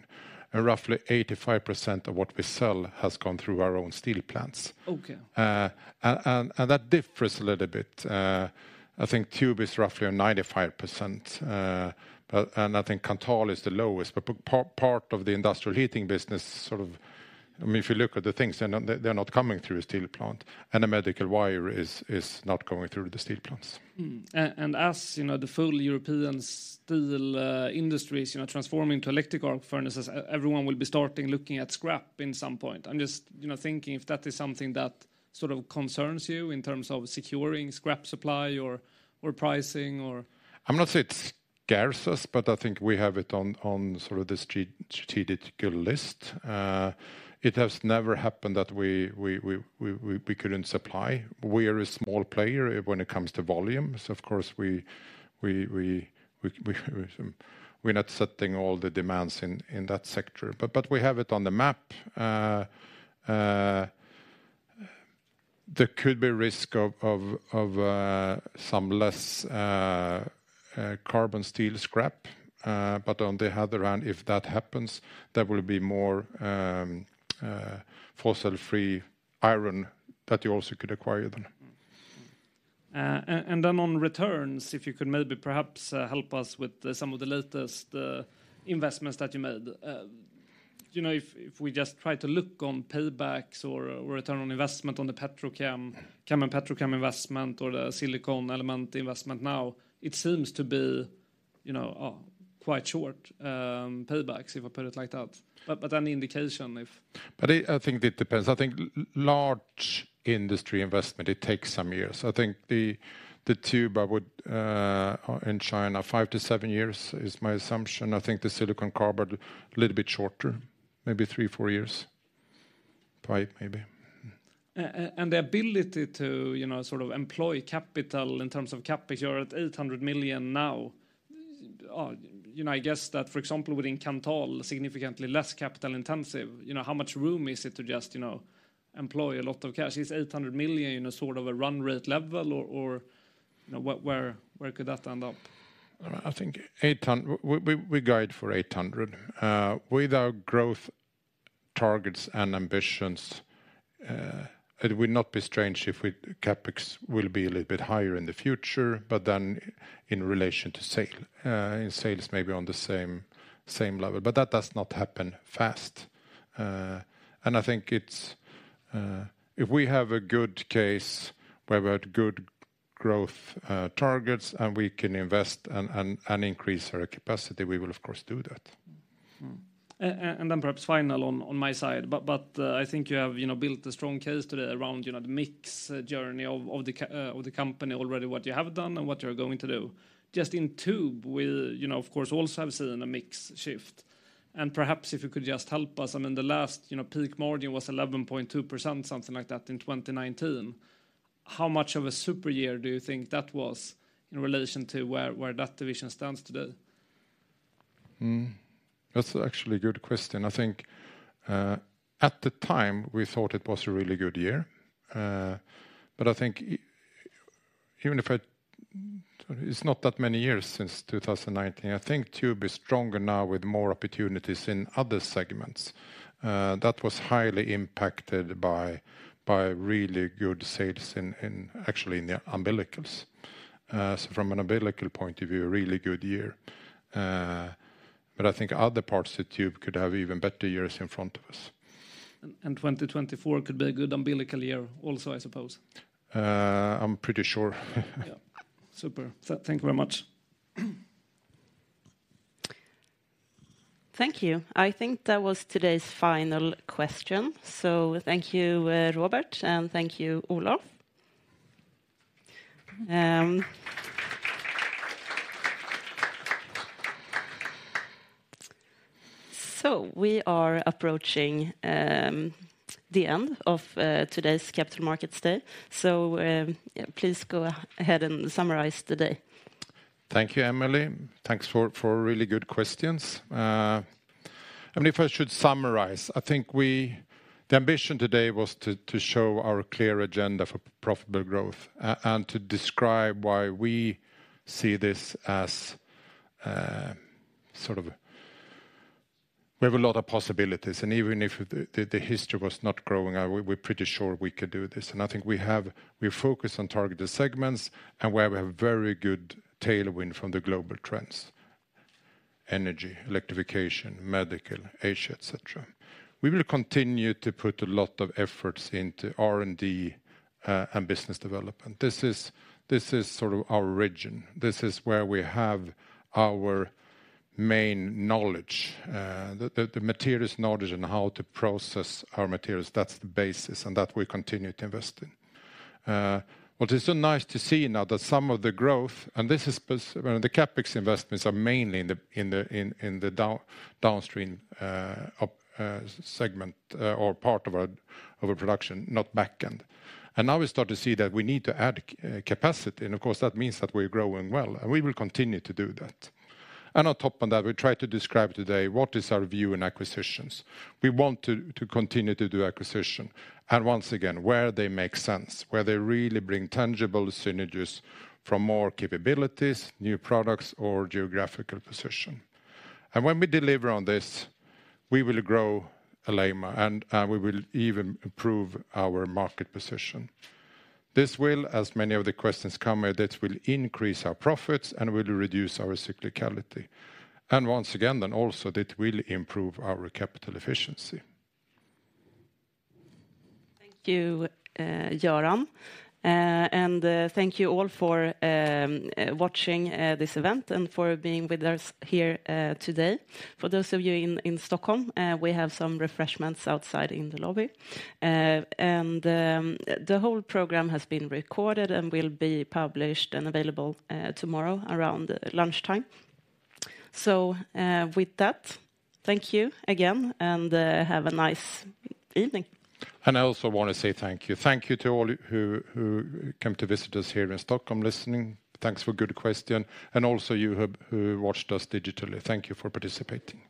and roughly 85% of what we sell has gone through our own steel plants. Okay. That differs a little bit. I think tube is roughly 95%, but I think Kanthal is the lowest. But part of the industrial heating business, sort of I mean, if you look at the things, they're not coming through a steel plant, and the medical wire is not going through the steel plants. And as you know, the full European steel industries, you know, transforming to electric arc furnaces, everyone will be starting looking at scrap in some point. I'm just, you know, thinking if that is something that sort of concerns you in terms of securing scrap supply or, or pricing, or? I'm not saying it scares us, but I think we have it on, on sort of the strategic list. It has never happened that we couldn't supply. We are a small player when it comes to volume, so of course, we're not setting all the demands in that sector. But we have it on the map. There could be risk of some less carbon steel scrap. But on the other hand, if that happens, there will be more fossil-free iron that you also could acquire then. And then on returns, if you could maybe perhaps help us with some of the latest investments that you made. You know, if we just try to look on paybacks or return on investment on the petrochem common petrochem investment or the silicon element investment now, it seems to be, you know, quite short, paybacks, if I put it like that. But, but any indication if. But I think it depends. I think large industry investment, it takes some years. I think the tube, I would in China, five-seven years is my assumption. I think the silicon carbide, a little bit shorter, maybe three, four years, five maybe. And the ability to, you know, sort of employ capital in terms of CapEx, you're at 800 million now. You know, I guess that, for example, within Kanthal, significantly less capital intensive. You know, how much room is it to just, you know, employ a lot of cash? Is 800 million a sort of a run rate level or, you know, where could that end up? I think we guide for 800. With our growth targets and ambitions, it would not be strange if CapEx will be a little bit higher in the future, but then in relation to sales, in sales, maybe on the same level. But that does not happen fast. And I think it's if we have a good case where we have good growth targets, and we can invest and increase our capacity, we will of course do that. Mm-hmm. And then perhaps final on my side, I think you have, you know, built a strong case today around, you know, the mix journey of the company already, what you have done and what you're going to do. Just in Tube, we, you know, of course, also have seen a mix shift, and perhaps if you could just help us. I mean, the last, you know, peak margin was 11.2%, something like that, in 2019. How much of a super year do you think that was in relation to where that division stands today? Hmm. That's actually a good question. I think, at the time, we thought it was a really good year. But I think It's not that many years since 2019. I think tube is stronger now, with more opportunities in other segments. That was highly impacted by really good sales in actually in the umbilicals. So from an umbilical point of view, a really good year. But I think other parts of the tube could have even better years in front of us. And, 2024 could be a good umbilical year also, I suppose? I'm pretty sure. Yeah. Super. So thank you very much. Thank you. I think that was today's final question, so thank you, Robert, and thank you, Olof. So we are approaching the end of today's Capital Markets Day. So, yeah, please go ahead and summarize the day. Thank you, Emily. Thanks for really good questions. I mean, if I should summarize, I think the ambition today was to show our clear agenda for profitable growth and to describe why we see this as sort of we have a lot of possibilities, and even if the history was not growing, we're pretty sure we could do this. I think we focus on targeted segments and where we have very good tailwind from the global trends: energy, electrification, medical, Asia, et cetera. We will continue to put a lot of efforts into R&D and business development. This is sort of our origin. This is where we have our main knowledge, the materials knowledge and how to process our materials. That's the basis, and that we continue to invest in. What is so nice to see now that some of the growth, and this is well, the CapEx investments are mainly in the downstream upstream segment or part of our production, not back-end. And now we start to see that we need to add capacity, and of course, that means that we're growing well, and we will continue to do that. And on top of that, we tried to describe today what is our view in acquisitions. We want to continue to do acquisition, and once again, where they make sense, where they really bring tangible synergies from more capabilities, new products, or geographical position. And when we deliver on this, we will grow Alleima, and we will even improve our market position. This will, as many of the questions come, that will increase our profits and will reduce our cyclicality. And once again, then also it will improve our capital efficiency. Thank you, Göran, and thank you all for watching this event and for being with us here today. For those of you in Stockholm, we have some refreshments outside in the lobby. And the whole program has been recorded and will be published and available tomorrow around lunchtime. So, with that, thank you again, and have a nice evening. I also want to say thank you. Thank you to all who came to visit us here in Stockholm, listening. Thanks for good question, and also you who watched us digitally. Thank you for participating.